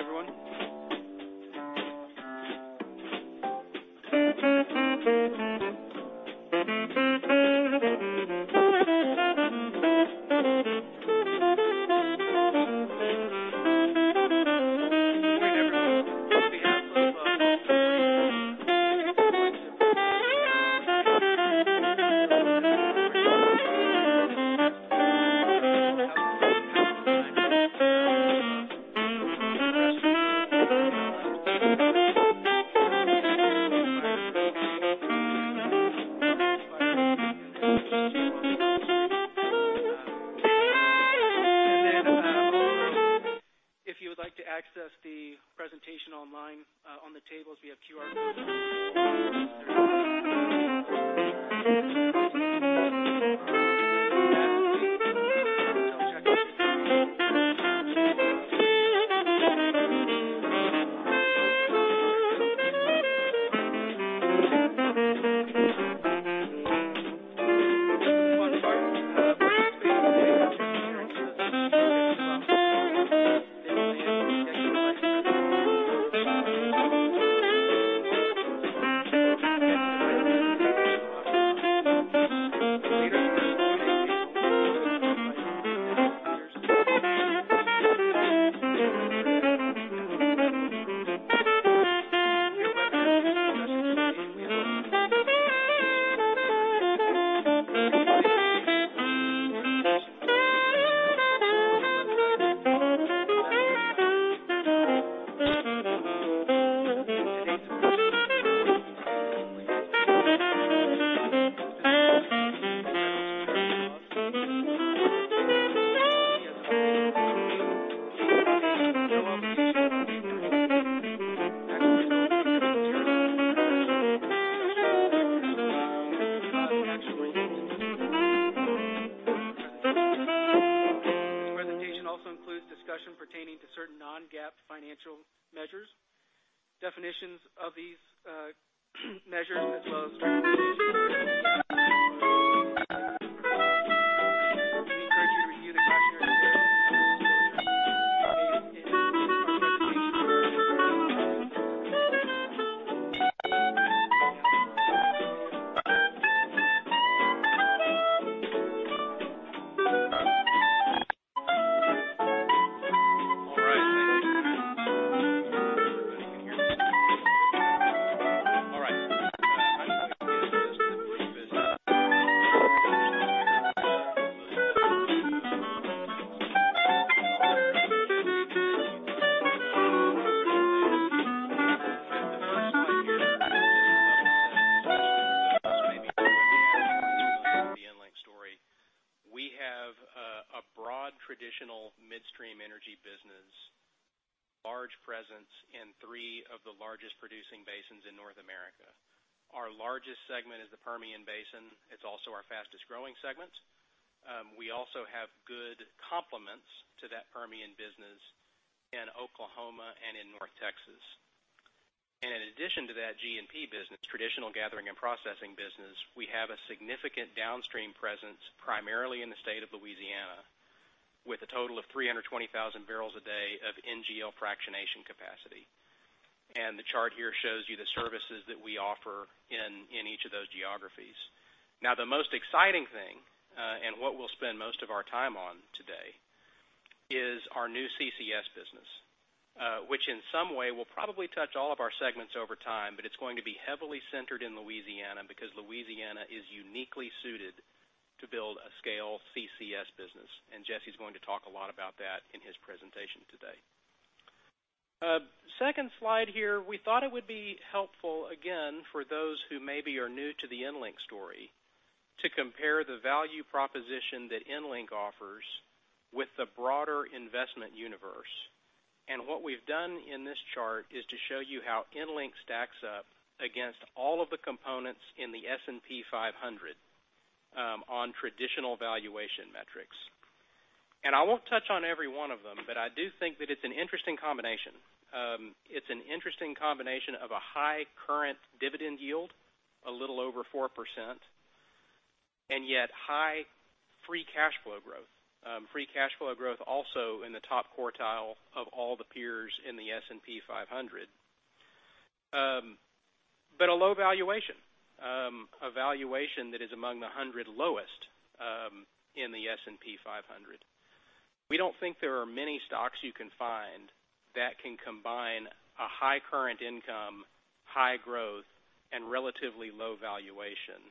Good morning, everyone. The chart here shows you the services that we offer in each of those geographies. The most exciting thing, and what we'll spend most of our time on today is our new CCS business, which in some way will probably touch all of our segments over time, but it's going to be heavily centered in Louisiana because Louisiana is uniquely suited to build a scale CCS business, and Jesse's going to talk a lot about that in his presentation today. Second slide here, we thought it would be helpful again for those who maybe are new to the EnLink story to compare the value proposition that EnLink offers with the broader investment universe. What we've done in this chart is to show you how EnLink stacks up against all of the components in the S&P 500 on traditional valuation metrics. I won't touch on every one of them, but I do think that it's an interesting combination. It's an interesting combination of a high current dividend yield, a little over 4%, and yet high free cash flow growth. Free cash flow growth also in the top quartile of all the peers in the S&P 500. But a low valuation. A valuation that is among the 100 lowest in the S&P 500. We don't think there are many stocks you can find that can combine a high current income, high growth, and relatively low valuation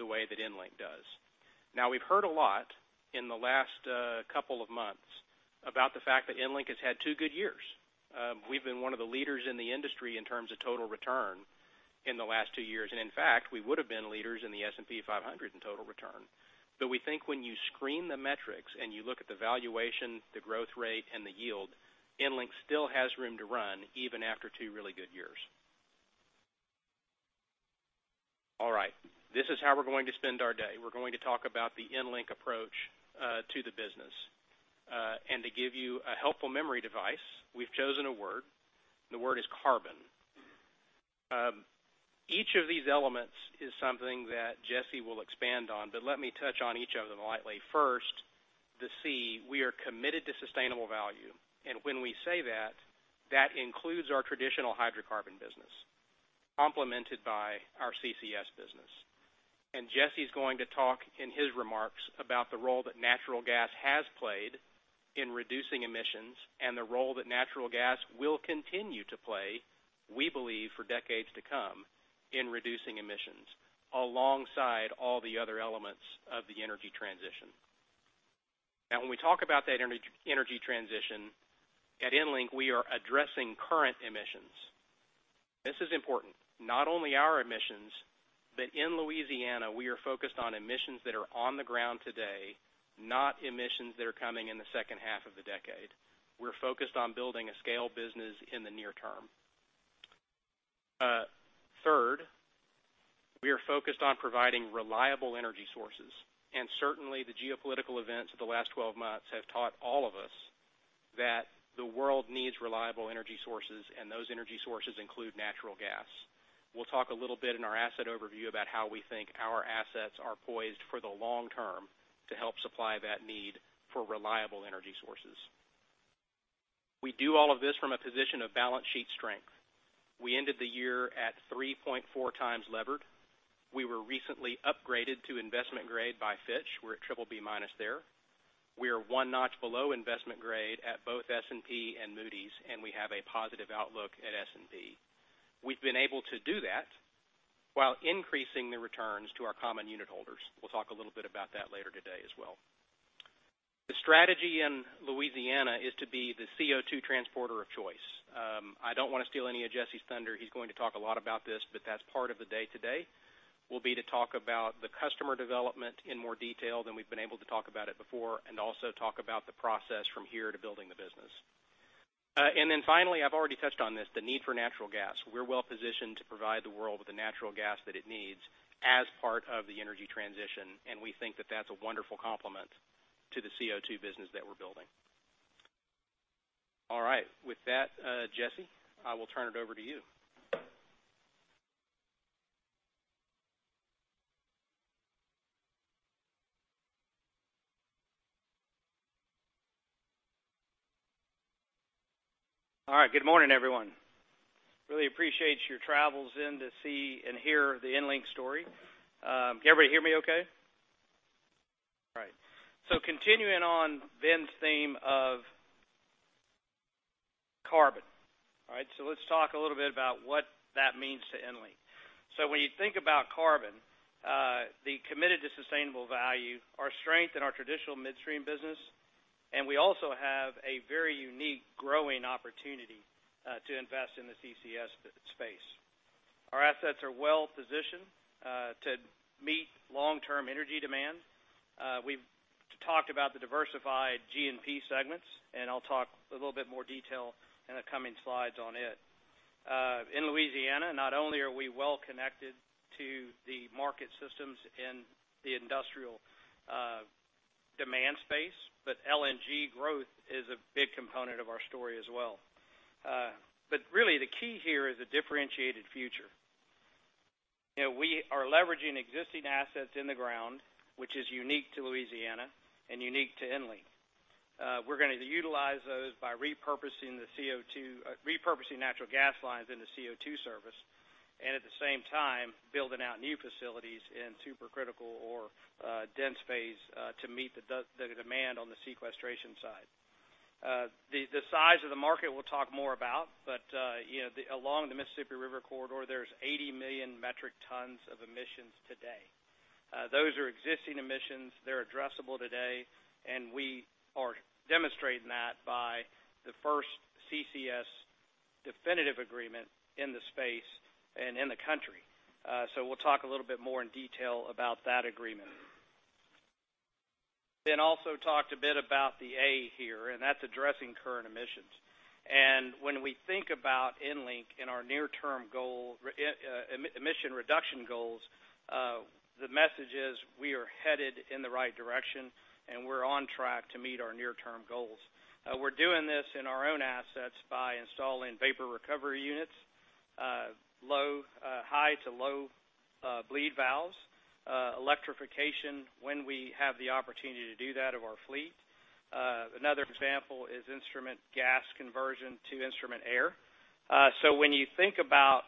the way that EnLink does. We've heard a lot in the last couple of months about the fact that EnLink has had two good years. We've been one of the leaders in the industry in terms of total return in the last two years. In fact, we would have been leaders in the S&P 500 in total return. We think when you screen the metrics and you look at the valuation, the growth rate and the yield, EnLink still has room to run even after two really good years. This is how we're going to spend our day. We're going to talk about the EnLink approach to the business. To give you a helpful memory device, we've chosen a word. The word is carbon. Each of these elements is something that Jesse will expand on, but let me touch on each of them lightly. First, the C, we are committed to sustainable value. When we say that includes our traditional hydrocarbon business complemented by our CCS business. Jesse's going to talk in his remarks about the role that natural gas has played in reducing emissions and the role that natural gas will continue to play, we believe, for decades to come in reducing emissions alongside all the other elements of the energy transition. Now when we talk about that energy transition, at EnLink, we are addressing current emissions. This is important. Not only our emissions, but in Louisiana, we are focused on emissions that are on the ground today, not emissions that are coming in the second half of the decade. We're focused on building a scale business in the near term. Third, we are focused on providing reliable energy sources. Certainly the geopolitical events of the last 12 months have taught all of us that the world needs reliable energy sources, and those energy sources include natural gas. We'll talk a little bit in our asset overview about how we think our assets are poised for the long term to help supply that need for reliable energy sources. We do all of this from a position of balance sheet strength. We ended the year at 3.4x levered. We were recently upgraded to investment grade by Fitch. We're at BBB- there. We are one notch below investment grade at both S&P and Moody's. We have a positive outlook at S&P. We've been able to do that while increasing the returns to our common unit holders. We'll talk a little bit about that later today as well. The strategy in Louisiana is to be the CO2 transporter of choice. I don't wanna steal any of Jesse's thunder. He's going to talk a lot about this. That's part of the day today, will be to talk about the customer development in more detail than we've been able to talk about it before and also talk about the process from here to building the business. Finally, I've already touched on this, the need for natural gas. We're well positioned to provide the world with the natural gas that it needs as part of the energy transition. We think that that's a wonderful complement to the CO2 business that we're building. All right. With that, Jesse, I will turn it over to you. All right. Good morning, everyone. Really appreciate your travels in to see and hear the EnLink story. Can everybody hear me okay? All right. Continuing on Ben's theme of carbon. All right? Let's talk a little bit about what that means to EnLink. When you think about carbon, the committed to sustainable value, our strength in our traditional midstream business, and we also have a very unique growing opportunity to invest in the CCS space. Our assets are well positioned to meet long-term energy demand. We've talked about the diversified G&P segments, and I'll talk a little bit more detail in the coming slides on it. In Louisiana, not only are we well connected to the market systems in the industrial demand space, but LNG growth is a big component of our story as well. Really the key here is a differentiated future. You know, we are leveraging existing assets in the ground, which is unique to Louisiana and unique to EnLink. We're gonna utilize those by repurposing natural gas lines into CO2 service, and at the same time, building out new facilities in supercritical or dense phase to meet the demand on the sequestration side. The size of the market, we'll talk more about, but, you know, along the Mississippi River Corridor, there's 80 million metric tons of emissions today. Those are existing emissions. They're addressable today, we are demonstrating that by the first CCS definitive agreement in the space and in the country. We'll talk a little bit more in detail about that agreement. Ben also talked a bit about the A here, and that's addressing current emissions. When we think about EnLink and our near-term emission reduction goals, the message is we are headed in the right direction, and we're on track to meet our near-term goals. We're doing this in our own assets by installing vapor recovery units, high to low bleed valves, electrification when we have the opportunity to do that of our fleet. Another example is instrument gas conversion to instrument air. When you think about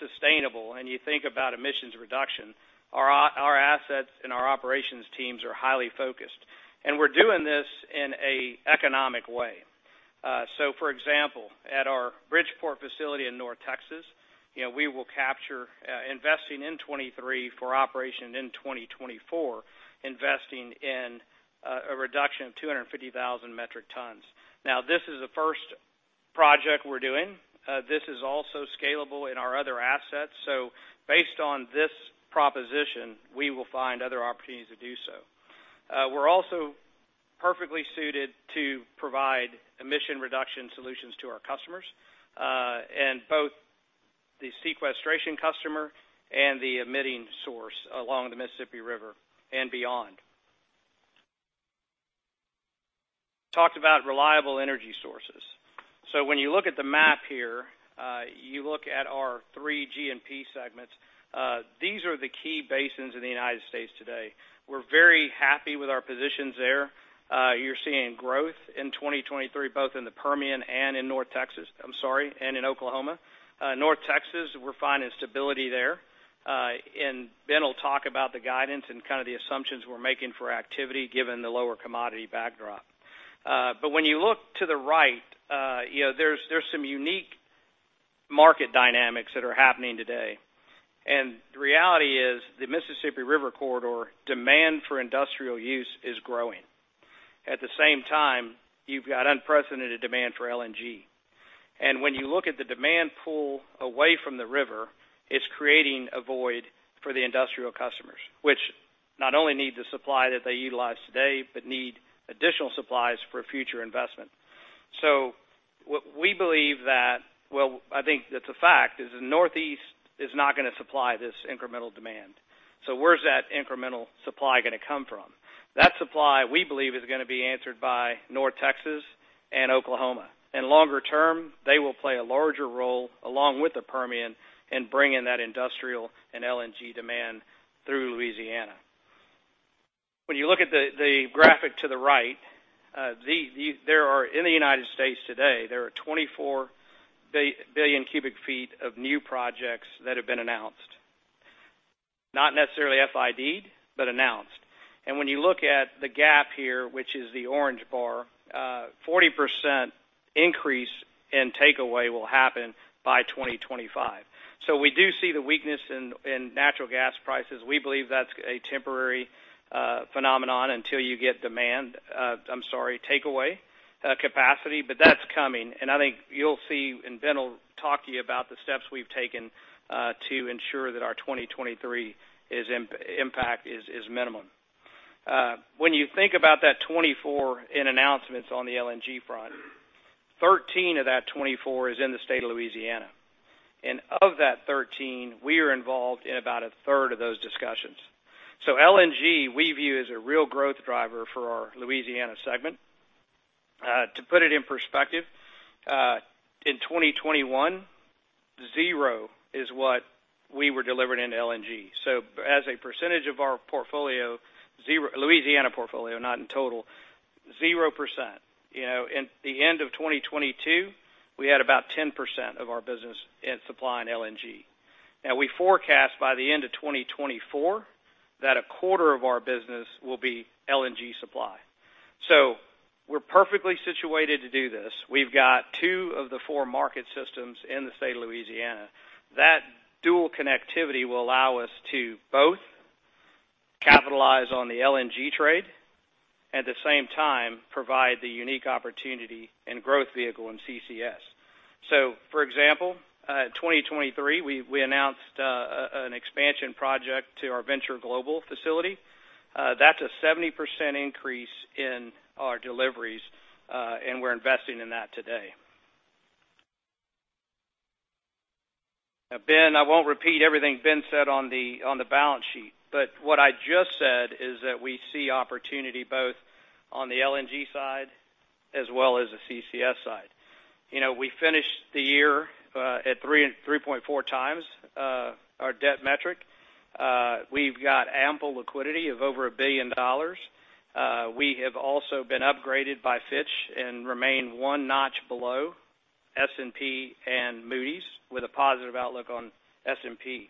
sustainable and you think about emissions reduction, our assets and our operations teams are highly focused, and we're doing this in a economic way. For example, at our Bridgeport facility in North Texas, you know, we will capture, investing in 23 for operation in 2024, investing in a reduction of 250,000 metric tons. This is the first project we're doing. This is also scalable in our other assets. Based on this proposition, we will find other opportunities to do so. We're also perfectly suited to provide emission reduction solutions to our customers, both the sequestration customer and the emitting source along the Mississippi River and beyond. Talked about reliable energy sources. When you look at the map here, you look at our three G&P segments, these are the key basins in the U.S. today. We're very happy with our positions there. You're seeing growth in 2023, both in the Permian and in North Texas-- I'm sorry, and in Oklahoma. North Texas, we're finding stability there. Ben will talk about the guidance and kind of the assumptions we're making for activity given the lower commodity backdrop. When you look to the right, you know, there's some unique market dynamics that are happening today. The reality is the Mississippi River Corridor demand for industrial use is growing. At the same time, you've got unprecedented demand for LNG. When you look at the demand pool away from the river, it's creating a void for the industrial customers, which not only need the supply that they utilize today, but need additional supplies for future investment. We believe I think that the fact is the Northeast is not going to supply this incremental demand. Where's that incremental supply going to come from? That supply, we believe, is going to be answered by North Texas and Oklahoma. Longer term, they will play a larger role along with the Permian in bringing that industrial and LNG demand through Louisiana. When you look at the graphic to the right, in the United States today, there are 24 billion cu ft of new projects that have been announced. Not necessarily FID, but announced. When you look at the gap here, which is the orange bar, 40% increase in takeaway will happen by 2025. We do see the weakness in natural gas prices. We believe that's a temporary phenomenon until you get demand. I'm sorry, takeaway capacity, that's coming. I think you'll see, and Ben will talk to you about the steps we've taken to ensure that our 2023's impact is minimum. When you think about that 24 in announcements on the LNG front, 13 of that 24 is in the state of Louisiana. Of that 13, we are involved in about a third of those discussions. LNG, we view as a real growth driver for our Louisiana segment. To put it in perspective, in 2021, zero is what we were delivering into LNG. As a percentage of our portfolio, Louisiana portfolio, not in total, 0%. You know, in the end of 2022, we had about 10% of our business in supplying LNG. We forecast by the end of 2024 that a quarter of our business will be LNG supply. We're perfectly situated to do this. We've got two of the four market systems in the state of Louisiana. That dual connectivity will allow us to both capitalize on the LNG trade, at the same time, provide the unique opportunity and growth vehicle in CCS. For example, in 2023, we announced an expansion project to our Venture Global facility. That's a 70% increase in our deliveries, and we're investing in that today. Ben, I won't repeat everything Ben said on the balance sheet, but what I just said is that we see opportunity both on the LNG side as well as the CCS side. You know, we finished the year at 3.4x our debt metric. We've got ample liquidity of over $1 billion. We have also been upgraded by Fitch and remain one notch below S&P and Moody's with a positive outlook on S&P.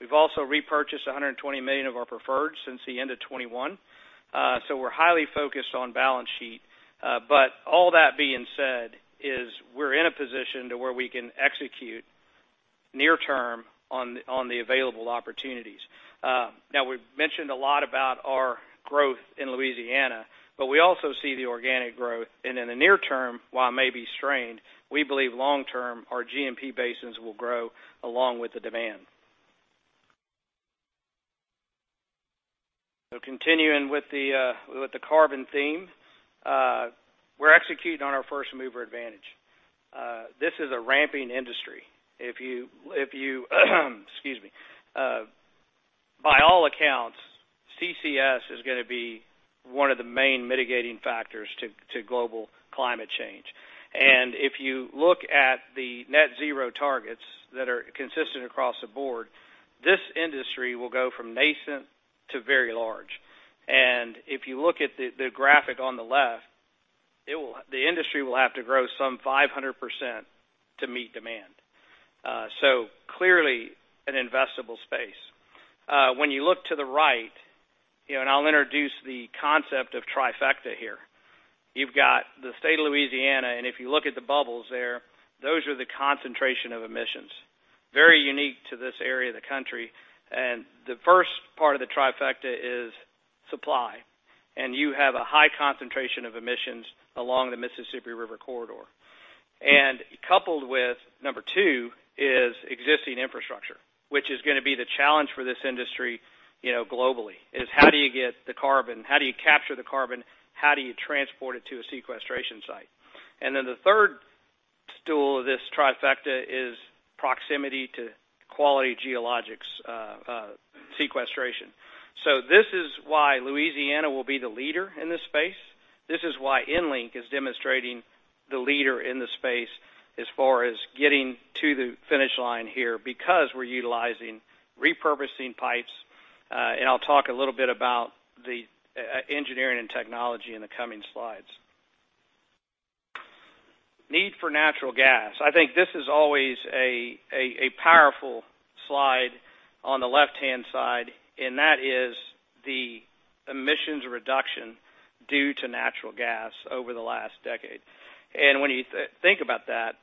We've also repurchased $120 million of our preferred since the end of 2021. We're highly focused on balance sheet. All that being said is we're in a position to where we can execute near term on the available opportunities. Now we've mentioned a lot about our growth in Louisiana, we also see the organic growth. In the near term, while it may be strained, we believe long term, our G&P basins will grow along with the demand. Continuing with the carbon theme, we're executing on our first-mover advantage. This is a ramping industry. If you, excuse me, by all accounts, CCS is gonna be one of the main mitigating factors to global climate change. If you look at the net zero targets that are consistent across the board, this industry will go from nascent to very large. If you look at the graphic on the left, the industry will have to grow some 500% to meet demand. Clearly an investable space. When you look to the right, you know, I'll introduce the concept of trifecta here. You've got the state of Louisiana, and if you look at the bubbles there, those are the concentration of emissions, very unique to this area of the country. The first part of the trifecta is supply, and you have a high concentration of emissions along the Mississippi River Corridor. Coupled with number two is existing infrastructure, which is going to be the challenge for this industry, you know, globally, is how do you get the carbon? How do you capture the carbon? How do you transport it to a sequestration site? Then the third stool of this trifecta is proximity to quality geologic sequestration. This is why Louisiana will be the leader in this space. This is why EnLink is demonstrating the leader in the space as far as getting to the finish line here because we're utilizing repurposing pipes, and I'll talk a little bit about the engineering and technology in the coming slides. Need for natural gas. I think this is always a powerful slide on the left-hand side, that is the emissions reduction due to natural gas over the last decade. When you think about that,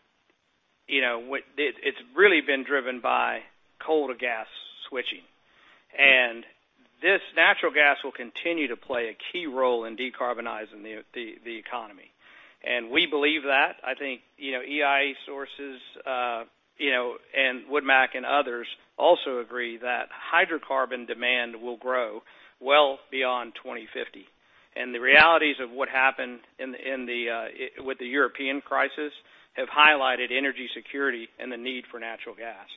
you know, it's really been driven by coal to gas switching. This natural gas will continue to play a key role in decarbonizing the economy. We believe that. I think, you know, EIA sources, you know, and WoodMac and others also agree that hydrocarbon demand will grow well beyond 2050. The realities of what happened in the with the European crisis have highlighted energy security and the need for natural gas.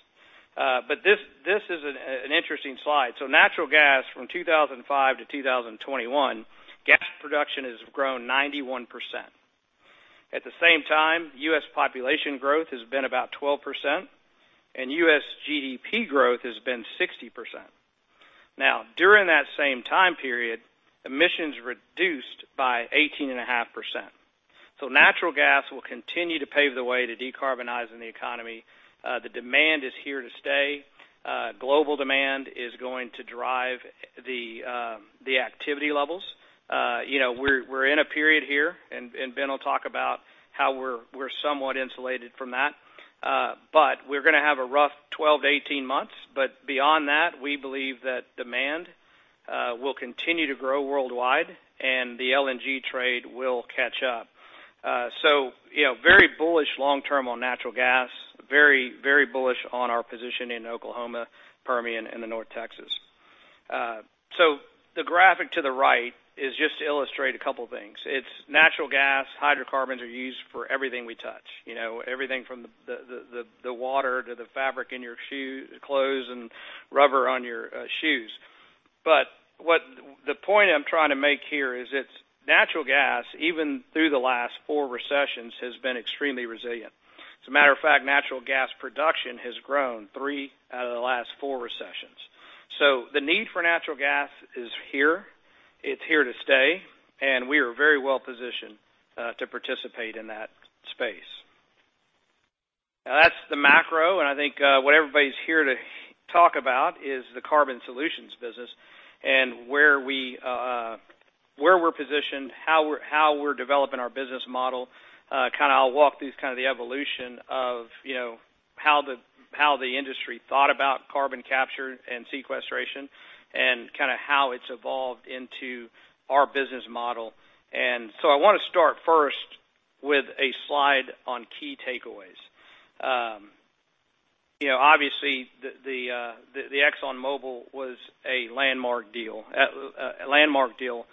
This is an interesting slide. Natural gas from 2005 to 2021, gas production has grown 91%. At the same time, U.S. population growth has been about 12%. U.S. GDP growth has been 60%. During that same time period, emissions reduced by 18.5%. Natural gas will continue to pave the way to decarbonizing the economy. The demand is here to stay. Global demand is going to drive the activity levels. You know, we're in a period here, and Ben will talk about how we're somewhat insulated from that. We're gonna have a rough 12-18 months. Beyond that, we believe that demand will continue to grow worldwide, and the LNG trade will catch up. You know, very bullish long term on natural gas, very bullish on our position in Oklahoma, Permian, and North Texas. The graphic to the right is just to illustrate a couple things. It's natural gas, hydrocarbons are used for everything we touch. You know, everything from the water to the fabric in your clothes and rubber on your shoes. The point I'm trying to make here is its natural gas, even through the last four recessions, has been extremely resilient. As a matter of fact, natural gas production has grown three out of the last four recessions. The need for natural gas is here, it's here to stay, and we are very well positioned to participate in that space. That's the macro, and I think what everybody's here to talk about is the carbon solutions business and where we, where we're positioned, how we're developing our business model. Kind of I'll walk through kind of the evolution of, you know, how the industry thought about carbon capture and sequestration and kind of how it's evolved into our business model. I want to start first with a slide on key takeaways. You know, obviously the ExxonMobil was a landmark deal. A landmark deal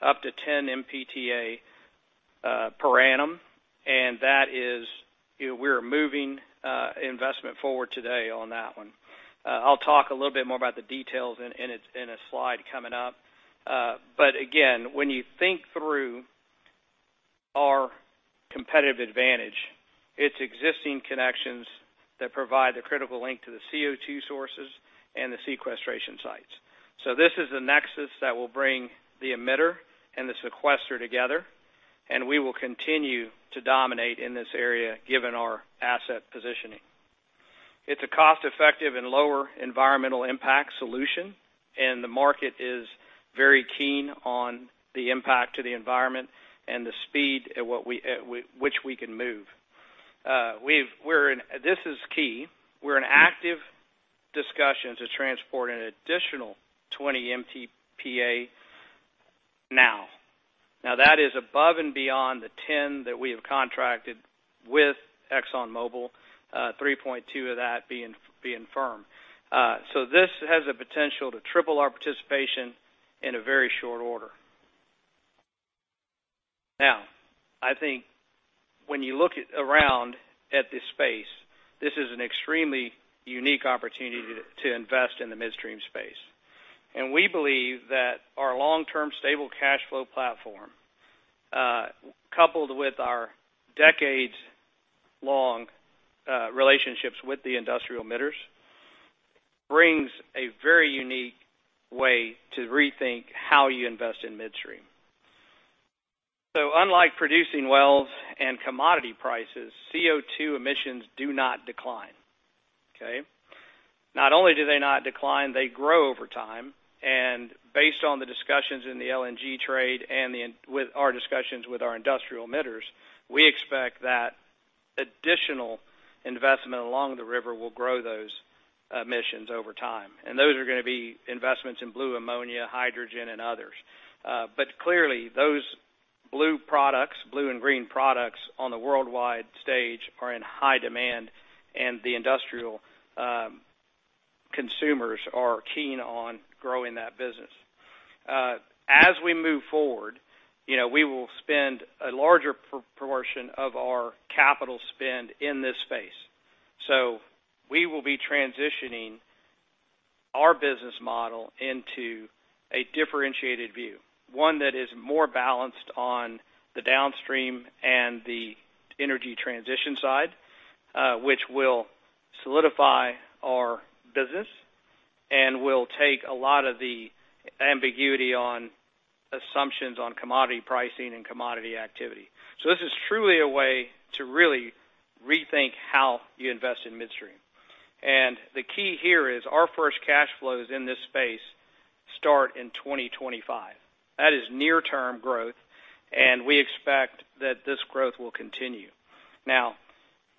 up to 10 Mtpa per annum, and that is, you know, we're moving investment forward today on that one. I'll talk a little bit more about the details in a slide coming up. Again, when you think through our competitive advantage, it's existing connections that provide the critical link to the CO2 sources and the sequestration sites. This is a nexus that will bring the emitter and the sequester together, and we will continue to dominate in this area given our asset positioning. It's a cost-effective and lower environmental impact solution. The market is very keen on the impact to the environment and the speed at what we, which we can move. This is key. We're in active discussions to transport an additional 20 Mtpa now. That is above and beyond the 10 that we have contracted with ExxonMobil, 3.2 of that being firm. This has the potential to triple our participation in a very short order. I think when you look around at this space, this is an extremely unique opportunity to invest in the midstream space. We believe that our long-term stable cash flow platform, coupled with our decades-long relationships with the industrial emitters, brings a very unique way to rethink how you invest in midstream. Unlike producing wells and commodity prices, CO2 emissions do not decline, okay? Not only do they not decline, they grow over time. Based on the discussions in the LNG trade with our discussions with our industrial emitters, we expect that additional investment along the river will grow those emissions over time. Those are gonna be investments in blue ammonia, hydrogen, and others. Clearly, those blue products, blue and green products on the worldwide stage are in high demand, and the industrial consumers are keen on growing that business. As we move forward, you know, we will spend a larger proportion of our capital spend in this space. We will be transitioning our business model into a differentiated view, one that is more balanced on the downstream and the energy transition side, which will solidify our business and will take a lot of the ambiguity on assumptions on commodity pricing and commodity activity. This is truly a way to really rethink how you invest in midstream. The key here is our first cash flows in this space start in 2025. That is near term growth, and we expect that this growth will continue.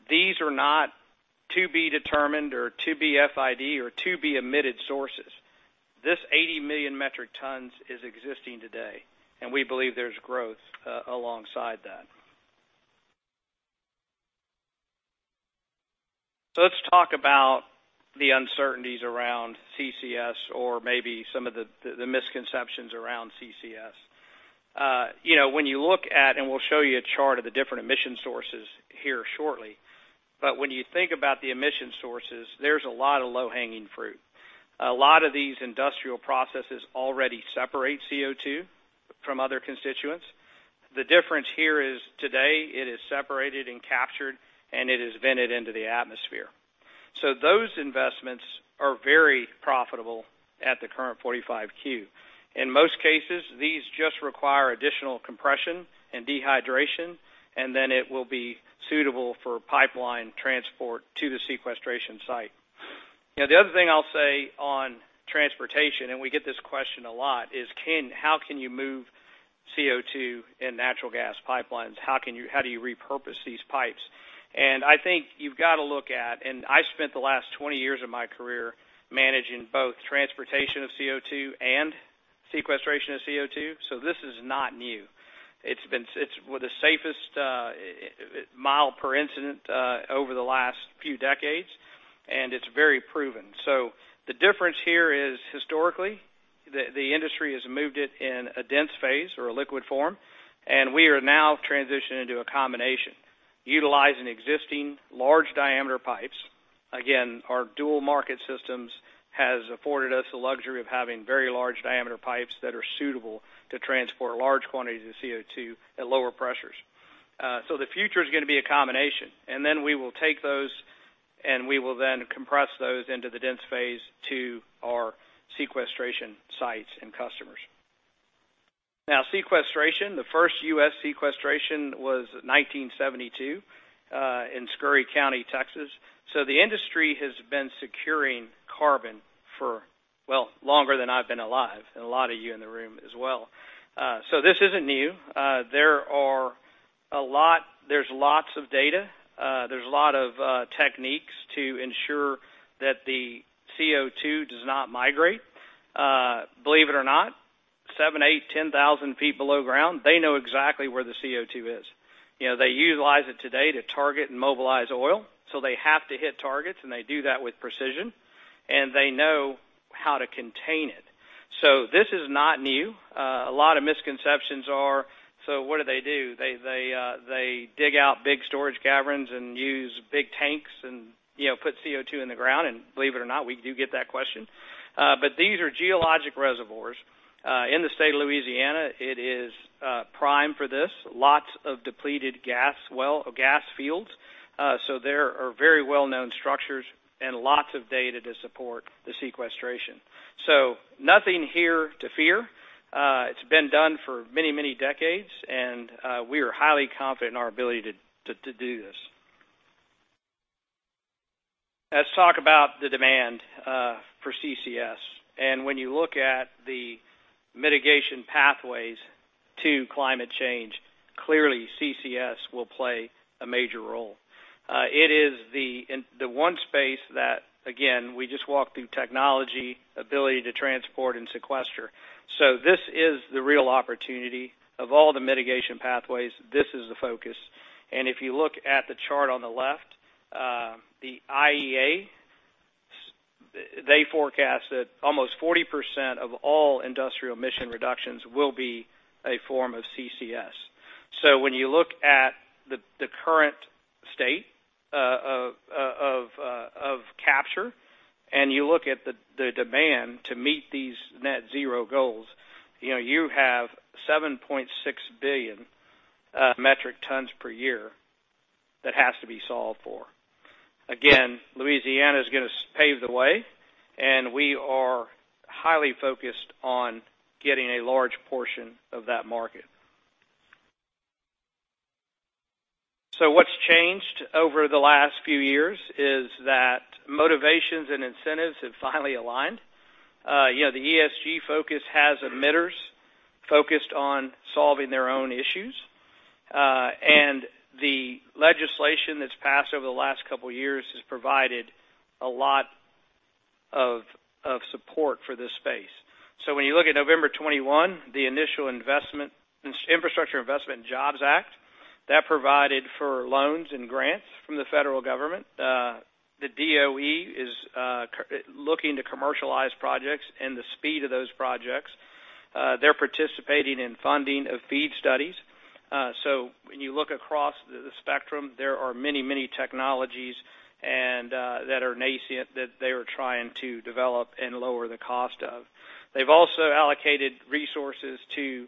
These are not to be determined or to be FID or to be emitted sources. This 80 million metric tons is existing today, and we believe there's growth alongside that. Let's talk about the uncertainties around CCS or maybe some of the misconceptions around CCS. You know, when you look at, we'll show you a chart of the different emission sources here shortly, when you think about the emission sources, there's a lot of low-hanging fruit. A lot of these industrial processes already separate CO2 from other constituents. The difference here is today it is separated and captured, and it is vented into the atmosphere. Those investments are very profitable at the current 45Q. In most cases, these just require additional compression and dehydration, then it will be suitable for pipeline transport to the sequestration site. You know, the other thing I'll say on transportation, we get this question a lot, is how can you move CO2 in natural gas pipelines? How do you repurpose these pipes? I think you've got to look at, and I spent the last 20 years of my career managing both transportation of CO2 and sequestration of CO2. This is not new. It's one of the safest, mile per incident, over the last few decades, and it's very proven. The difference here is historically, the industry has moved it in a dense phase or a liquid form, and we are now transitioning to a combination, utilizing existing large diameter pipes. Again, our dual market systems has afforded us the luxury of having very large diameter pipes that are suitable to transport large quantities of CO2 at lower pressures. The future is gonna be a combination, we will take those, and we will then compress those into the dense phase to our sequestration sites and customers. Sequestration, the first U.S. sequestration was 1972, in Scurry County, Texas. The industry has been securing carbon for, well, longer than I've been alive, and a lot of you in the room as well. This isn't new. There's lots of data. There's a lot of techniques to ensure that the CO2 does not migrate. Believe it or not, seven, eight, 10,000 ft below ground, they know exactly where the CO2 is. You know, they utilize it today to target and mobilize oil, so they have to hit targets, and they do that with precision, and they know how to contain it. This is not new. A lot of misconceptions are, "So what do they do? They dig out big storage caverns and use big tanks and, you know, put CO2 in the ground? Believe it or not, we do get that question. These are geologic reservoirs. In the state of Louisiana, it is prime for this. Lots of depleted gas well or gas fields. There are very well-known structures and lots of data to support the sequestration. Nothing here to fear. It's been done for many decades, and we are highly confident in our ability to do this. Let's talk about the demand for CCS. When you look at the mitigation pathways to climate change, clearly CCS will play a major role. It is in the one space that, again, we just walked through technology, ability to transport and sequester. This is the real opportunity. Of all the mitigation pathways, this is the focus. If you look at the chart on the left, the IEA, they forecast that almost 40% of all industrial emission reductions will be a form of CCS. When you look at the current state of capture, and you look at the demand to meet these net zero goals, you know, you have 7.6 billion metric tons per year that has to be solved for. Again, Louisiana is gonna pave the way, and we are highly focused on getting a large portion of that market. What's changed over the last few years is that motivations and incentives have finally aligned. You know, the ESG focus has emitters focused on solving their own issues, and the legislation that's passed over the last couple of years has provided a lot of support for this space. When you look at November 2021, the initial Infrastructure Investment and Jobs Act. That provided for loans and grants from the federal government. The DOE is looking to commercialize projects and the speed of those projects. They're participating in funding of FEED studies. When you look across the spectrum, there are many, many technologies and that are nascent that they are trying to develop and lower the cost of. They've also allocated resources to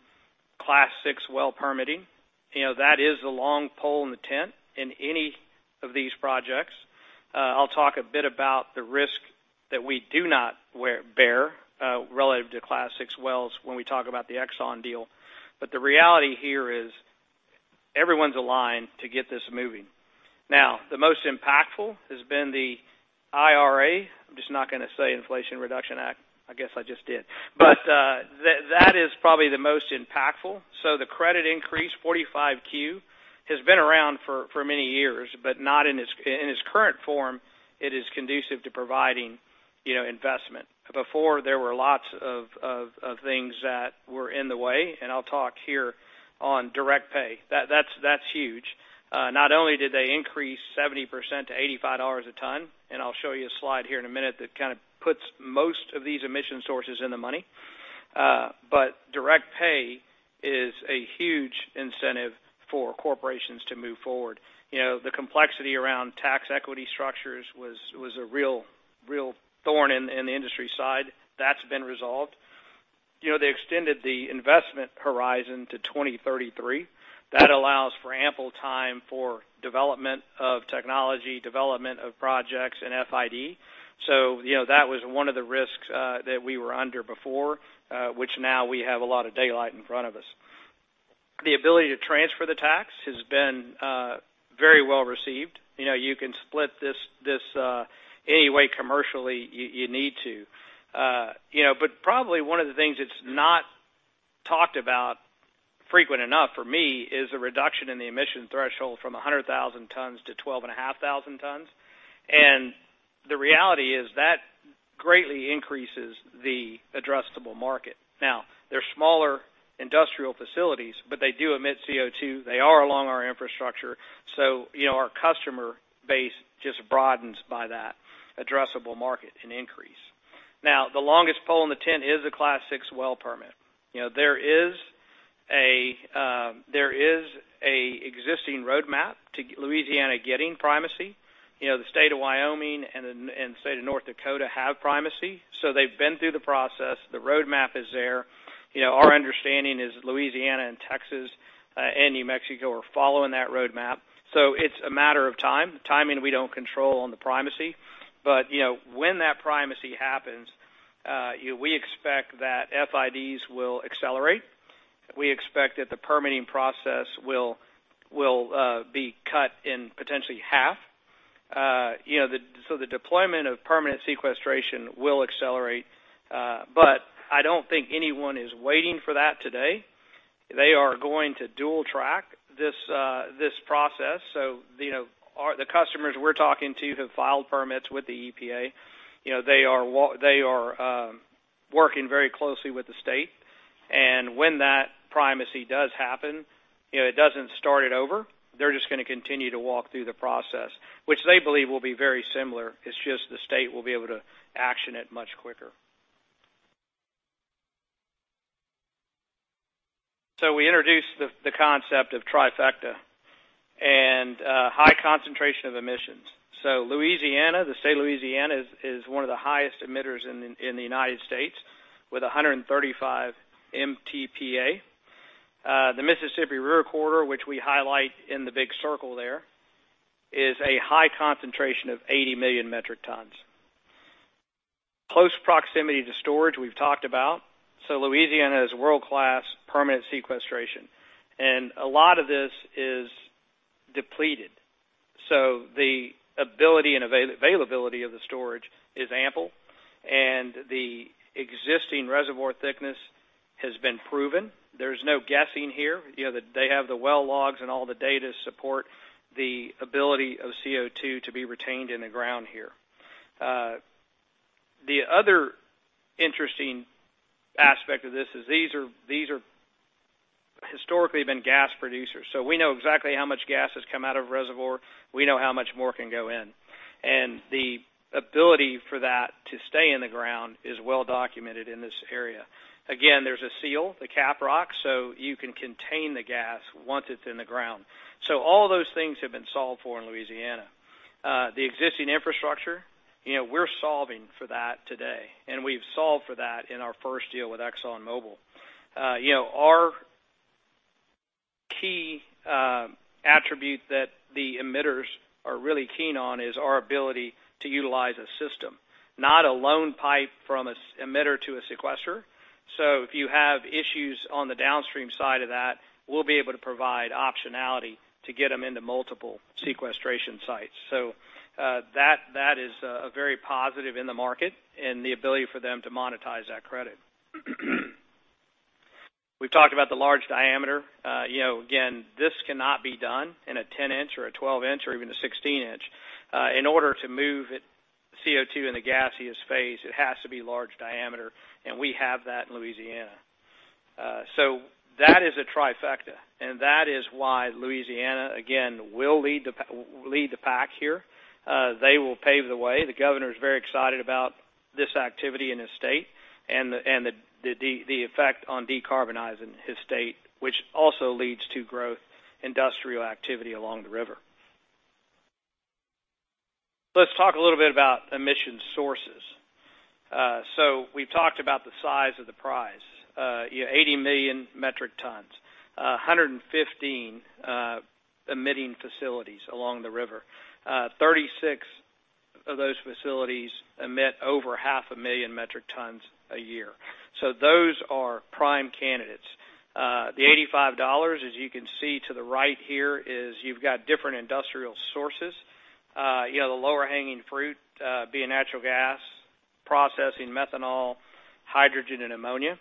Class VI well permitting. You know, that is the long pole in the tent in any of these projects. I'll talk a bit about the risk that we do not bear relative to Class VI wells when we talk about the Exxon deal. The reality here is everyone's aligned to get this moving. Now, the most impactful has been the IRA. I'm just not gonna say Inflation Reduction Act. I guess I just did. That is probably the most impactful. The credit increase, 45Q, has been around for many years, but not in its current form, it is conducive to providing, you know, investment. Before, there were lots of things that were in the way, and I'll talk here on direct pay. That's, that's huge. Not only did they increase 70% to $85 a ton, I'll show you a slide here in a minute that kind of puts most of these emission sources in the money, but direct pay is a huge incentive for corporations to move forward. You know, the complexity around tax equity structures was a real thorn in the industry side. That's been resolved. You know, they extended the investment horizon to 2033. That allows for ample time for development of technology, development of projects, and FID. You know, that was one of the risks that we were under before, which now we have a lot of daylight in front of us. The ability to transfer the tax has been very well received. You know, you can split this any way commercially you need to. You know, but probably one of the things that's not talked about frequent enough for me is the reduction in the emission threshold from 100,000 tons-12,500 tons. The reality is that greatly increases the addressable market. They're smaller industrial facilities, but they do emit CO2. They are along our infrastructure. You know, our customer base just broadens by that addressable market and increase. The longest pole in the tent is the Class VI well permit. You know, there is a existing roadmap to Louisiana getting primacy. You know, the state of Wyoming and state of North Dakota have primacy. They've been through the process. The roadmap is there. You know, our understanding is Louisiana and Texas and New Mexico are following that roadmap. It's a matter of time. The timing we don't control on the primacy. You know, when that primacy happens, we expect that FIDs will accelerate. We expect that the permitting process will be cut in potentially half. You know, the deployment of permanent sequestration will accelerate. I don't think anyone is waiting for that today. They are going to dual track this process. You know, the customers we're talking to have filed permits with the EPA. You know, they are working very closely with the state. When that primacy does happen, you know, it doesn't start it over. They're just gonna continue to walk through the process, which they believe will be very similar. It's just the state will be able to action it much quicker. We introduced the concept of trifecta and high concentration of emissions. Louisiana, the state of Louisiana is one of the highest emitters in the United States with 135 Mtpa. The Mississippi River Corridor, which we highlight in the big circle there, is a high concentration of 80 million metric tons. Close proximity to storage, we've talked about. Louisiana has world-class permanent sequestration, and a lot of this is depleted. The ability and availability of the storage is ample, and the existing reservoir thickness has been proven. There's no guessing here. You know, they have the well logs and all the data to support the ability of CO2 to be retained in the ground here. The other interesting aspect of this is these are historically been gas producers. We know exactly how much gas has come out of a reservoir. We know how much more can go in. The ability for that to stay in the ground is well documented in this area. Again, there's a seal, the cap rock, so you can contain the gas once it's in the ground. All those things have been solved for in Louisiana. The existing infrastructure, you know, we're solving for that today, and we've solved for that in our first deal with ExxonMobil. You know, our key attribute that the emitters are really keen on is our ability to utilize a system, not a lone pipe from its emitter to a sequester. If you have issues on the downstream side of that, we'll be able to provide optionality to get them into multiple sequestration sites. That is a very positive in the market and the ability for them to monetize that credit. We've talked about the large diameter. You know, again, this cannot be done in a 10 in or a 12 in or even a 16 in. In order to move CO2 in the gaseous phase, it has to be large diameter, and we have that in Louisiana. That is a trifecta, and that is why Louisiana, again, will lead the pack here. They will pave the way. The governor is very excited about this activity in his state and the effect on decarbonizing his state, which also leads to growth industrial activity along the river. Let's talk a little bit about emission sources. We've talked about the size of the prize, you know, 80 million metric tons, 115 emitting facilities along the river. 36 of those facilities emit over half a million metric tons a year. Those are prime candidates. The $85, as you can see to the right here, is you've got different industrial sources. You have the lower-hanging fruit, be it natural gas, processing methanol, hydrogen, and ammonia.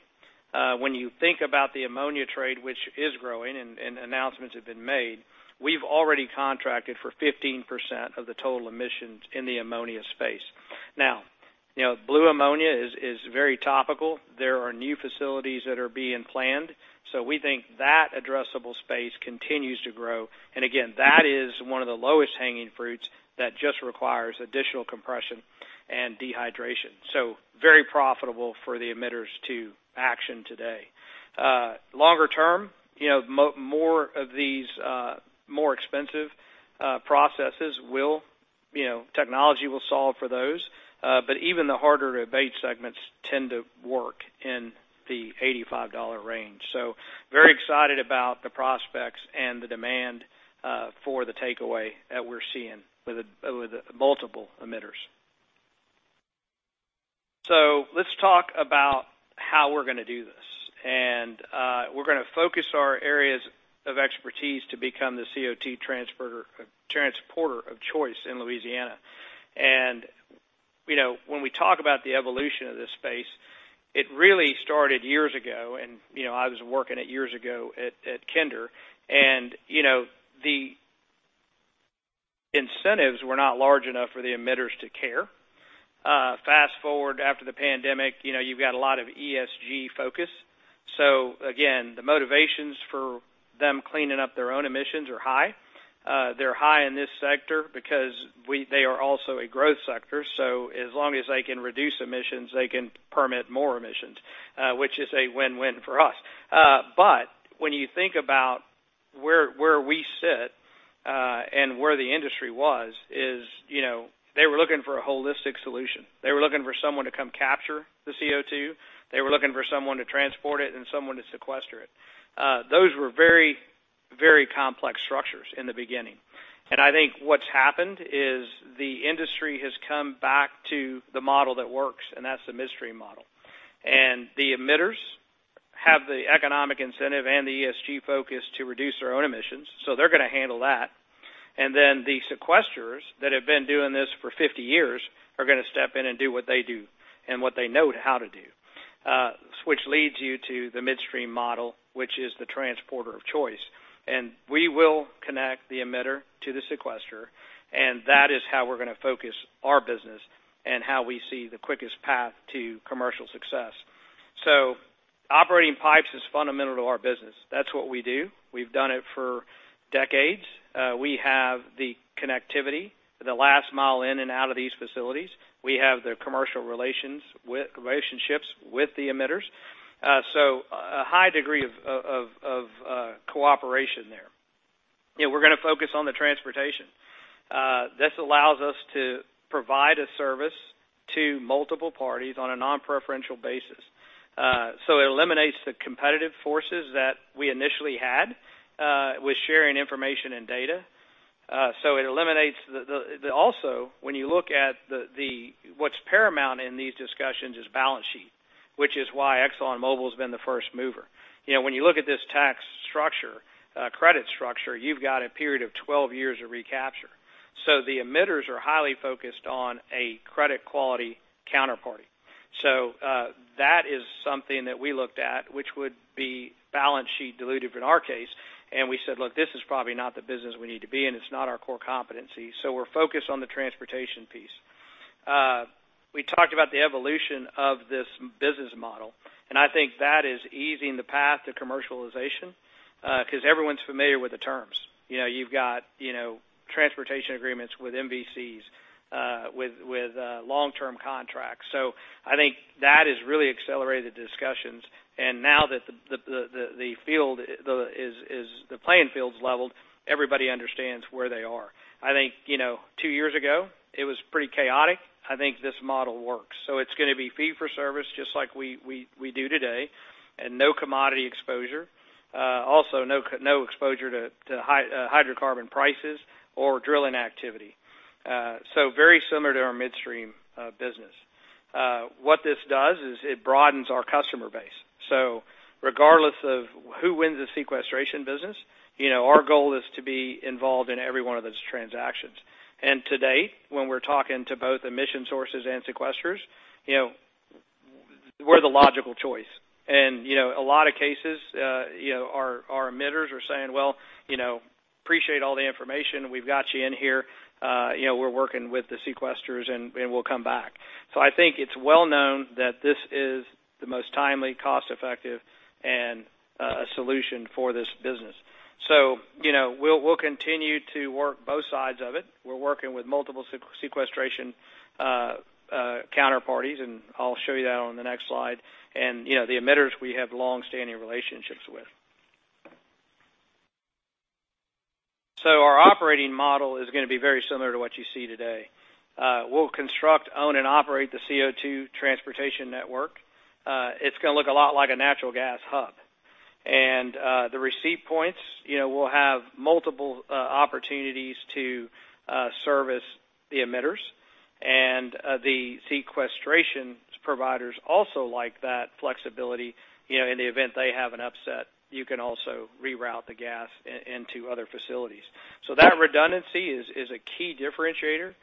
When you think about the ammonia trade, which is growing and announcements have been made, we've already contracted for 15% of the total emissions in the ammonia space. You know, blue ammonia is very topical. There are new facilities that are being planned, we think that addressable space continues to grow. Again, that is one of the lowest hanging fruits that just requires additional compression and dehydration. Very profitable for the emitters to action today. Longer term, you know, more of these, more expensive, processes will, you know, technology will solve for those. Even the harder to abate segments tend to work in the $85 range. Very excited about the prospects and the demand for the takeaway that we're seeing with the multiple emitters. Let's talk about how we're gonna do this. We're gonna focus our areas of expertise to become the CO2 transporter of choice in Louisiana. You know, when we talk about the evolution of this space, it really started years ago, and, you know, I was working it years ago at Kinder. You know, the incentives were not large enough for the emitters to care. Fast-forward after the pandemic, you know, you've got a lot of ESG focus. Again, the motivations for them cleaning up their own emissions are high. They're high in this sector because they are also a growth sector. As long as they can reduce emissions, they can permit more emissions, which is a win-win for us. When you think about where we sit, and where the industry was, is, you know, they were looking for a holistic solution. They were looking for someone to come capture the CO2. They were looking for someone to transport it and someone to sequester it. Those were very, very complex structures in the beginning. I think what's happened is the industry has come back to the model that works, and that's the midstreammodel. The emitters have the economic incentive and the ESG focus to reduce their own emissions, so they're gonna handle that. Then the sequesters that have been doing this for 50 years are gonna step in and do what they do and what they know how to do. Which leads you to the midstream model, which is the transporter of choice. We will connect the emitter to the sequester, and that is how we're gonna focus our business and how we see the quickest path to commercial success. Operating pipes is fundamental to our business. That's what we do. We've done it for decades. We have the connectivity, the last mile in and out of these facilities. We have the commercial relationships with the emitters. A high degree of cooperation there. You know, we're gonna focus on the transportation. This allows us to provide a service to multiple parties on a non-preferential basis. It eliminates the competitive forces that we initially had with sharing information and data. It eliminates also, when you look at what's paramount in these discussions is balance sheet, which is why ExxonMobil's been the first mover. You know, when you look at this tax structure, credit structure, you've got a period of 12 years of recapture. The emitters are highly focused on a credit quality counterparty. That is something that we looked at, which would be balance sheet diluted in our case. We said, "Look, this is probably not the business we need to be in. It's not our core competency." We're focused on the transportation piece. We talked about the evolution of this business model, and I think that is easing the path to commercialization, 'cause everyone's familiar with the terms. You know, you've got, you know, transportation agreements with MVCs, with long-term contracts. I think that has really accelerated the discussions. Now that the field is the playing field's leveled, everybody understands where they are. I think, you know, two years ago, it was pretty chaotic. I think this model works. It's gonna be fee for service, just like we do today, and no commodity exposure. Also no exposure to hydrocarbon prices or drilling activity. Very similar to our midstream business. What this does is it broadens our customer base. Regardless of who wins the sequestration business, you know, our goal is to be involved in every one of those transactions. To date, when we're talking to both emission sources and sequesters, you know, we're the logical choice. You know, a lot of cases, you know, our emitters are saying, "Well, you know, appreciate all the information. We've got you in here. You know, we're working with the sequesters and we'll come back." I think it's well known that this is the most timely, cost-effective, and solution for this business. You know, we'll continue to work both sides of it. We're working with multiple sequestration counterparties. I'll show you that on the next slide, you know, the emitters we have longstanding relationships with. Our operating model is gonna be very similar to what you see today. We'll construct, own, and operate the CO2 transportation network. It's gonna look a lot like a natural gas hub. The receive points, you know, will have multiple opportunities to service the emitters and the sequestration providers also like that flexibility. You know, in the event they have an upset, you can also reroute the gas into other facilities. That redundancy is a key differentiator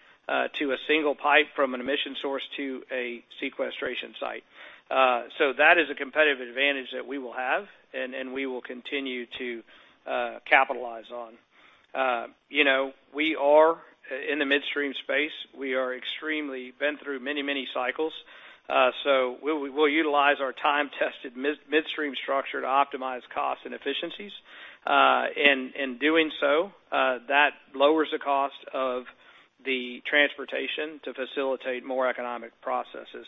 to a single pipe from an emission source to a sequestration site. That is a competitive advantage that we will have and we will continue to capitalize on. You know, we are in the midstream space. We are extremely been through many, many cycles. We will utilize our time-tested midstream structure to optimize costs and efficiencies. In doing so, that lowers the cost of the transportation to facilitate more economic processes.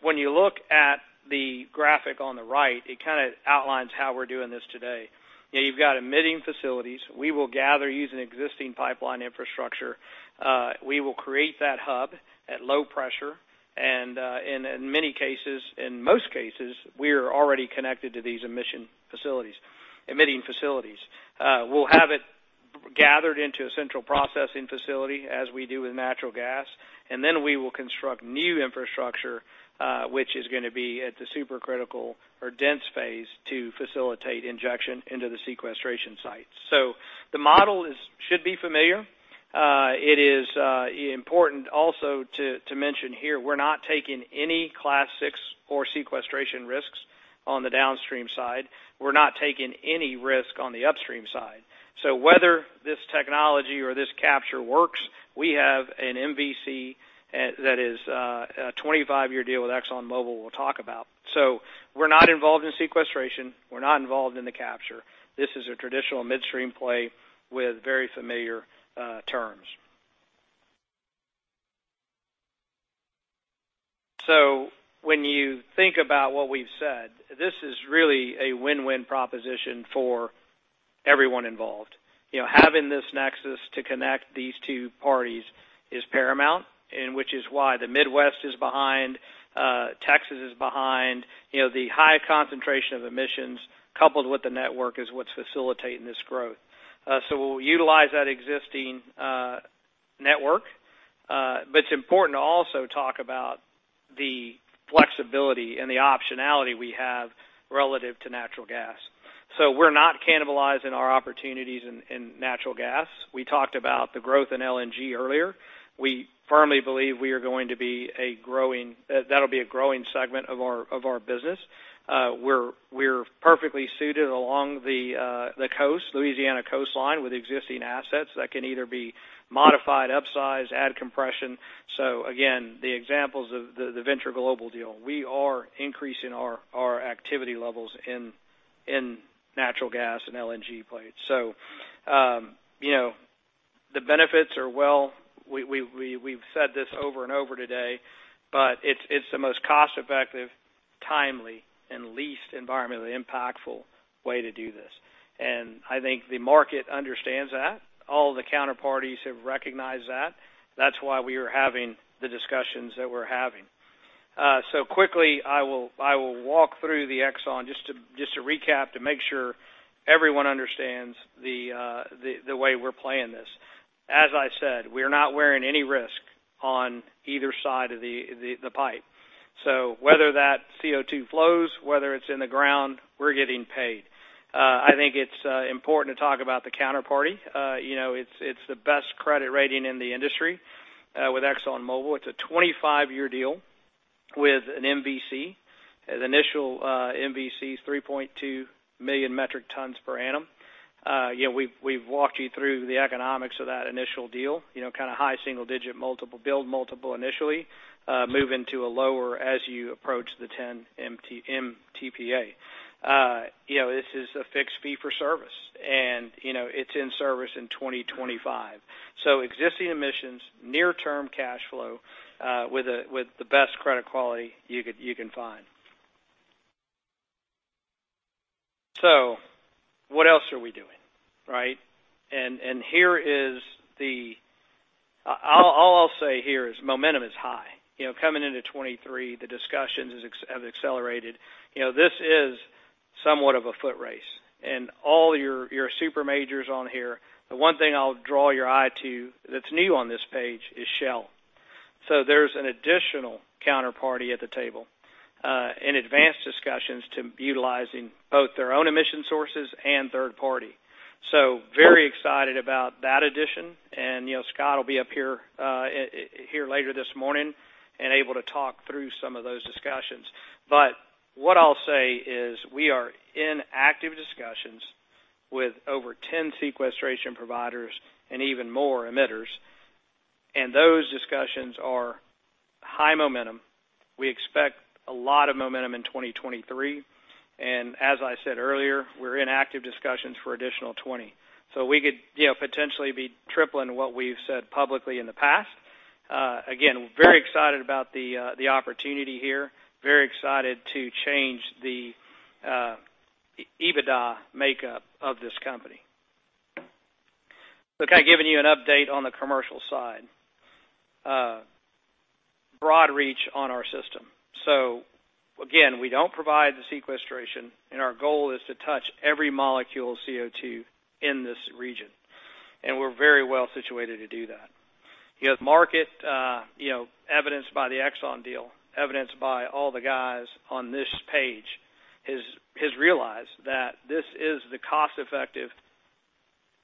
When you look at the graphic on the right, it kind of outlines how we're doing this today. You know, you've got emitting facilities. We will gather using existing pipeline infrastructure. We will create that hub at low pressure, and in many cases, in most cases, we're already connected to these emitting facilities. We'll have it gathered into a central processing facility as we do with natural gas, and then we will construct new infrastructure, which is gonna be at the supercritical or dense phase to facilitate injection into the sequestration site. The model should be familiar. It is important also to mention here we're not taking any Class VI or sequestration risks on the downstream side. We're not taking any risk on the upstream side. Whether this technology or this capture works, we have an MVC that is a 25-year deal with ExxonMobil we'll talk about. We're not involved in sequestration. We're not involved in the capture. This is a traditional midstream play with very familiar terms. When you think about what we've said, this is really a win-win proposition for everyone involved. You know, having this nexus to connect these two parties is paramount, and which is why the Midwest is behind, Texas is behind. You know, the high concentration of emissions coupled with the network is what's facilitating this growth. We'll utilize that existing network, but it's important to also talk about the flexibility and the optionality we have relative to natural gas. We're not cannibalizing our opportunities in natural gas. We talked about the growth in LNG earlier. We firmly believe that'll be a growing segment of our business. We're perfectly suited along the coast, Louisiana coastline with existing assets that can either be modified, upsized, add compression. Again, the examples of the Venture Global deal. We are increasing our activity levels in natural gas and LNG plates. You know, the benefits are, well, we've said this over and over today, but it's the most cost-effective, timely, and least environmentally impactful way to do this. I think the market understands that. All the counterparties have recognized that. That's why we are having the discussions that we're having. Quickly, I will walk through the Exxon just to recap to make sure everyone understands the way we're playing this. As I said, we are not wearing any risk on either side of the pipe. Whether that CO2 flows, whether it's in the ground, we're getting paid. I think it's important to talk about the counterparty. You know, it's the best credit rating in the industry with ExxonMobil. It's a 25-year deal with an MVC. The initial MVC's 3.2 million metric tons per annum. you know, we've walked you through the economics of that initial deal, you know, kind of high single digit multiple initially, move into a lower as you approach the 10 Mtpa. you know, this is a fixed fee for service, you know, it's in service in 2025. existing emissions, near term cash flow, with the best credit quality you can find. What else are we doing, right? All I'll say here is momentum is high. You know, coming into 23, the discussions have accelerated. You know, this is somewhat of a foot race, all your super majors on here. The one thing I'll draw your eye to that's new on this page is Shell. There's an additional counterparty at the table, in advanced discussions to utilizing both their own emission sources and third party. Very excited about that addition. You know, Scott will be up here later this morning and able to talk through some of those discussions. What I'll say is we are in active discussions with over 10 sequestration providers and even more emitters, and those discussions are high momentum. We expect a lot of momentum in 2023. As I said earlier, we're in active discussions for additional 20. We could, you know, potentially be tripling what we've said publicly in the past. Again, very excited about the opportunity here, very excited to change the EBITDA makeup of this company. I've given you an update on the commercial side. Broad reach on our system. Again, we don't provide the sequestration, our goal is to touch every molecule of CO2 in this region, and we're very well situated to do that. The market, you know, evidenced by the Exxon deal, evidenced by all the guys on this page, has realized that this is the cost effective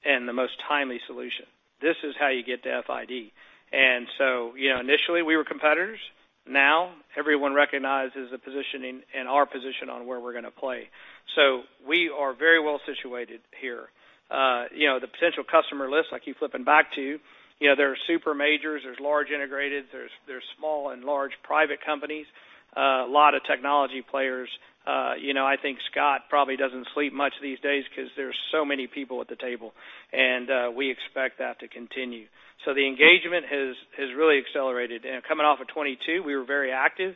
and the most timely solution. This is how you get to FID. You know, initially we were competitors. Now everyone recognizes the positioning and our position on where we're going to play. We are very well situated here. You know, the potential customer list I keep flipping back to, you know, there are super majors, there's large integrated, there's small and large private companies, a lot of technology players. You know, I think Scott probably doesn't sleep much these days because there's so many people at the table, and we expect that to continue. The engagement has really accelerated. Coming off of 2022, we were very active.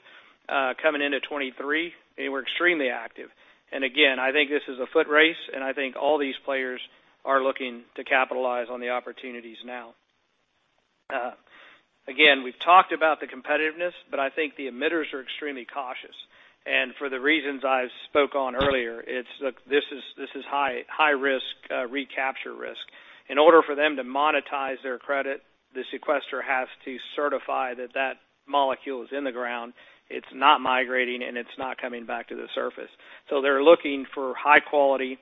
Coming into 2023, we're extremely active. Again, I think this is a foot race, and I think all these players are looking to capitalize on the opportunities now. Again, we've talked about the competitiveness, but I think the emitters are extremely cautious. For the reasons I've spoke on earlier, look, this is high, high risk, recapture risk. In order for them to monetize their credit, the sequester has to certify that that molecule is in the ground, it's not migrating, and it's not coming back to the surface. They're looking for high quality,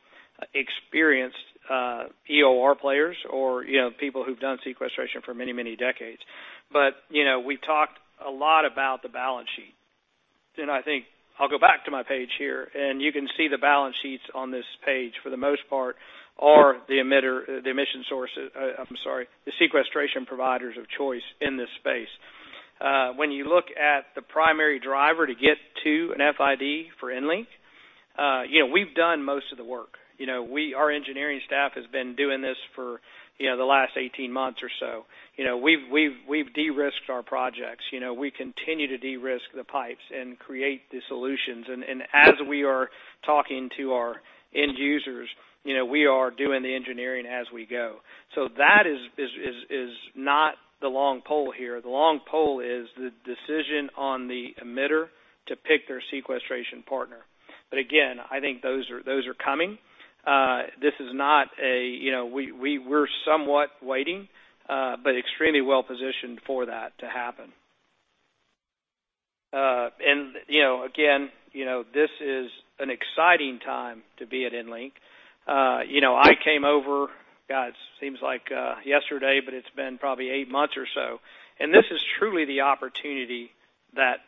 experienced EOR players or, you know, people who've done sequestration for many, many decades. You know, we've talked a lot about the balance sheet. I think I'll go back to my page here, and you can see the balance sheets on this page, for the most part, are the emission sources. I'm sorry, the sequestration providers of choice in this space. When you look at the primary driver to get to an FID for EnLink, you know, we've done most of the work. You know, our engineering staff has been doing this for, you know, the last 18 months or so. You know, we've de-risked our projects. You know, we continue to de-risk the pipes and create the solutions. As we are talking to our end users, you know, we are doing the engineering as we go. That is not the long pole here. The long pole is the decision on the emitter to pick their sequestration partner. Again, I think those are coming. This is not a, you know, we're somewhat waiting, but extremely well positioned for that to happen. You know, again, you know, this is an exciting time to be at EnLink. You know, I came over, God, it seems like yesterday, but it's been probably eight months or so. This is truly the opportunity that,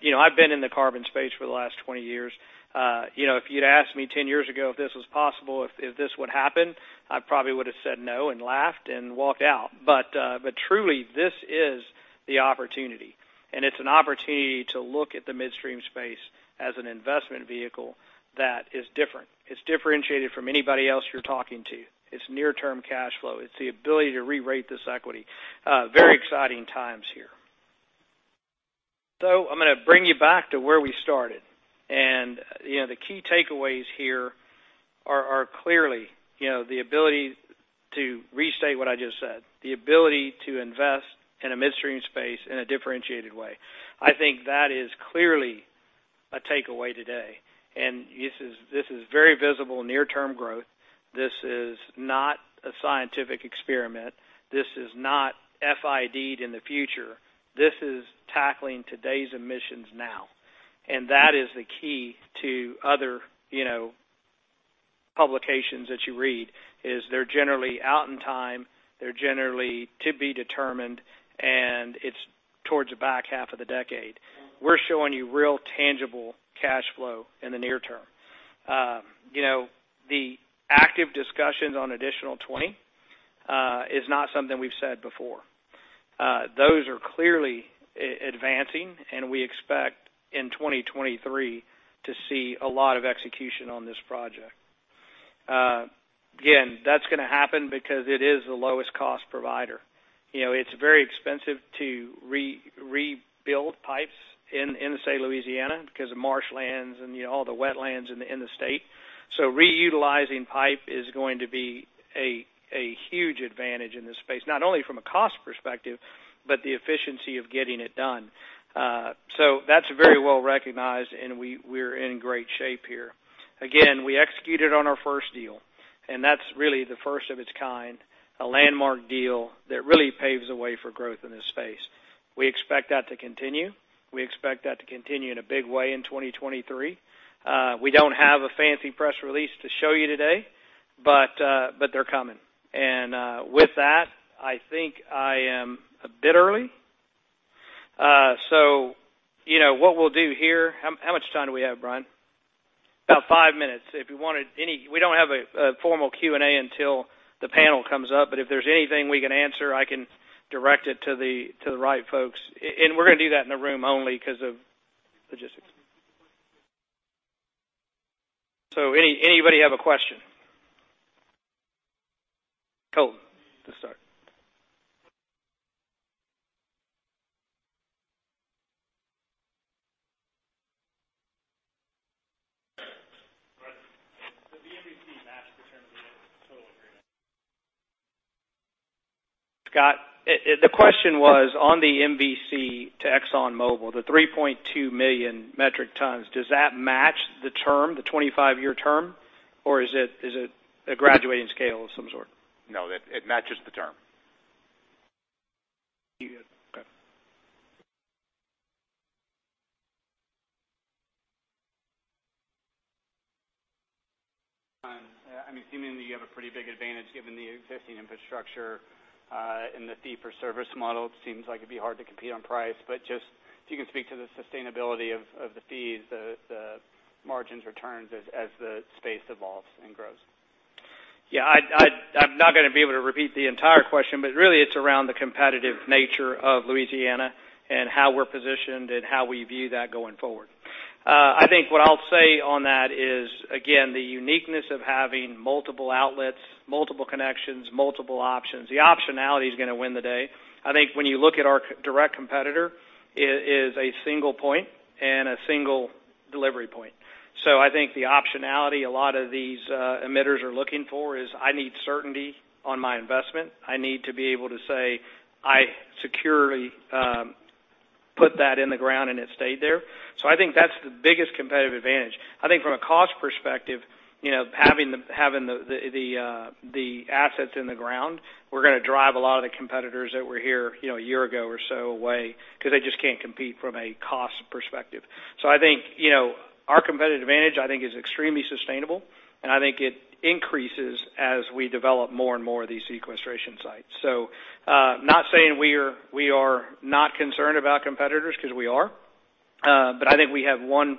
you know, I've been in the carbon space for the last 20 years. You know, if you'd asked me 10 years ago if this was possible, if this would happen, I probably would have said no and laughed and walked out. Truly, this is the opportunity, and it's an opportunity to look at the midstream space as an investment vehicle that is different. It's differentiated from anybody else you're talking to. It's near-term cash flow. It's the ability to rerate this equity. Very exciting times here. I'm going to bring you back to where we started. You know, the key takeaways here are clearly, you know, the ability to restate what I just said, the ability to invest in a midstream space in a differentiated way. I think that is clearly a takeaway today. This is very visible near-term growth. This is not a scientific experiment. This is not FID'd in the future. This is tackling today's emissions now. That is the key to other, you know, publications that you read, is they're generally out in time. They're generally to be determined, and it's towards the back half of the decade. We're showing you real tangible cash flow in the near term. You know, the active discussions on additional 20 is not something we've said before. Those are clearly advancing, and we expect in 2023 to see a lot of execution on this project. Again, that's gonna happen because it is the lowest cost provider. You know, it's very expensive to rebuild pipes in the state of Louisiana because of marshlands and, you know, all the wetlands in the state. Reutilizing pipe is going to be a huge advantage in this space, not only from a cost perspective, but the efficiency of getting it done. That's very well recognized, and we're in great shape here. Again, we executed on our first deal, and that's really the first of its kind, a landmark deal that really paves the way for growth in this space. We expect that to continue. We expect that to continue in a big way in 2023. We don't have a fancy press release to show you today, but they're coming. With that, I think I am a bit early. You know, what we'll do here. How much time do we have, Brian? About five minutes. We don't have a formal Q&A until the panel comes up, but if there's anything we can answer, I can direct it to the right folks. We're gonna do that in the room only because of logistics. Anybody have a question? Colton to start. Jesse, does the MVC match the term of the total agreement? Scott, the question was on the MVC to ExxonMobil, the 3.2 million metric tons, does that match the term, the 25-year term, or is it a graduating scale of some sort? No, it matches the term. Thank you. Okay. I mean, seeming that you have a pretty big advantage given the existing infrastructure, and the fee-for-service model, it seems like it'd be hard to compete on price. Just if you can speak to the sustainability of the fees, the margins returns as the space evolves and grows? Yeah, I'd I'm not gonna be able to repeat the entire question, but really it's around the competitive nature of Louisiana and how we're positioned and how we view that going forward. I think what I'll say on that is, again, the uniqueness of having multiple outlets, multiple connections, multiple options, the optionality is gonna win the day. I think when you look at our direct competitor is a single point and a single delivery point. I think the optionality a lot of these emitters are looking for is I need certainty on my investment. I need to be able to say I securely put that in the ground and it stayed there. I think that's the biggest competitive advantage. I think from a cost perspective, you know, having the assets in the ground, we're gonna drive a lot of the competitors that were here, you know, a year ago or so away because they just can't compete from a cost perspective. I think, you know, our competitive advantage, I think is extremely sustainable, and I think it increases as we develop more and more of these sequestration sites. Not saying we are not concerned about competitors because we are, but I think we have one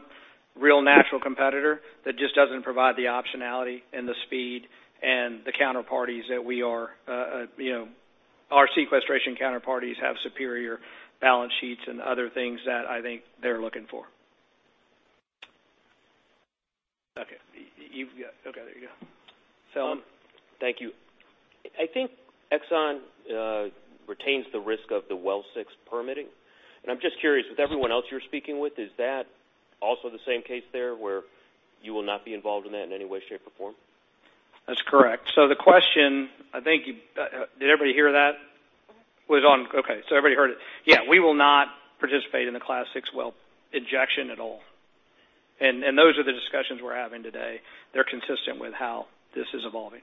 real natural competitor that just doesn't provide the optionality and the speed and the counterparties that we are, you know. Our sequestration counterparties have superior balance sheets and other things that I think they're looking for. Okay. Okay, there you go. Phil. Thank you. I think ExxonMobil retains the risk of the well VI permitting. I'm just curious, with everyone else you're speaking with, is that also the same case there where you will not be involved in that in any way, shape, or form? That's correct. The question, I think did everybody hear that? Okay, everybody heard it. Yeah, we will not participate in the Class VI well injection at all. Those are the discussions we're having today. They're consistent with how this is evolving.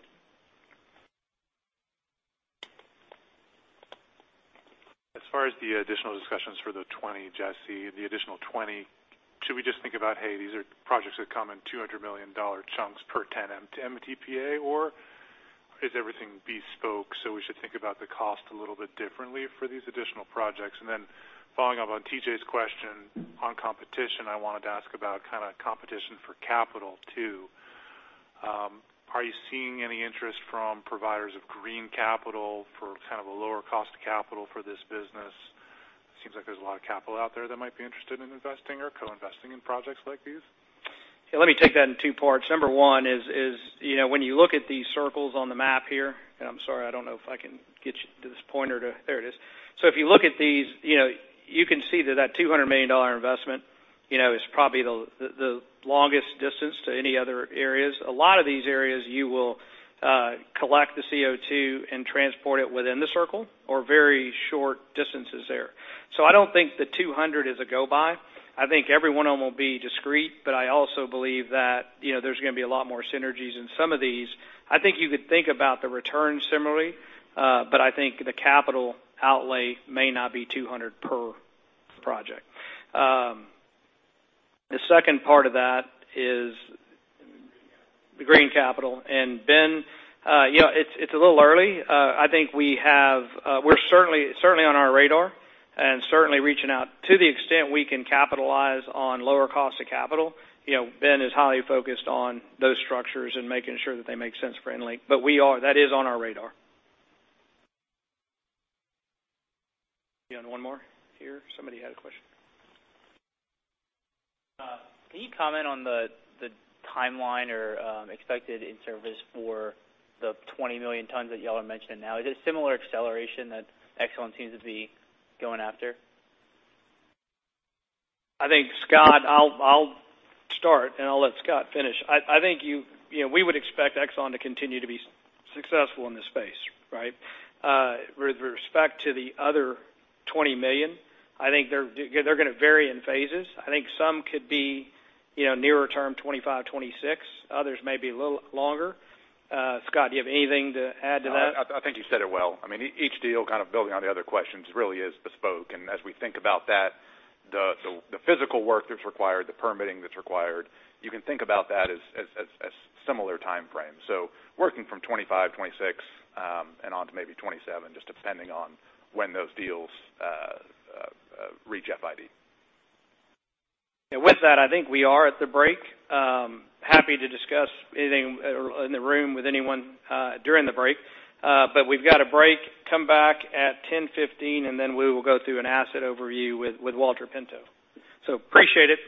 As far as the additional discussions for the 20, Jesse, the additional 20, should we just think about, hey, these are projects that come in $200 million chunks per 10 Mtpa, or is everything bespoke, so we should think about the cost a little bit differently for these additional projects? Following up on TJ's question on competition, I wanted to ask about kind of competition for capital, too. Are you seeing any interest from providers of green capital for kind of a lower cost of capital for this business? It seems like there's a lot of capital out there that might be interested in investing or co-investing in projects like these. Let me take that in two parts. Number one is, you know, when you look at these circles on the map here, I'm sorry, I don't know if I can get you to this pointer to. There it is. If you look at these, you know, you can see that $200 million investment, you know, is probably the longest distance to any other areas. A lot of these areas, you will collect the CO2 and transport it within the circle or very short distances there. I don't think the 200 is a go by. I think every one of them will be discreet, I also believe that, you know, there's gonna be a lot more synergies in some of these. I think you could think about the return similarly, but I think the capital outlay may not be 200 per project. The second part of that. The green capital. The green capital. Ben, you know, it's a little early. I think we're certainly on our radar and certainly reaching out to the extent we can capitalize on lower cost of capital. You know, Ben is highly focused on those structures and making sure that they make sense for EnLink. That is on our radar. You had one more here. Somebody had a question. Can you comment on the timeline or expected in-service for the 20 million tons that y'all are mentioning now? Is it a similar acceleration that Exxon seems to be going after? I think, Scott, I'll start and I'll let Scott finish. I think you know, we would expect Exxon to continue to be successful in this space, right? With respect to the other $20 million, I think they're gonna vary in phases. I think some could be, you know, nearer term 25, 26, others may be a little longer. Scott, do you have anything to add to that? I think you said it well. I mean, each deal kind of building on the other questions really is bespoke. As we think about that, the physical work that's required, the permitting that's required, you can think about that as similar time frame. Working from 2025, 2026, and onto maybe 2027, just depending on when those deals reach FID. I think we are at the break. Happy to discuss anything in the room with anyone during the break. We've got a break. Come back at 10:15, and then we will go through an asset overview with Walter Pinto. Appreciate it.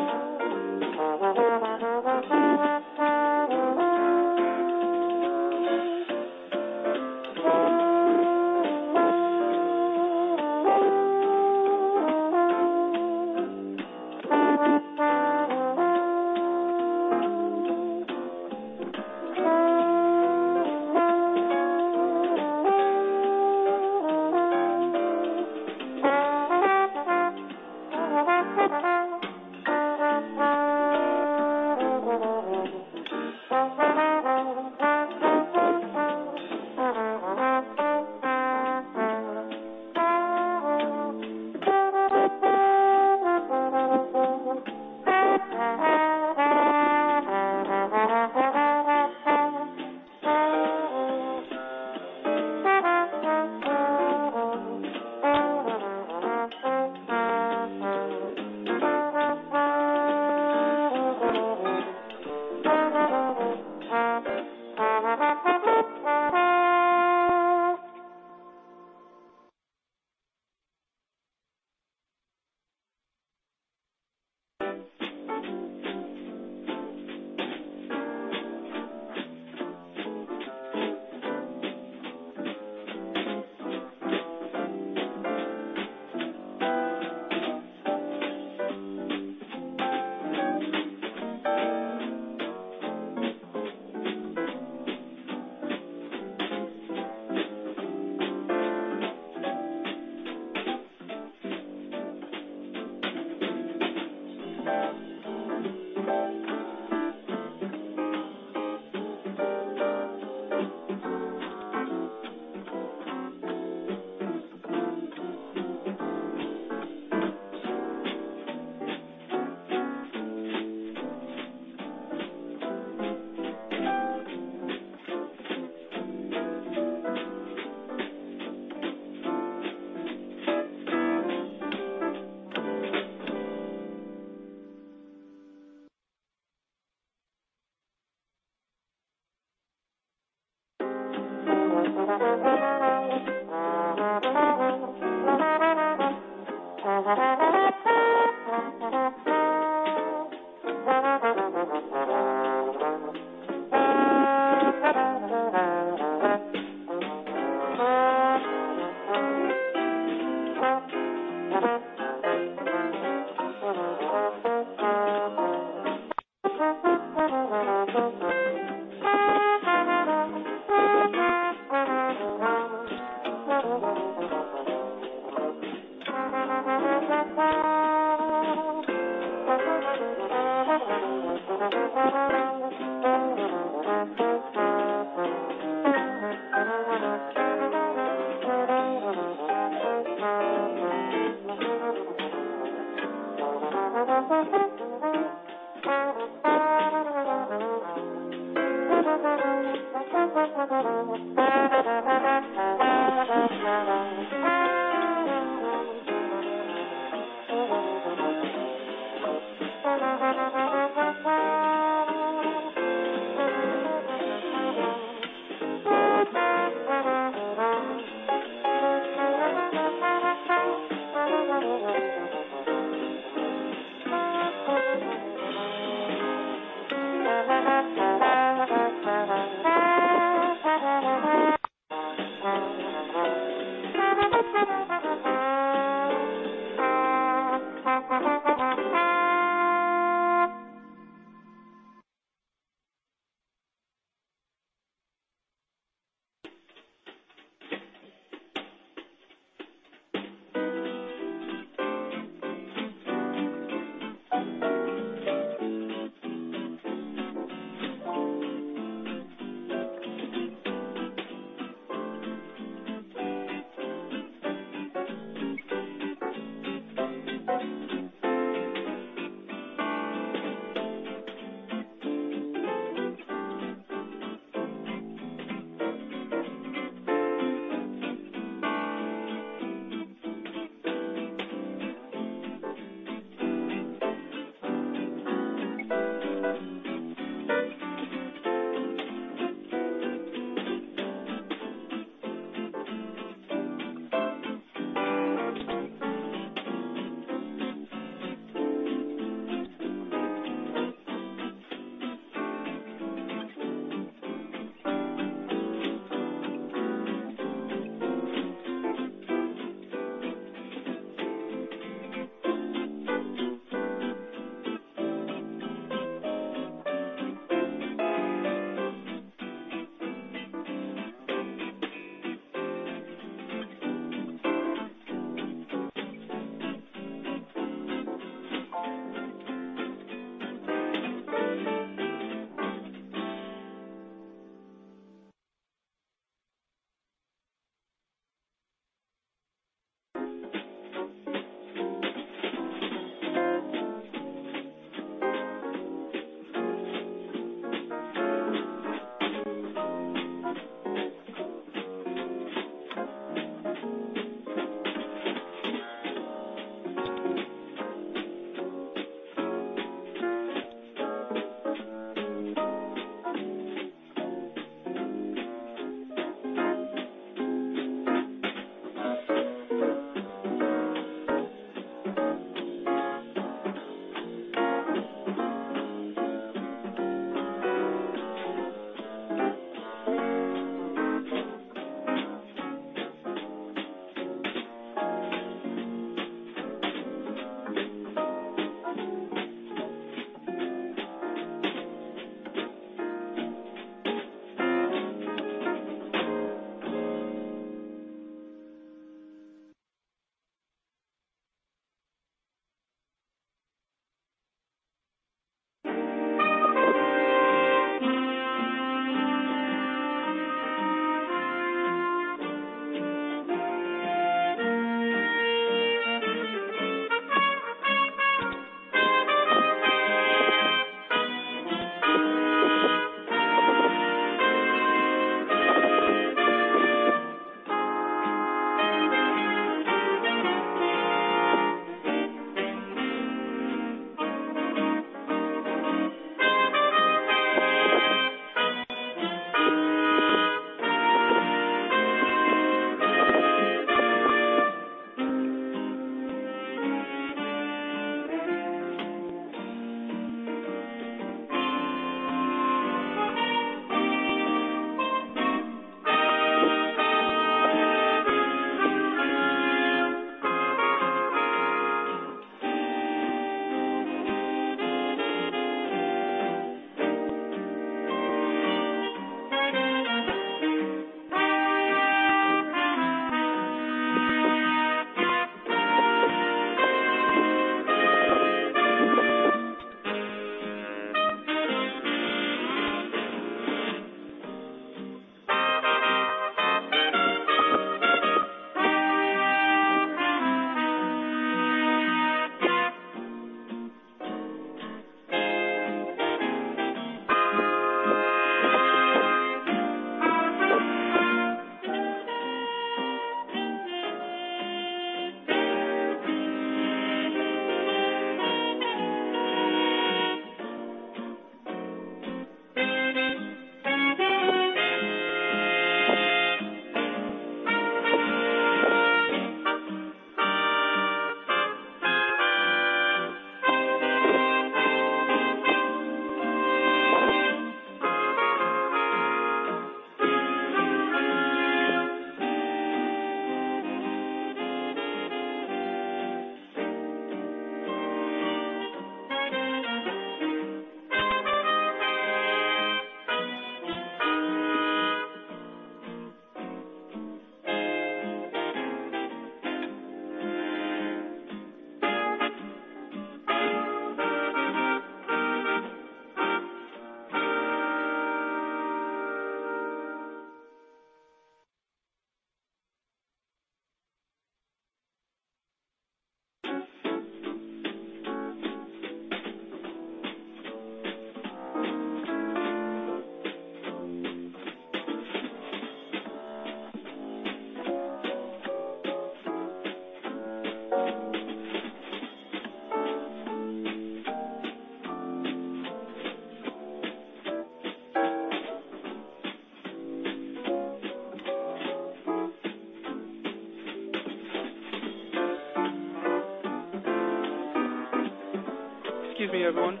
Excuse me, everyone.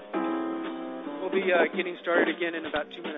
We'll be getting started again in about two minutes.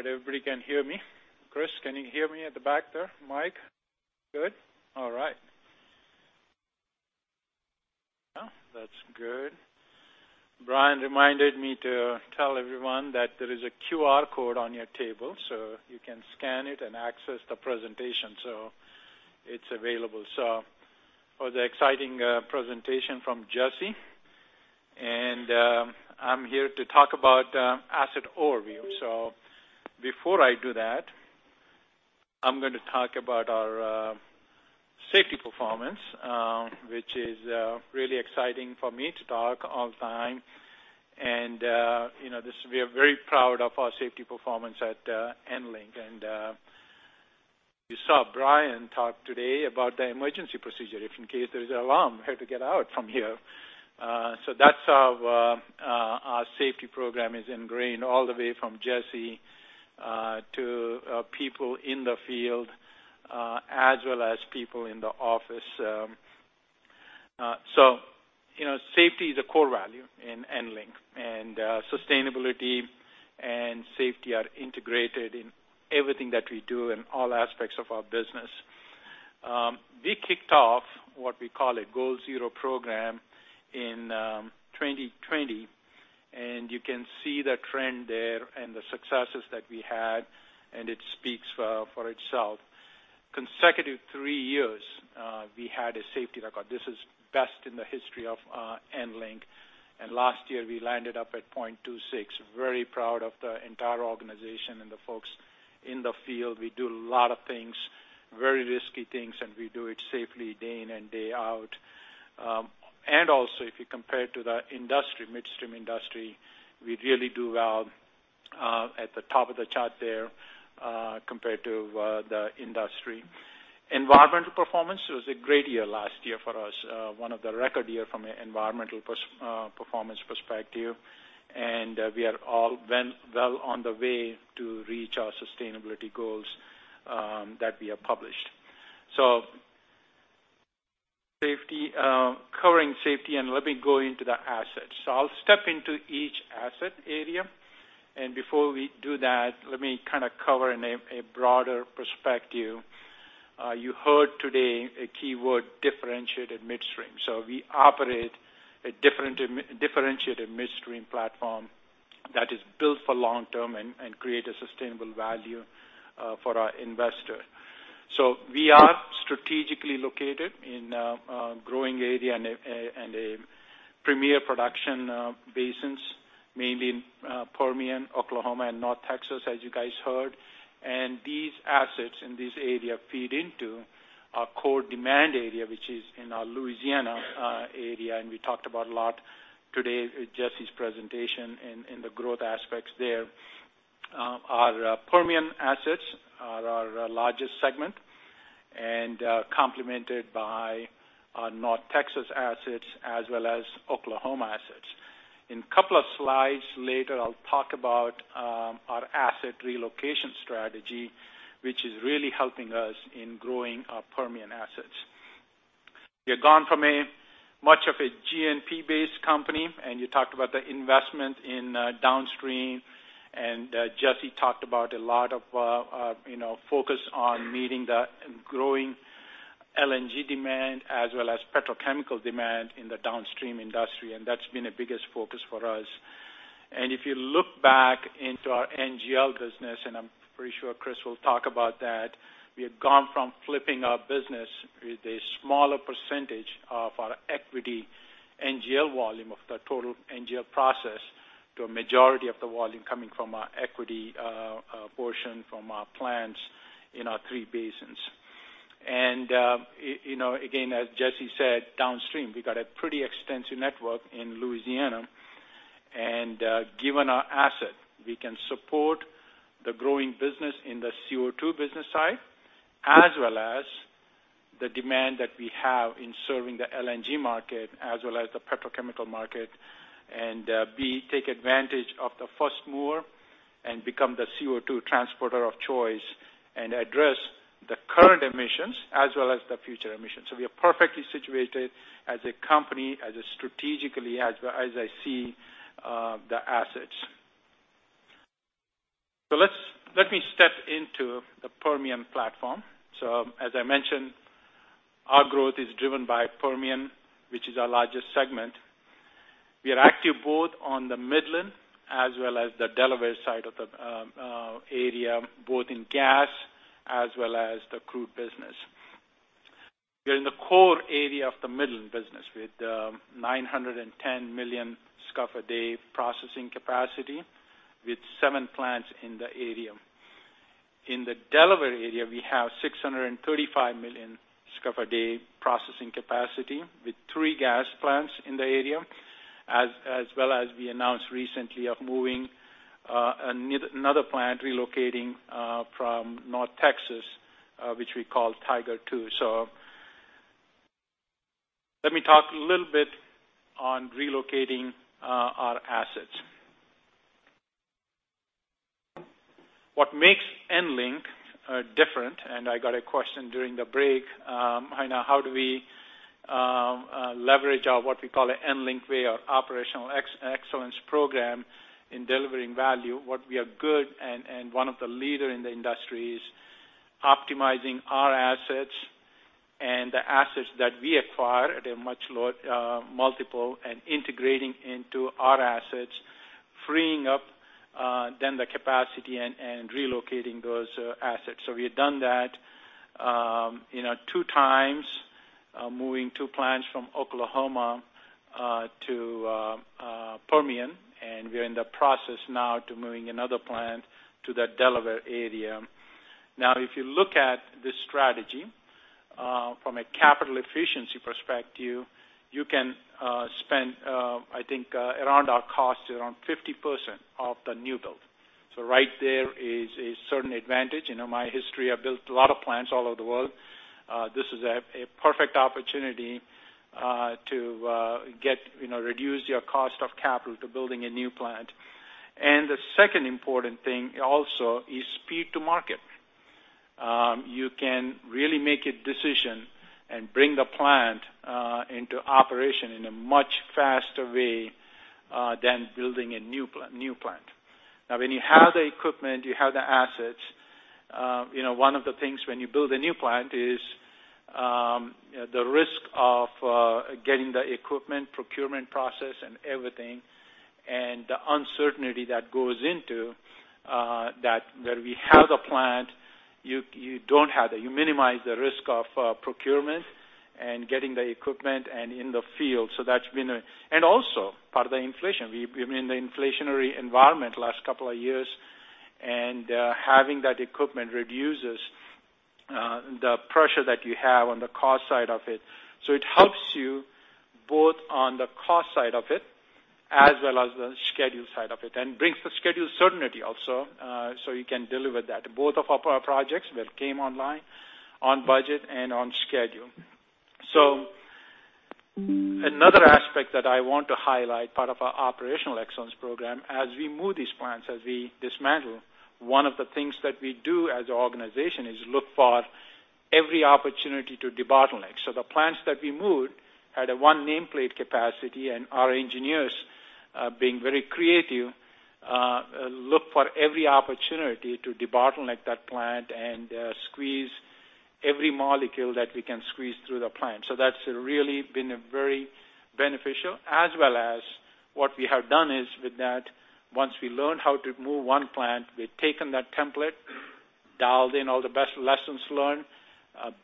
All right, everybody can hear me? Chris, can you hear me at the back there? Mike? Good. All right. Yeah, that's good. Brian reminded me to tell everyone that there is a QR code on your table, so you can scan it and access the presentation. It's available. For the exciting presentation from Jesse. I'm here to talk about asset overview. Before I do that, I'm gonna talk about our safety performance, which is really exciting for me to talk all the time. You know, this, we are very proud of our safety performance at EnLink. You saw Brian talk today about the emergency procedure. If in case there is an alarm, how to get out from here. That's how our safety program is ingrained all the way from Jesse to people in the field as well as people in the office. You know, safety is a core value in EnLink. Sustainability and safety are integrated in everything that we do in all aspects of our business. We kicked off what we call a Goal Zero program in 2020. You can see the trend there and the successes that we had, and it speaks for itself. Consecutive three years, we had a safety record. This is best in the history of EnLink. Last year we landed up at 0.26. Very proud of the entire organization and the folks in the field. We do a lot of things, very risky things, and we do it safely day in and day out. If you compare to the industry, midstream industry, we really do well at the top of the chart there compared to the industry. Environmental performance, it was a great year last year for us. One of the record year from a environmental performance perspective. We are all well on the way to reach our sustainability goals that we have published. Safety. Covering safety, let me go into the assets. I'll step into each asset area. Before we do that, let me kinda cover in a broader perspective. You heard today a keyword, differentiated midstream. We operate a differentiated midstream platform that is built for long term and create a sustainable value for our investor. We are strategically located in a growing area and a premier production basins, mainly in Permian, Oklahoma and North Texas, as you guys heard. These assets in this area feed into our core demand area, which is in our Louisiana area, and we talked about a lot today in Jesse's presentation in the growth aspects there. Our Permian assets are our largest segment, and complemented by our North Texas assets as well as Oklahoma assets. In a couple of slides later, I'll talk about our asset relocation strategy, which is really helping us in growing our Permian assets. We have gone from a much of a G&P-based company, and you talked about the investment in downstream, and Jesse talked about a lot of, you know, focus on meeting the growing LNG demand as well as petrochemical demand in the downstream industry. That's been the biggest focus for us. If you look back into our NGL business, and I'm pretty sure Chris will talk about that, we have gone from flipping our business with a smaller percentage of our equity NGL volume of the total NGL process to a majority of the volume coming from our equity portion from our plants in our three basins. You know, again, as Jesse said, downstream, we got a pretty extensive network in Louisiana. Given our asset, we can support the growing business in the CO2 business side as well as the demand that we have in serving the LNG market as well as the petrochemical market. We take advantage of the first move and become the CO2 transporter of choice and address the current emissions as well as the future emissions. We are perfectly situated as a company, as a strategically, as I see the assets. Let me step into the Permian platform. As I mentioned, our growth is driven by Permian, which is our largest segment. We are active both on the Midland as well as the Delaware side of the area, both in gas as well as the crude business. We're in the core area of the Midland business with 910 million MMcf/d processing capacity with seven plants in the area. In the Delaware area, we have 635 million MMcf/d processing capacity with three gas plants in the area, as well as we announced recently of moving another plant relocating from North Texas, which we call Tiger II. Let me talk a little bit on relocating our assets. What makes EnLink different, and I got a question during the break, you know, how do we leverage our what we call The EnLink Way, our operational excellence program in delivering value? What we are good and one of the leader in the industry is optimizing our assets and the assets that we acquire at a much low multiple and integrating into our assets, freeing up the capacity and relocating those assets. We have done that, you know, two times, moving two plants from Oklahoma to Permian, and we're in the process now to moving another plant to the Delaware area. If you look at this strategy from a capital efficiency perspective, you can spend, I think, around our cost around 50% of the new build. Right there is a certain advantage. You know, my history, I built a lot of plants all over the world. This is a perfect opportunity to get, you know, reduce your cost of capital to building a new plant. The second important thing also is speed to market. You can really make a decision and bring the plant into operation in a much faster way than building a new plant. Now, when you have the equipment, you have the assets, you know, one of the things when you build a new plant is the risk of getting the equipment procurement process and everything, and the uncertainty that goes into that. Where we have the plant, you don't have that. You minimize the risk of procurement and getting the equipment and in the field. That's been also part of the inflation. We've been in the inflationary environment last couple of years. Having that equipment reduces the pressure that you have on the cost side of it. It helps you both on the cost side of it as well as the schedule side of it, and brings the schedule certainty also, so you can deliver that. Both of our projects that came online on budget and on schedule. Another aspect that I want to highlight, part of our operational excellence program, as we move these plants, as we dismantle, one of the things that we do as an organization is look for every opportunity to debottleneck. The plants that we moved had a one nameplate capacity, and our engineers, being very creative, look for every opportunity to debottleneck that plant and squeeze every molecule that we can squeeze through the plant. That's really been very beneficial as well as what we have done is with that, once we learn how to move one plant, we've taken that template, dialed in all the best lessons learned,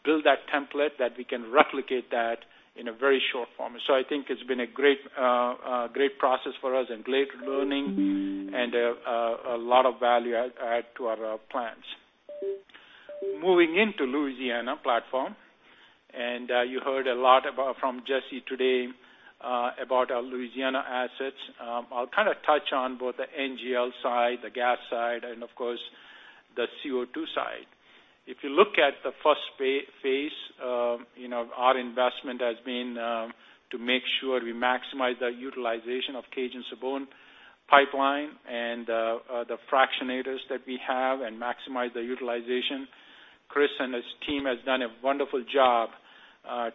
build that template that we can replicate that in a very short form. I think it's been a great process for us and great learning and a lot of value add to our plants. Moving into Louisiana platform, you heard a lot about from Jesse today, about our Louisiana assets. I'll kinda touch on both the NGL side, the gas side, and of course the CO2 side. If you look at the first phase, you know, our investment has been to make sure we maximize the utilization of Cajun-Sibon pipeline and the fractionators that we have and maximize the utilization. Chris and his team has done a wonderful job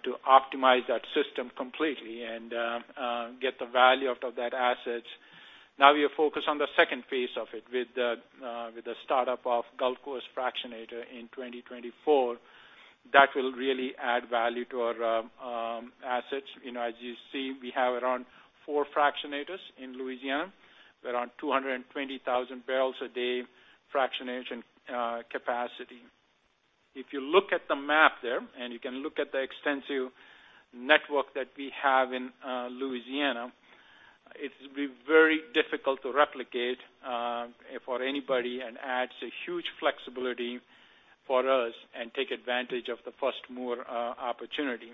to optimize that system completely and get the value out of that assets. We are focused on the second phase of it with the startup of Gulf Coast Fractionator in 2024. That will really add value to our assets. You know, as you see, we have around four fractionators in Louisiana. We're on 220,000 bbl a day fractionation capacity. If you look at the map there, you can look at the extensive network that we have in Louisiana, it's very difficult to replicate for anybody and adds a huge flexibility for us and take advantage of the first-mover opportunity.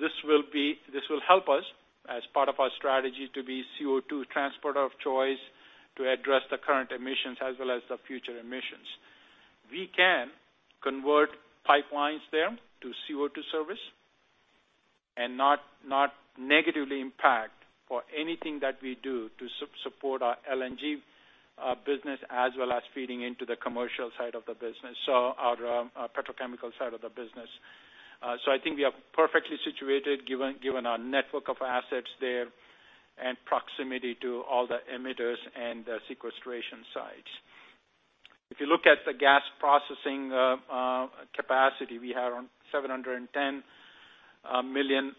This will help us as part of our strategy to be CO2 transporter of choice to address the current emissions as well as the future emissions. We can convert pipelines there to CO2 service and not negatively impact for anything that we do to support our LNG business as well as feeding into the commercial side of the business, so our petrochemical side of the business. I think we are perfectly situated given our network of assets there and proximity to all the emitters and the sequestration sites. If you look at the gas processing capacity, we have around 710 million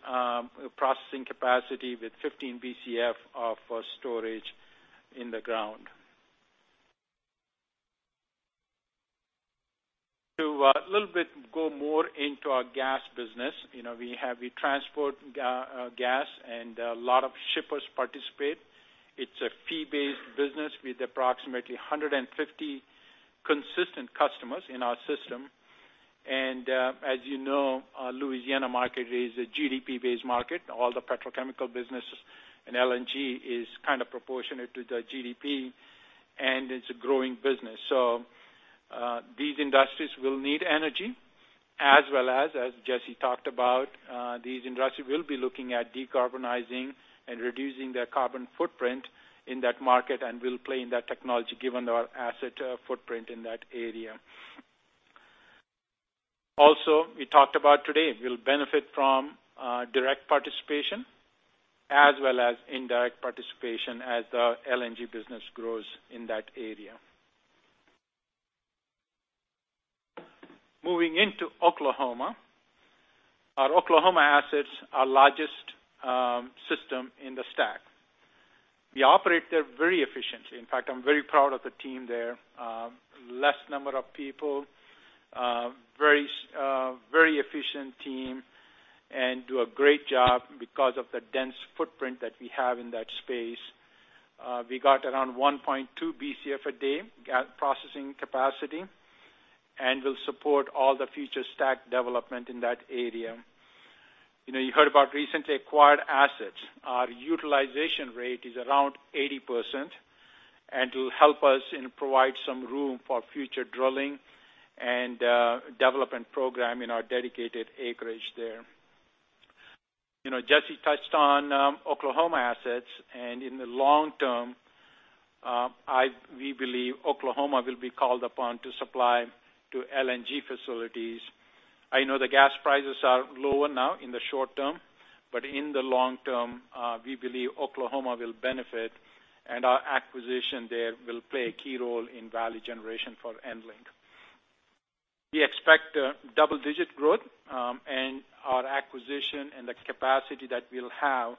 processing capacity with 15 Bcf of storage in the ground. To a little bit go more into our gas business. You know, we transport gas, and a lot of shippers participate. It's a fee-based business with approximately 150 consistent customers in our system. As you know, our Louisiana market is a GDP-based market. All the petrochemical businesses and LNG is kind of proportionate to the GDP, and it's a growing business. These industries will need energy as well as Jesse talked about, these industries will be looking at decarbonizing and reducing their carbon footprint in that market, and we'll play in that technology given our asset footprint in that area. We talked about today, we'll benefit from direct participation as well as indirect participation as the LNG business grows in that area. Moving into Oklahoma. Our Oklahoma assets are largest system in the STACK. We operate there very efficiently. In fact, I'm very proud of the team there. Less number of people, very efficient team and do a great job because of the dense footprint that we have in that space. We got around 1.2 Bcf a day gas processing capacity and will support all the future STACK development in that area. You know, you heard about recently acquired assets. Our utilization rate is around 80% and will help us and provide some room for future drilling and development program in our dedicated acreage there. You know, Jesse touched on Oklahoma assets, and in the long term, we believe Oklahoma will be called upon to supply to LNG facilities. I know the gas prices are lower now in the short term, but in the long term, we believe Oklahoma will benefit, and our acquisition there will play a key role in value generation for EnLink. We expect double-digit growth, and our acquisition and the capacity that we'll have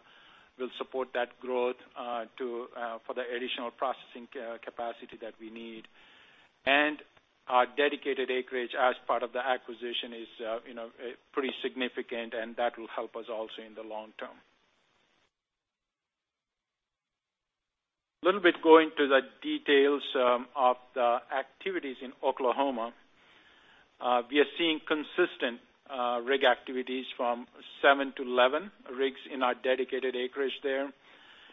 will support that growth to for the additional processing capacity that we need. Our dedicated acreage as part of the acquisition is, you know, pretty significant, and that will help us also in the long term. Little bit going to the details of the activities in Oklahoma. We are seeing consistent rig activities from seven to 11 rigs in our dedicated acreage there.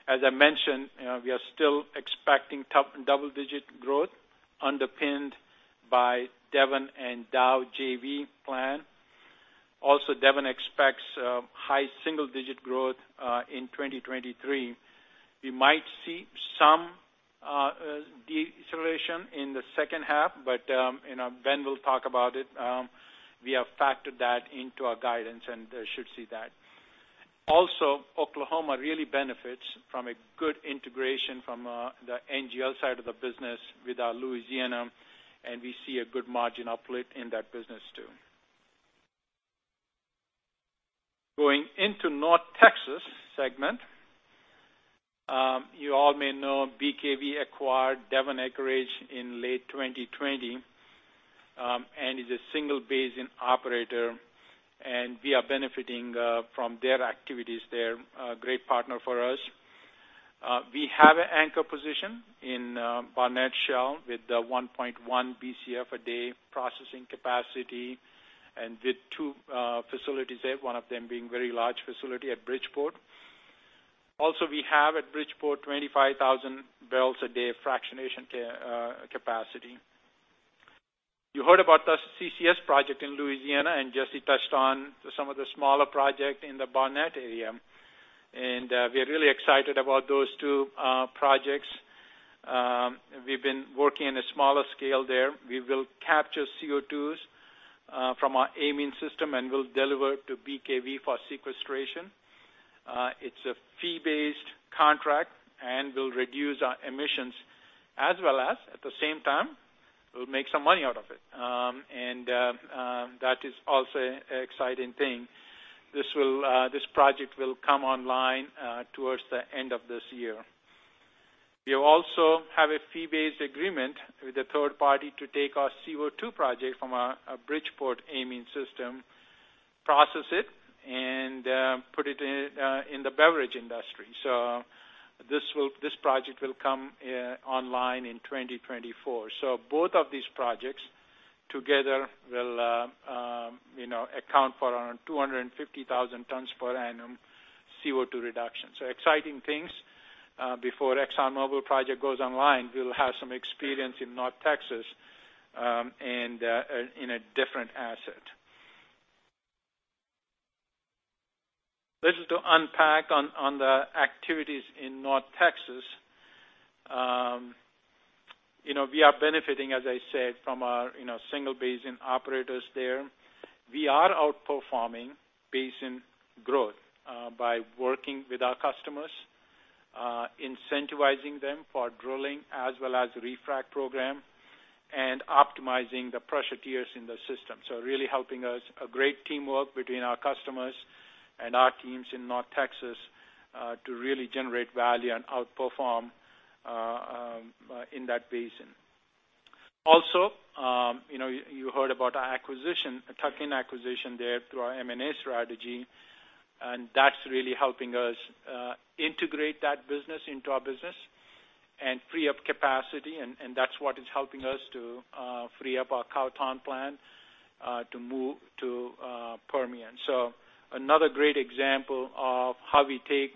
As I mentioned, we are still expecting double-digit growth underpinned by Devon-Dow JV plan. Devon expects high single-digit growth in 2023. We might see some deceleration in the second half, but, you know, Ben will talk about it. We have factored that into our guidance, and should see that. Oklahoma really benefits from a good integration from the NGL side of the business with our Louisiana, and we see a good margin uplift in that business too. Going into North Texas segment. You all may know BKV acquired Devon acreage in late 2020, and is a single basin operator, and we are benefiting from their activities there, a great partner for us. We have an anchor position in Barnett Shale with 1.1 Bcf a day processing capacity and with two facilities there, one of them being very large facility at Bridgeport. We have at Bridgeport 25,000 bbl a day fractionation capacity. You heard about the CCS project in Louisiana, Jesse touched on some of the smaller project in the Barnett area. We are really excited about those two projects. We've been working in a smaller scale there. We will capture CO2s from our amine system and will deliver to BKV for sequestration. It's a fee-based contract, will reduce our emissions as well as, at the same time, we'll make some money out of it. That is also an exciting thing. This project will come online towards the end of this year. We also have a fee-based agreement with a third party to take our CO2 project from our Bridgeport amine system, process it, and put it in the beverage industry. This project will come online in 2024. Both of these projects together will, you know, account for around 250,000 tons per annum CO2 reduction. Exciting things. Before ExxonMobil project goes online, we'll have some experience in North Texas, and in a different asset. Little to unpack on the activities in North Texas. You know, we are benefiting, as I said, from our, you know, single basin operators there. We are outperforming basin growth by working with our customers, incentivizing them for drilling as well as refrac program, and optimizing the pressure tiers in the system. Really helping us, a great teamwork between our customers and our teams in North Texas, to really generate value and outperform in that basin. Also, you know, you heard about our acquisition, tuck-in acquisition there through our M&A strategy, and that's really helping us integrate that business into our business and free up capacity, and that's what is helping us to free up our Cowtown plant to move to Permian. Another great example of how we take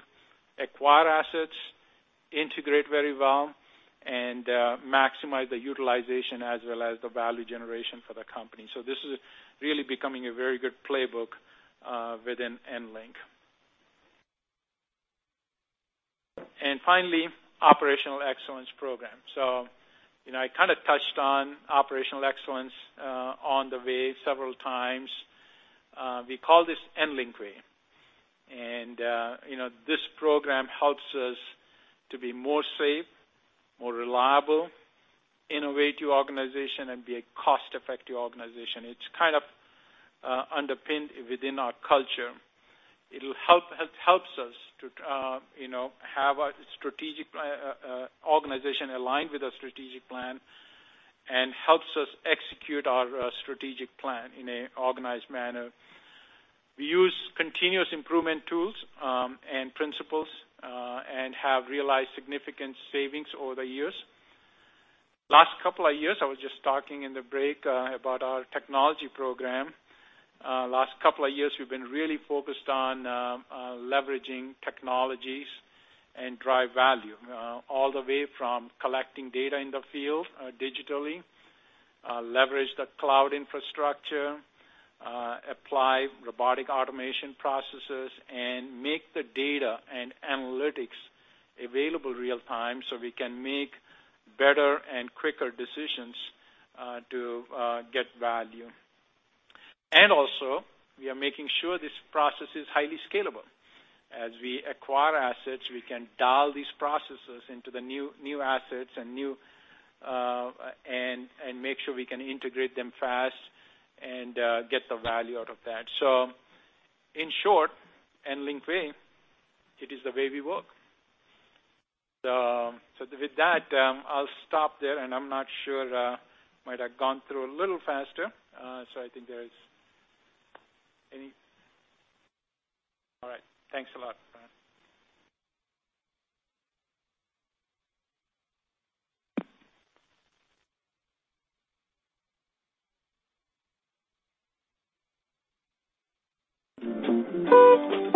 acquired assets, integrate very well, and maximize the utilization as well as the value generation for the company. This is really becoming a very good playbook within EnLink. Finally, operational excellence program. You know, I kinda touched on operational excellence on the way several times. We call this EnLink Way. You know, this program helps us to be more safe, more reliable, innovative organization, and be a cost-effective organization. It's kind of underpinned within our culture. It helps us to, you know, have a strategic organization aligned with our strategic plan and helps us execute our strategic plan in an organized manner. We use continuous improvement tools and principles and have realized significant savings over the years. Last couple of years, I was just talking in the break about our technology program. Last couple of years, we've been really focused on leveraging technologies and drive value, all the way from collecting data in the field, digitally, leverage the cloud infrastructure, apply robotic automation processes, and make the data and analytics available real-time so we can make better and quicker decisions to get value. Also, we are making sure this process is highly scalable. As we acquire assets, we can dial these processes into the new assets and make sure we can integrate them fast and get the value out of that. In short, EnLink Way, it is the way we work. With that, I'll stop there, and I'm not sure might have gone through a little faster, so I think there is any. All right. Thanks a lot. Bye. Short. Take a short break here. We also have snacks in the back if you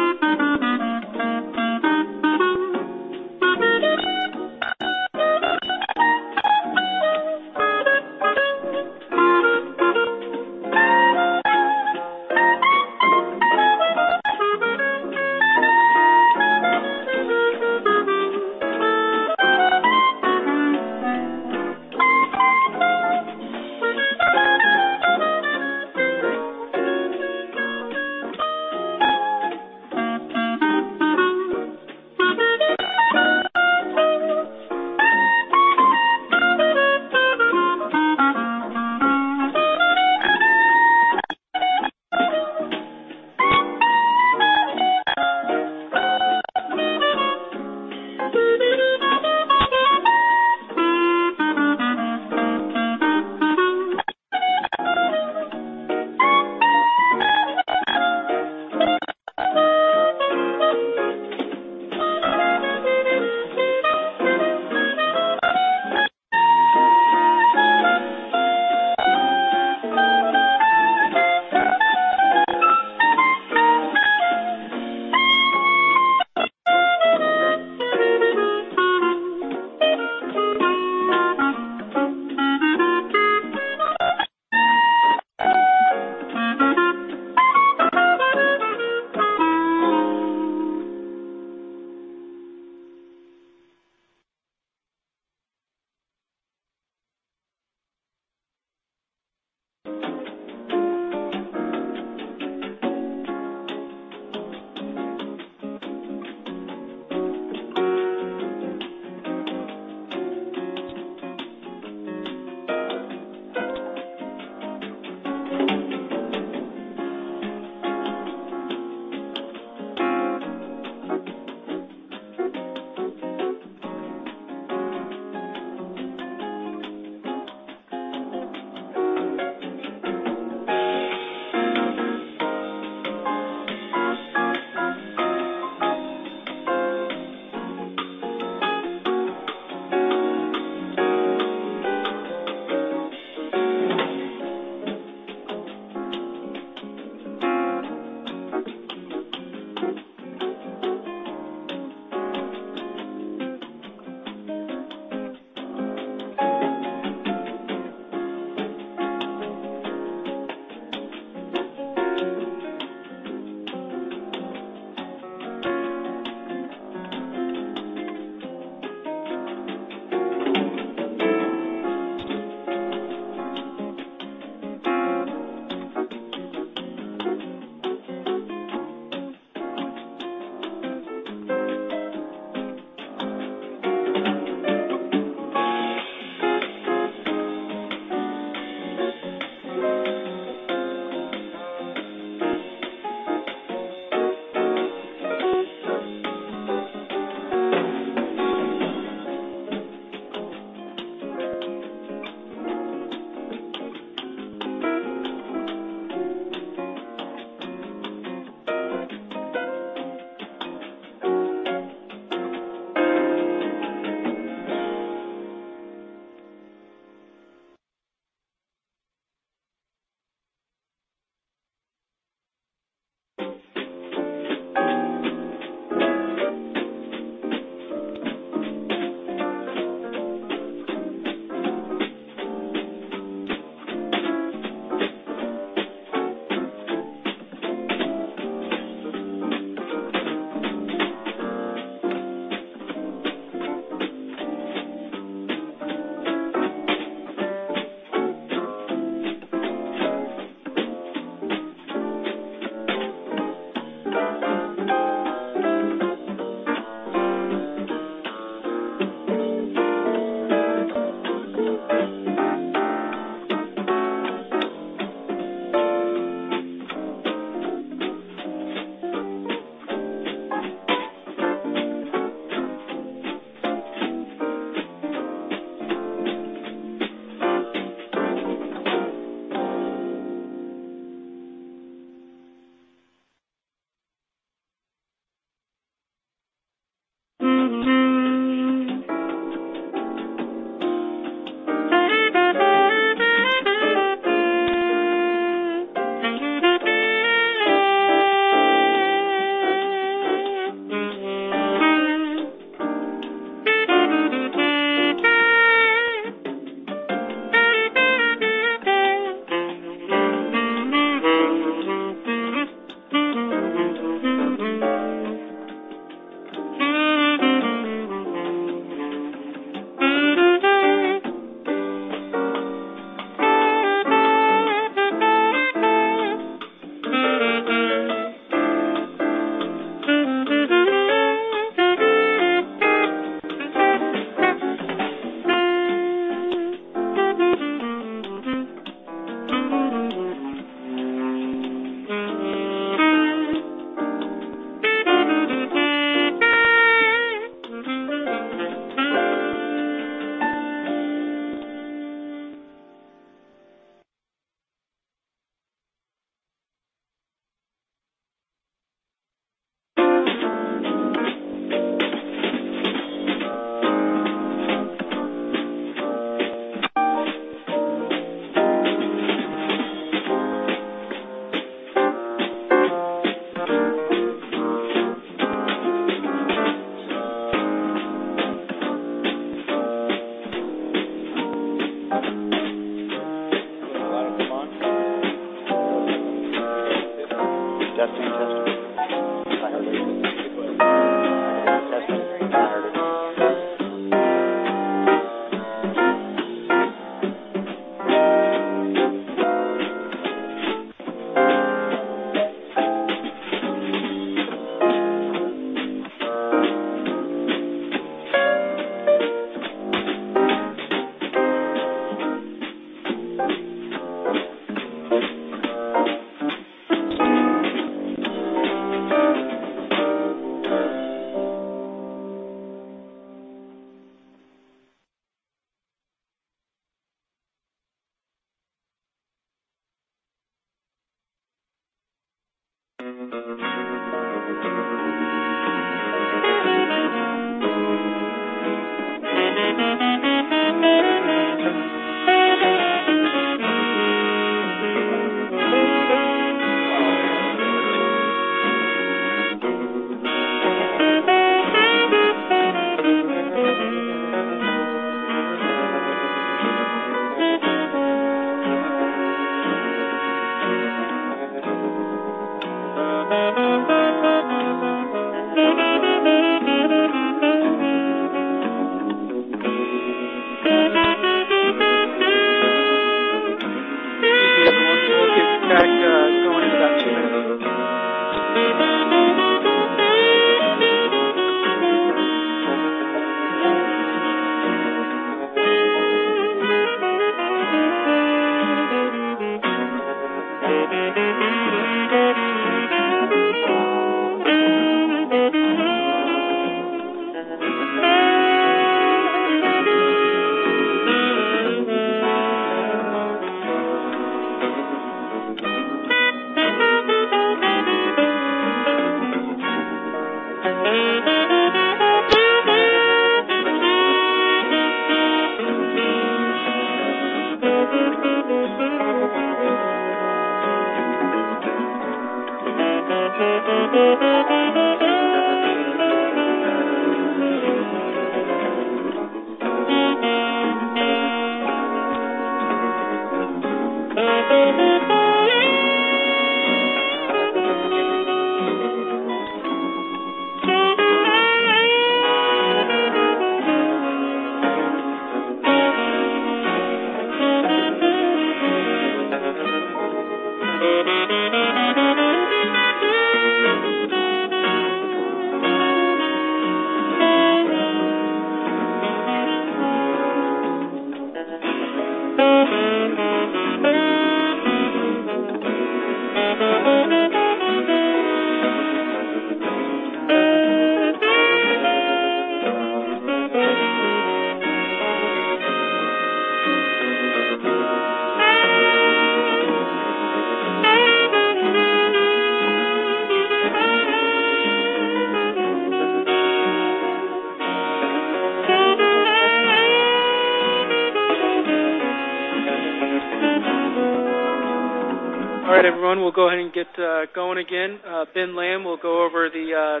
need. We'll be back here at 11:00 A.M. All right, everyone, we'll go ahead and get going again. Ben Lamb will go over the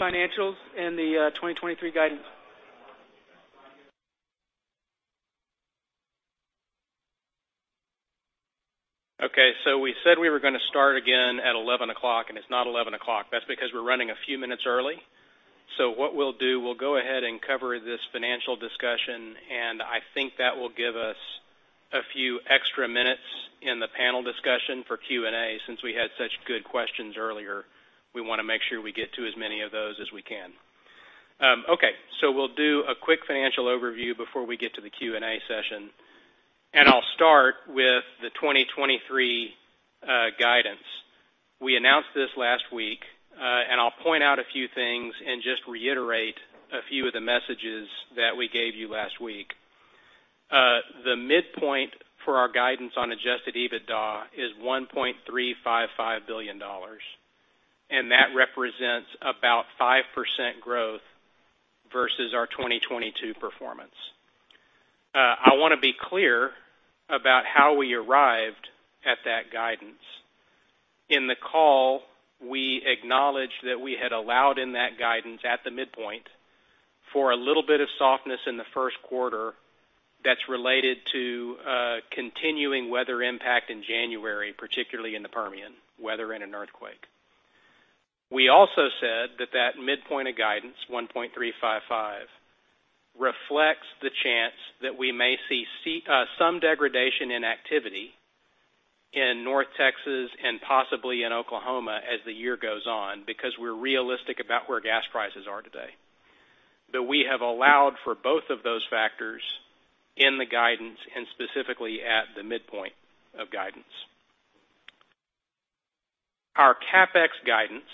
financials and the 2023 guidance. We said we were gonna start again at 11:00 A.M., and it's not 11:00 A.M. That's because we're running a few minutes early. What we'll do, we'll go ahead and cover this financial discussion, and I think that will give us a few extra minutes in the panel discussion for Q&A. Since we had such good questions earlier, we wanna make sure we get to as many of those as we can. Okay, we'll do a quick financial overview before we get to the Q&A session. I'll start with the 2023 guidance. We announced this last week. I'll point out a few things and just reiterate a few of the messages that we gave you last week. The midpoint for our guidance on adjusted EBITDA is $1.355 billion, that represents about 5% growth versus our 2022 performance. I wanna be clear about how we arrived at that guidance. In the call, we acknowledged that we had allowed in that guidance at the midpoint for a little bit of softness in the first quarter that's related to continuing weather impact in January, particularly in the Permian weather and an earthquake. We also said that that midpoint of guidance, 1.355, reflects the chance that we may see some degradation in activity in North Texas and possibly in Oklahoma as the year goes on, because we're realistic about where gas prices are today. We have allowed for both of those factors in the guidance and specifically at the midpoint of guidance. Our CapEx guidance,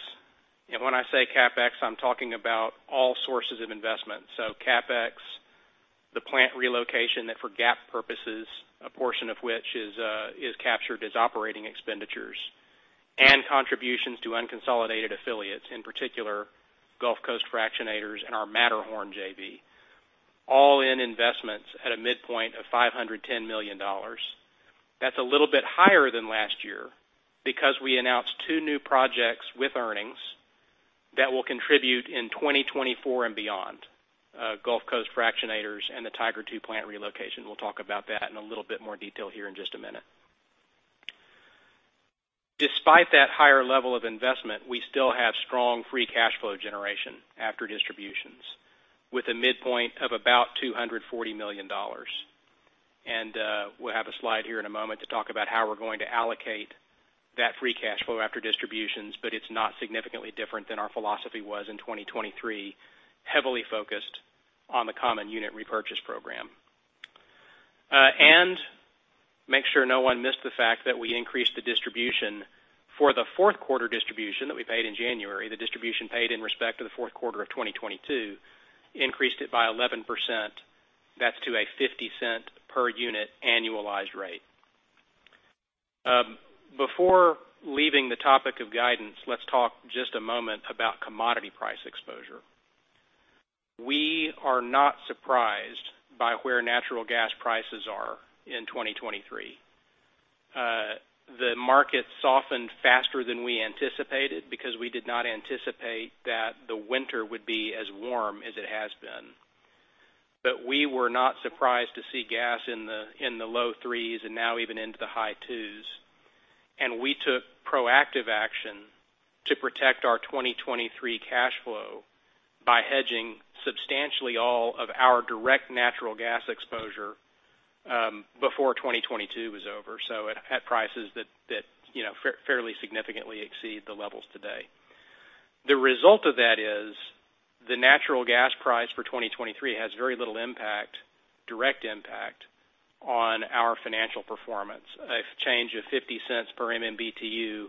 when I say CapEx, I'm talking about all sources of investment. CapEx, the plant relocation that for GAAP purposes, a portion of which is captured as operating expenditures and contributions to unconsolidated affiliates, in particular Gulf Coast Fractionators and our Matterhorn JV, all-in investments at a midpoint of $510 million. That's a little bit higher than last year because we announced two new projects with earnings that will contribute in 2024 and beyond, Gulf Coast Fractionators and the Tiger II plant relocation. We'll talk about that in a little bit more detail here in just a minute. Despite that higher level of investment, we still have strong free cash flow generation after distributions with a midpoint of about $240 million. We'll have a slide here in a moment to talk about how we're going to allocate that free cash flow after distributions, but it's not significantly different than our philosophy was in 2023, heavily focused on the common unit repurchase program. Make sure no one missed the fact that we increased the distribution for the fourth quarter distribution that we paid in January. The distribution paid in respect to the fourth quarter of 2022 increased it by 11%. That's to a $0.50 per unit annualized rate. Before leaving the topic of guidance, let's talk just a moment about commodity price exposure. We are not surprised by where natural gas prices are in 2023. The market softened faster than we anticipated because we did not anticipate that the winter would be as warm as it has been. We were not surprised to see gas in the low threes and now even into the high twos. We took proactive action to protect our 2023 cash flow by hedging substantially all of our direct natural gas exposure before 2022 was over, so at prices that, you know, fairly significantly exceed the levels today. The result of that is the natural gas price for 2023 has very little impact, direct impact on our financial performance. A change of $0.50 per MMBtu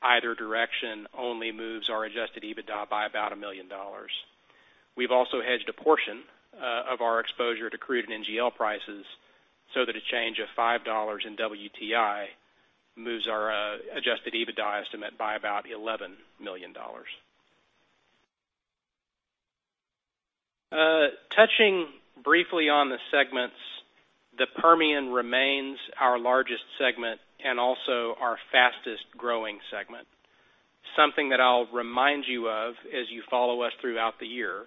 either direction only moves our adjusted EBITDA by about $1 million. We've also hedged a portion of our exposure to crude and NGL prices so that a change of $5 in WTI moves our adjusted EBITDA estimate by about $11 million. Touching briefly on the segments, the Permian remains our largest segment and also our fastest-growing segment. Something that I'll remind you of as you follow us throughout the year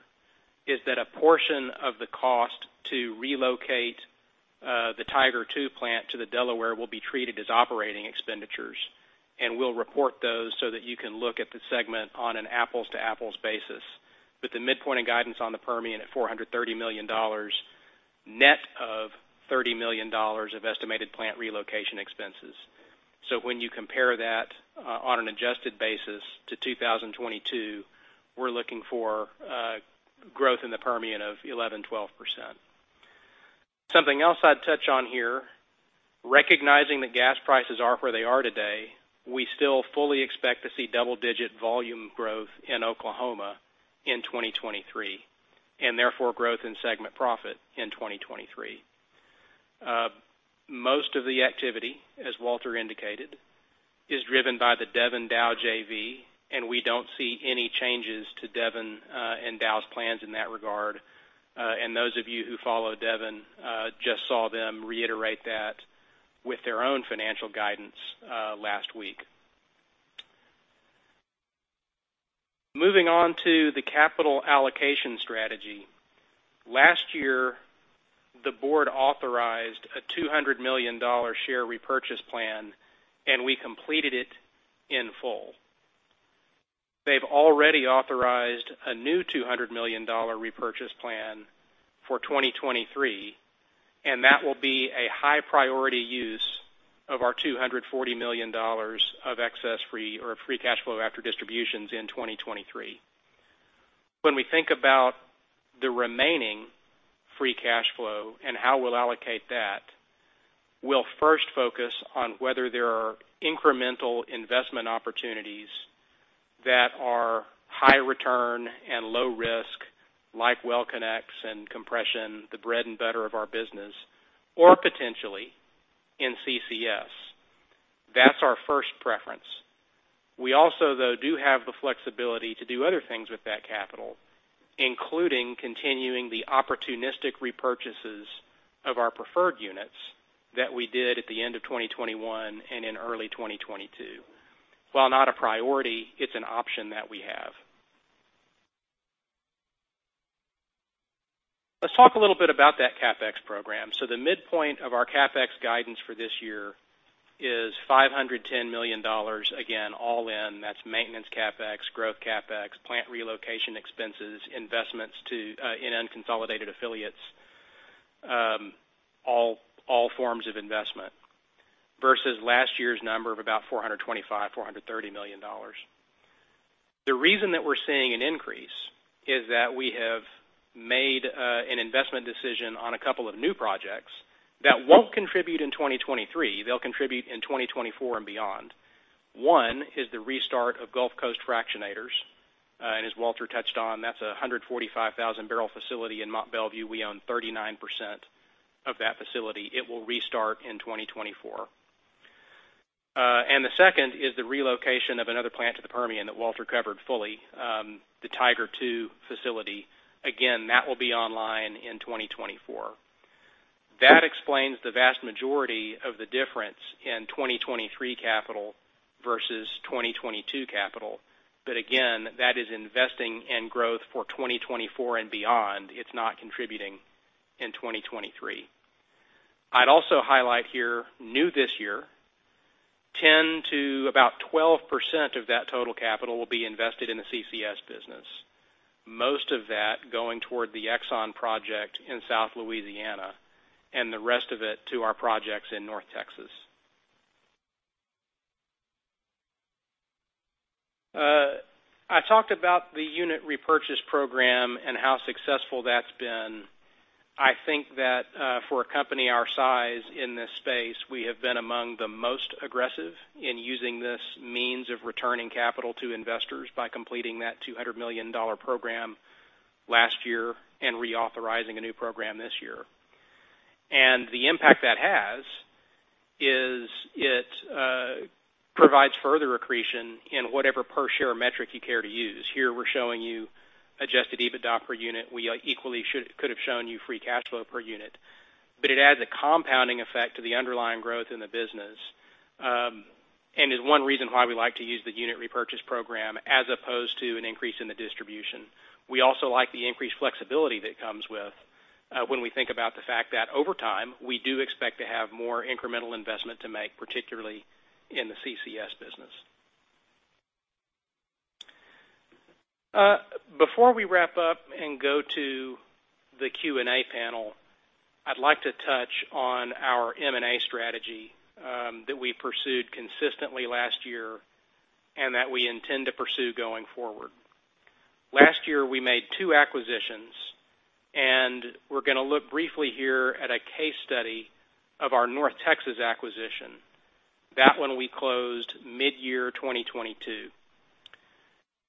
is that a portion of the cost to relocate the Tiger II plant to the Delaware will be treated as operating expenditures, and we'll report those so that you can look at the segment on an apples-to-apples basis. The midpoint of guidance on the Permian at $430 million, net of $30 million of estimated plant relocation expenses. When you compare that, on an adjusted basis to 2022, we're looking for growth in the Permian of 11%-12%. Something else I'd touch on here, recognizing that gas prices are where they are today, we still fully expect to see double-digit volume growth in Oklahoma in 2023, and therefore growth in segment profit in 2023. Most of the activity, as Walter indicated, is driven by the Devon-Dow JV, and we don't see any changes to Devon and Dow's plans in that regard. Those of you who follow Devon just saw them reiterate that with their own financial guidance last week. Moving on to the capital allocation strategy. Last year, the board authorized a $200 million share repurchase plan, and we completed it in full. They've already authorized a new $200 million repurchase plan for 2023. That will be a high priority use of our $240 million of excess free or free cash flow after distributions in 2023. When we think about the remaining free cash flow and how we'll allocate that, we'll first focus on whether there are incremental investment opportunities that are high return and low risk, like well connects and compression, the bread and butter of our business, or potentially in CCS. That's our first preference. We also, though, do have the flexibility to do other things with that capital, including continuing the opportunistic repurchases of our preferred units that we did at the end of 2021 and in early 2022. While not a priority, it's an option that we have. Let's talk a little bit about that CapEx program. The midpoint of our CapEx guidance for this year is $510 million, again, all in. That's maintenance CapEx, growth CapEx, plant relocation expenses, investments in unconsolidated affiliates, all forms of investment versus last year's number of about $425 million-$430 million. The reason that we're seeing an increase is that we have made an investment decision on a couple of new projects that won't contribute in 2023. They'll contribute in 2024 and beyond. One is the restart of Gulf Coast Fractionators. As Walter touched on, that's a 145,000 bbl facility in Mont Belvieu. We own 39% of that facility. It will restart in 2024. The second is the relocation of another plant to the Permian that Walter covered fully, the Tiger II facility. That will be online in 2024. That explains the vast majority of the difference in 2023 capital versus 2022 capital, that is investing in growth for 2024 and beyond. It's not contributing in 2023. I'd also highlight here, new this year, 10%-12% of that total capital will be invested in the CCS business. Most of that going toward the Exxon project in South Louisiana, and the rest of it to our projects in North Texas. I talked about the unit repurchase program and how successful that's been. I think that, for a company our size in this space, we have been among the most aggressive in using this means of returning capital to investors by completing that $200 million program last year and reauthorizing a new program this year. The impact that has is it provides further accretion in whatever per share metric you care to use. Here, we're showing you adjusted EBITDA per unit. We equally could have shown you free cash flow per unit. It adds a compounding effect to the underlying growth in the business and is one reason why we like to use the unit repurchase program as opposed to an increase in the distribution. We also like the increased flexibility that it comes with when we think about the fact that over time, we do expect to have more incremental investment to make, particularly in the CCS business. Before we wrap up and go to the Q&A panel, I'd like to touch on our M&A strategy that we pursued consistently last year and that we intend to pursue going forward. Last year, we made two acquisitions, and we're gonna look briefly here at a case study of our North Texas acquisition. That one we closed midyear 2022.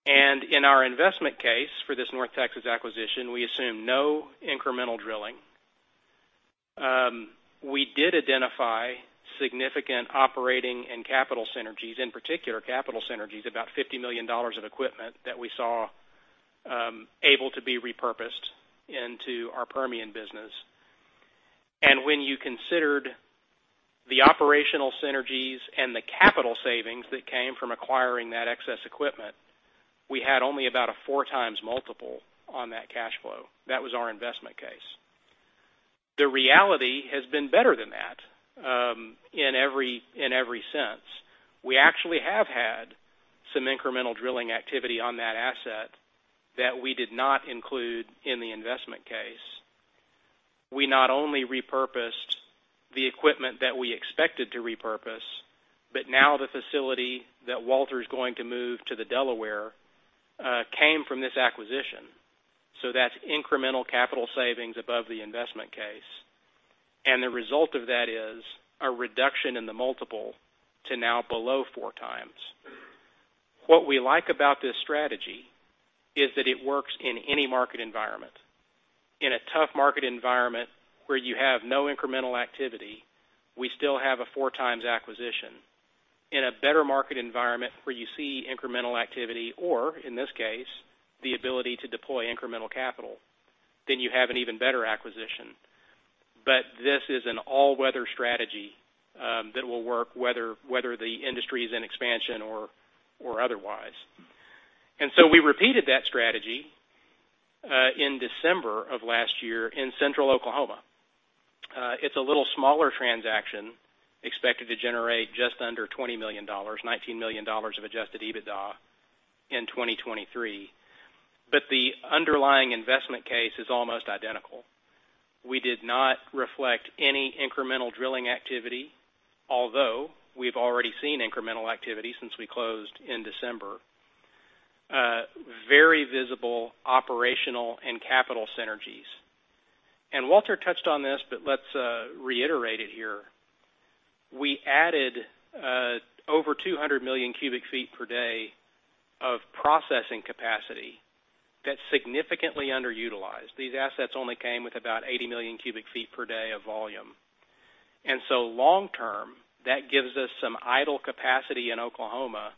In our investment case for this North Texas acquisition, we assume no incremental drilling. We did identify significant operating and capital synergies, in particular capital synergies, about $50 million of equipment that we saw able to be repurposed into our Permian business. When you considered the operational synergies and the capital savings that came from acquiring that excess equipment, we had only about a 4x multiple on that cash flow. That was our investment case. The reality has been better than that, in every sense. We actually have had some incremental drilling activity on that asset that we did not include in the investment case. We not only repurposed the equipment that we expected to repurpose, but now the facility that Walter is going to move to the Delaware came from this acquisition. That's incremental capital savings above the investment case. The result of that is a reduction in the multiple to now below 4x. What we like about this strategy is that it works in any market environment. In a tough market environment where you have no incremental activity, we still have a four times acquisition. In a better market environment where you see incremental activity, or in this case, the ability to deploy incremental capital, then you have an even better acquisition. This is an all-weather strategy that will work whether the industry is in expansion or otherwise. We repeated that strategy in December of last year in Central Oklahoma. It's a little smaller transaction expected to generate just under $20 million, $19 million of adjusted EBITDA in 2023. The underlying investment case is almost identical. We did not reflect any incremental drilling activity, although we've already seen incremental activity since we closed in December. Very visible operational and capital synergies. Walter touched on this, but let's reiterate it here. We added over 200 million cu ft per day of processing capacity that's significantly underutilized. These assets only came with about 80 million cu ft per day of volume. Long term, that gives us some idle capacity in Oklahoma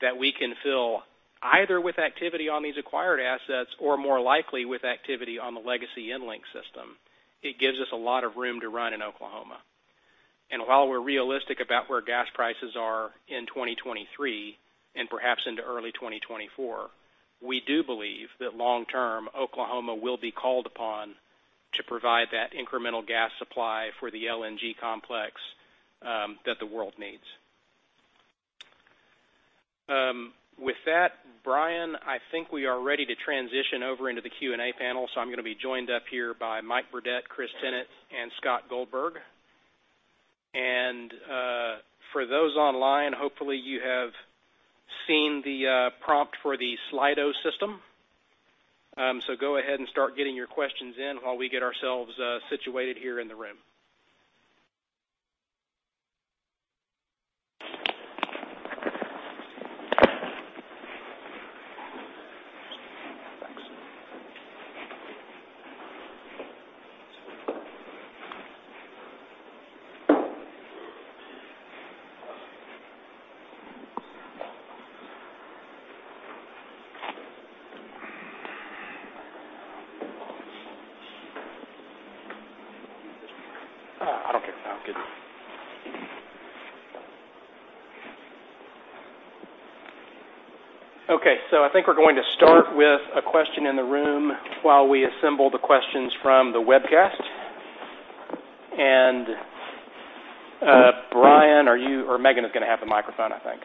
that we can fill either with activity on these acquired assets or more likely with activity on the legacy EnLink system. It gives us a lot of room to run in Oklahoma. While we're realistic about where gas prices are in 2023 and perhaps into early 2024, we do believe that long term, Oklahoma will be called upon to provide that incremental gas supply for the LNG complex that the world needs. With that, Brian, I think we are ready to transition over into the Q&A panel. I'm gonna be joined up here by Mike Burdett, Chris Tennant, and Scott Goldberg. For those online, hopefully you have seen the prompt for the Slido system. Go ahead and start getting your questions in while we get ourselves situated here in the room. Okay. I think we're going to start with a question in the room while we assemble the questions from the webcast. Brian, are you or Megan is gonna have the microphone, I think.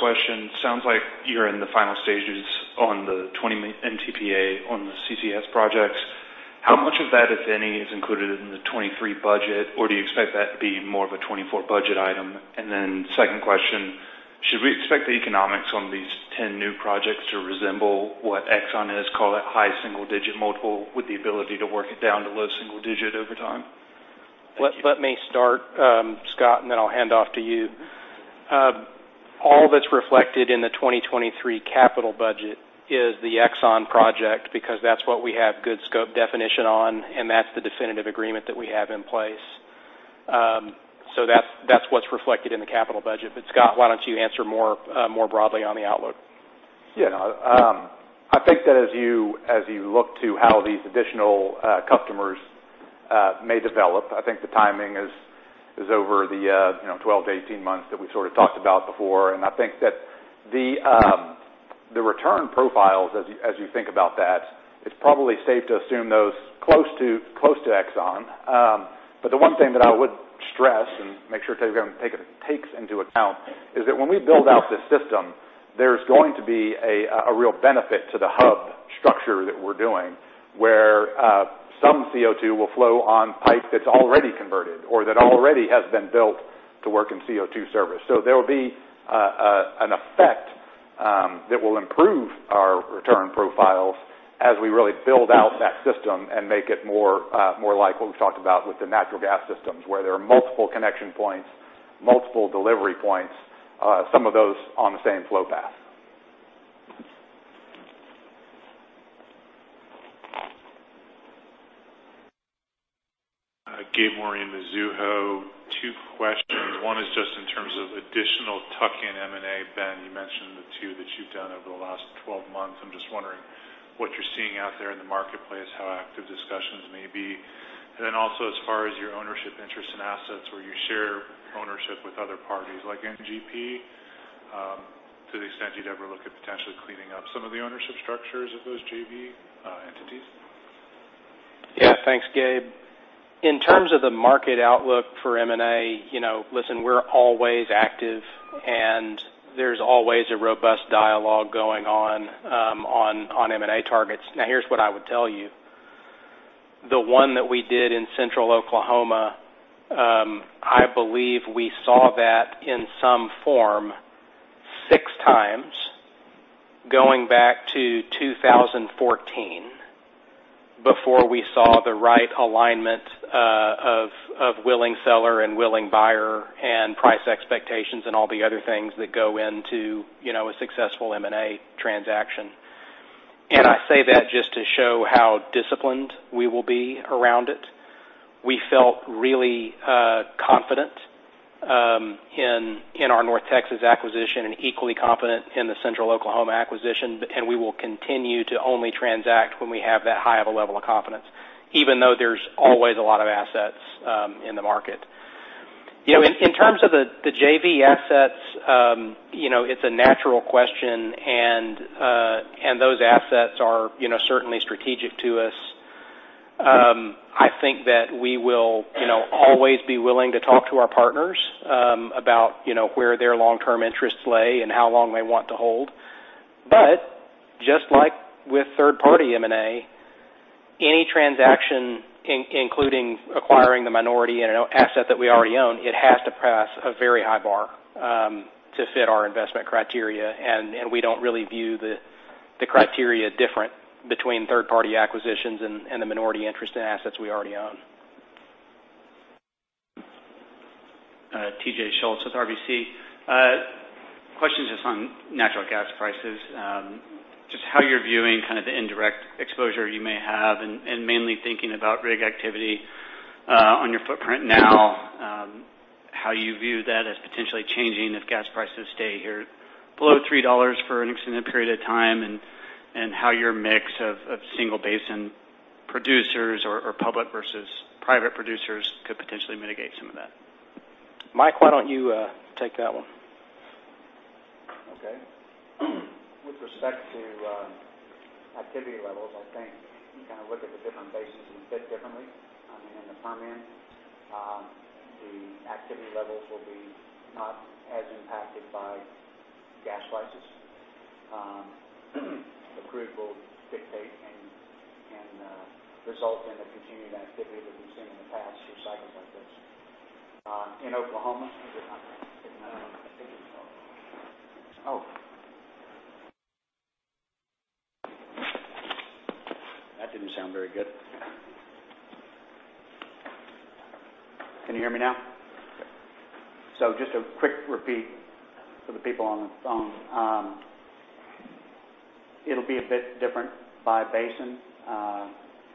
First question, sounds like you're in the final stages on the 20 Mtpa on the CCS projects. How much of that, if any, is included in the 2023 budget, or do you expect that to be more of a 2024 budget item? Second question, should we expect the economics on these 10 new projects to resemble what Exxon has called a high single digit multiple with the ability to work it down to low single digit over time? Let me start, Scott, then I'll hand off to you. All that's reflected in the 2023 capital budget is the Exxon project because that's what we have good scope definition on, and that's the definitive agreement that we have in place. That's what's reflected in the capital budget. Scott, why don't you answer more broadly on the outlook? Yeah. No, I think that as you look to how these additional customers may develop, I think the timing is over the, you know, 12-18 months that we sort of talked about before. I think that the return profiles as you think about that, it's probably safe to assume those close to Exxon. The one thing that I would stress and make sure everyone takes into account is that when we build out this system, there's going to be a real benefit to the hub structure that we're doing, where some CO2 will flow on pipe that's already converted or that already has been built to work in CO2 service. There will be an effect that will improve our return profiles as we really build out that system and make it more, more like what we've talked about with the natural gas systems, where there are multiple connection points, multiple delivery points, some of those on the same flow path. Gabe Moreen, Mizuho. Two questions. One is just in terms of additional tuck-in M&A. Ben Lamb, you mentioned the two that you've done over the last 12 months. I'm just wondering what you're seeing out there in the marketplace, how active discussions may be. Also as far as your ownership interest in assets where you share ownership with other parties like NGP, to the extent you'd ever look at potentially cleaning up some of the ownership structures of those JV entities. Yeah. Thanks, Gabe. In terms of the market outlook for M&A, you know, listen, we're always active, and there's always a robust dialogue going on on M&A targets. Now here's what I would tell you. The one that we did in Central Oklahoma, I believe we saw that in some form six times going back to 2014 before we saw the right alignment of willing seller and willing buyer and price expectations and all the other things that go into, you know, a successful M&A transaction. I say that just to show how disciplined we will be around it. We felt really confident in our North Texas acquisition and equally confident in the Central Oklahoma acquisition. We will continue to only transact when we have that high of a level of confidence, even though there's always a lot of assets in the market. You know, in terms of the JV assets, you know, it's a natural question. Those assets are, you know, certainly strategic to us. I think that we will, you know, always be willing to talk to our partners, about, you know, where their long-term interests lay and how long they want to hold. Just like with third-party M&A, any transaction including acquiring the minority in an asset that we already own, it has to pass a very high bar, to fit our investment criteria. We don't really view the criteria different between third-party acquisitions and the minority interest in assets we already own. TJ Schultz with RBC. Question just on natural gas prices, just how you're viewing kind of the indirect exposure you may have and mainly thinking about rig activity on your footprint now, how you view that as potentially changing if gas prices stay here below $3 for an extended period of time, and how your mix of single basin producers or public versus private producers could potentially mitigate some of that? Mike, why don't you take that one? With respect to activity levels, I think you kind of look at the different basins and fit differently. I mean, in the Permian, the activity levels will be not as impacted by gas prices. The crude will dictate and result in a continued activity that we've seen in the past through cycles like this. In Oklahoma? In Oklahoma. Oh. That didn't sound very good. Can you hear me now? Just a quick repeat for the people on the phone. It'll be a bit different by basin,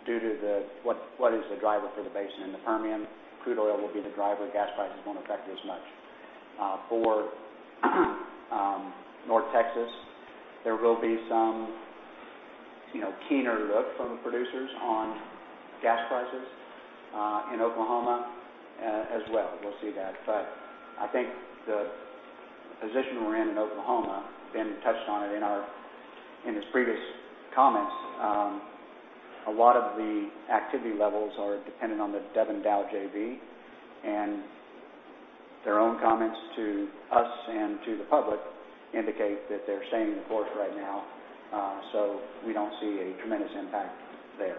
due to what is the driver for the basin. In the Permian, crude oil will be the driver. Gas prices won't affect it as much. For North Texas, there will be some, you know, keener look from the producers on gas prices. In Oklahoma as well, we'll see that. I think the position we're in in Oklahoma, Ben touched on it in his previous comments, a lot of the activity levels are dependent on the Devon-Dow JV, and their own comments to us and to the public indicate that they're staying the course right now, so we don't see a tremendous impact there.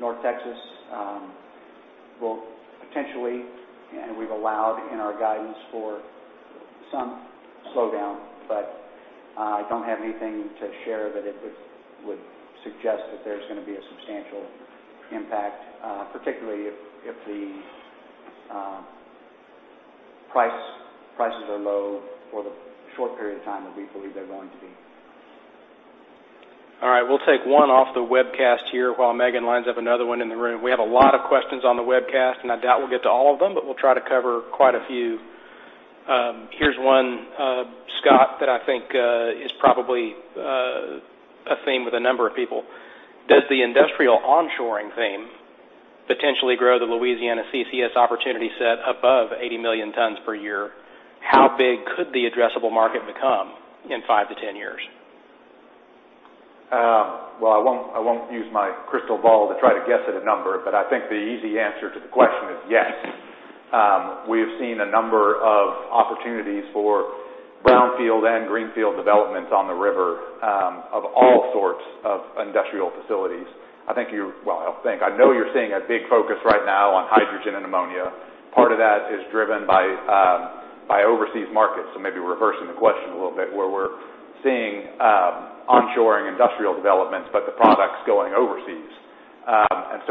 North Texas, will potentially, and we've allowed in our guidance for some slowdown, but, I don't have anything to share that it would suggest that there's gonna be a substantial impact, particularly if the prices are low for the short period of time that we believe they're going to be. All right, we'll take one off the webcast here while Megan lines up another one in the room. We have a lot of questions on the webcast. I doubt we'll get to all of them, but we'll try to cover quite a few. Here's one, Scott, that I think is probably a theme with a number of people. Does the industrial onshoring theme potentially grow the Louisiana CCS opportunity set above 80 million tons per year? How big could the addressable market become in five to 10 years? Well, I won't, I won't use my crystal ball to try to guess at a number, but I think the easy answer to the question is yes. We have seen a number of opportunities for brownfield and greenfield developments on the river of all sorts of industrial facilities. I know you're seeing a big focus right now on hydrogen and ammonia. Part of that is driven by overseas markets, so maybe reversing the question a little bit, where we're seeing onshoring industrial developments, but the product's going overseas.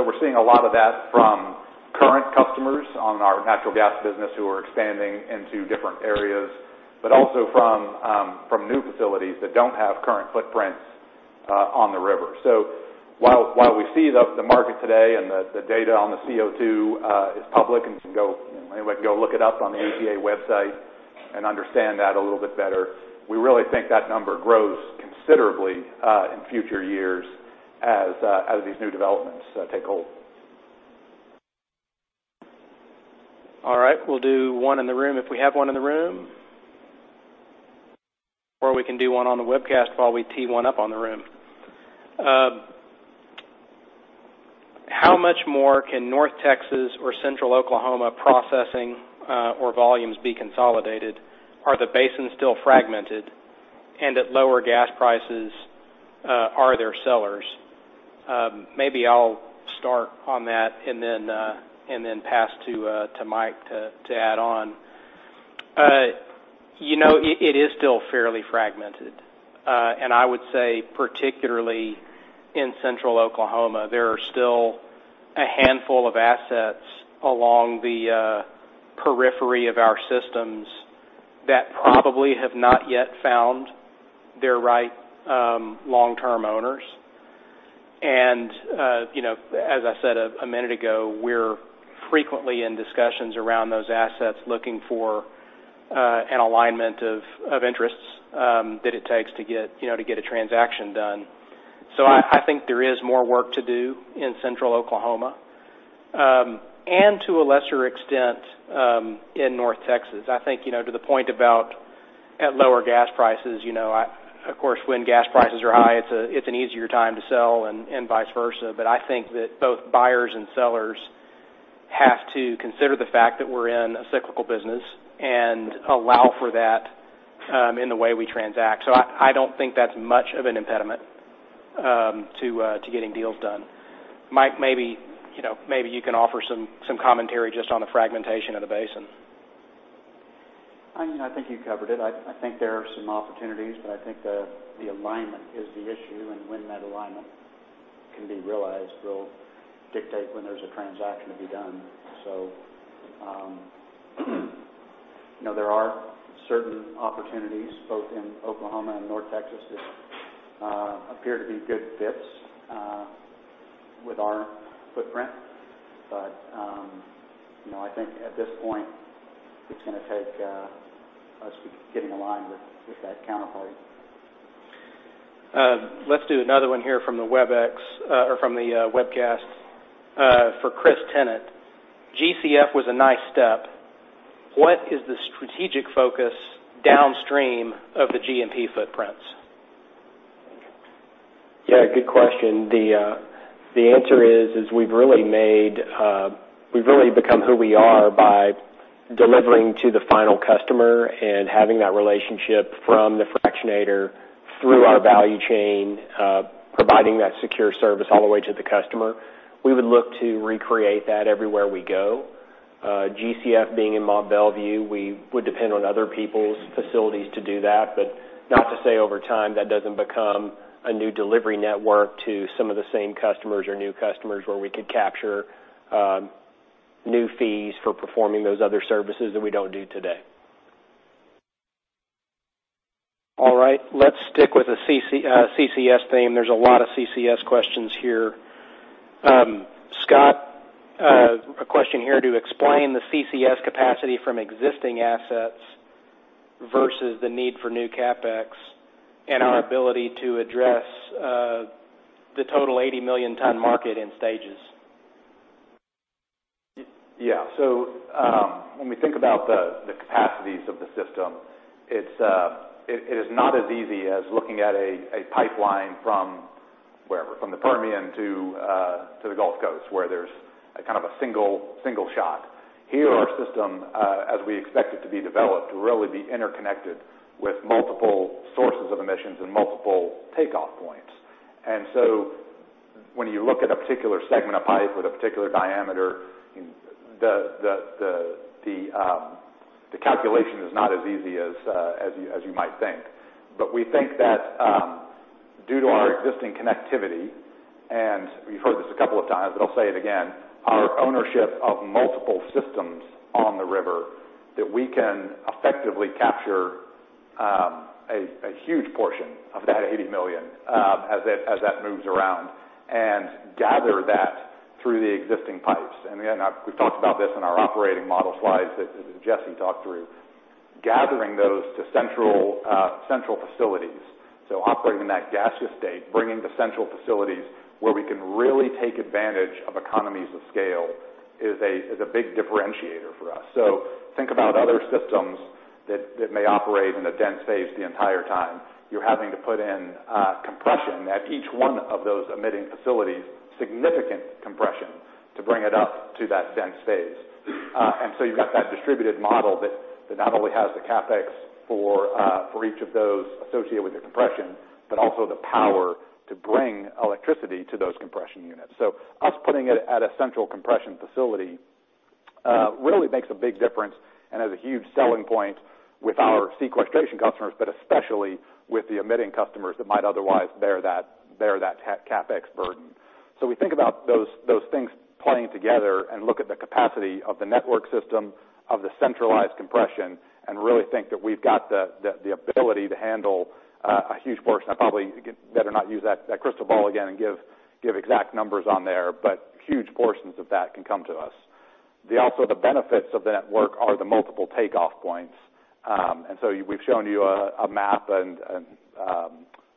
We're seeing a lot of that from current customers on our natural gas business who are expanding into different areas, but also from new facilities that don't have current footprints on the river. While we see the market today and the data on the CO2 is public and can go, you know, anybody can go look it up on the EPA website and understand that a little bit better, we really think that number grows considerably in future years as these new developments take hold. All right, we'll do one in the room if we have one in the room. We can do one on the webcast while we tee one up on the room. How much more can North Texas or Central Oklahoma processing or volumes be consolidated? Are the basins still fragmented? At lower gas prices, are there sellers? Maybe I'll start on that and then and then pass to Mike to add on. You know, it is still fairly fragmented. I would say particularly in Central Oklahoma, there are still a handful of assets along the periphery of our systems that probably have not yet found their right long-term owners. You know, as I said a minute ago, we're frequently in discussions around those assets looking for an alignment of interests that it takes to get, you know, to get a transaction done. I think there is more work to do in Central Oklahoma, and to a lesser extent, in North Texas. I think, you know, to the point about at lower gas prices, you know, of course, when gas prices are high, it's an easier time to sell and vice versa. I think that both buyers and sellers have to consider the fact that we're in a cyclical business and allow for that in the way we transact. I don't think that's much of an impediment to getting deals done. Mike, maybe, you know, maybe you can offer some commentary just on the fragmentation of the basin. I mean, I think you covered it. I think there are some opportunities, I think the alignment is the issue. When that alignment can be realized will dictate when there's a transaction to be done. You know, there are certain opportunities both in Oklahoma and North Texas that appear to be good fits with our footprint. You know, I think at this point it's gonna take us getting aligned with that counterpart. Let's do another one here from the webcast for Chris Tennant. GCF was a nice step. What is the strategic focus downstream of the G&P footprints? Yeah, good question. The answer is we've really become who we are by delivering to the final customer and having that relationship from the fractionator through our value chain, providing that secure service all the way to the customer. We would look to recreate that everywhere we go. GCF being in Mont Belvieu, we would depend on other people's facilities to do that, not to say over time that doesn't become a new delivery network to some of the same customers or new customers where we could capture new fees for performing those other services that we don't do today. Let's stick with the CC, CCS theme. There's a lot of CCS questions here. Scott, a question here to explain the CCS capacity from existing assets versus the need for new CapEx and our ability to address the total 80 million ton market in stages. Yeah. When we think about the capacities of the system, it's, it is not as easy as looking at a pipeline from wherever, from the Permian to the Gulf Coast, where there's a kind of a single shot. Here, our system, as we expect it to be developed, will really be interconnected with multiple sources of emissions and multiple takeoff points. When you look at a particular segment of pipe with a particular diameter, the calculation is not as easy as you might think. We think that, due to our existing connectivity, and we've heard this a couple of times, but I'll say it again, our ownership of multiple systems on the river, that we can effectively capture a huge portion of that 80 million as that moves around, and gather that through the existing pipes. Again, we've talked about this in our operating model slides that Jesse talked through. Gathering those to central facilities, so operating in that gaseous state, bringing the central facilities where we can really take advantage of economies of scale is a big differentiator for us. Think about other systems that may operate in a dense phase the entire time. You're having to put in compression at each one of those emitting facilities, significant compression, to bring it up to that dense phase. You've got that distributed model that not only has the CapEx for each of those associated with the compression, but also the power to bring electricity to those compression units. Us putting it at a central compression facility, really makes a big difference and is a huge selling point with our sequestration customers, but especially with the emitting customers that might otherwise bear that CapEx burden. We think about those things playing together and look at the capacity of the network system, of the centralized compression, and really think that we've got the ability to handle a huge portion. I probably better not use that crystal ball again and give exact numbers on there, but huge portions of that can come to us. Also, the benefits of the network are the multiple takeoff points. We've shown you a map and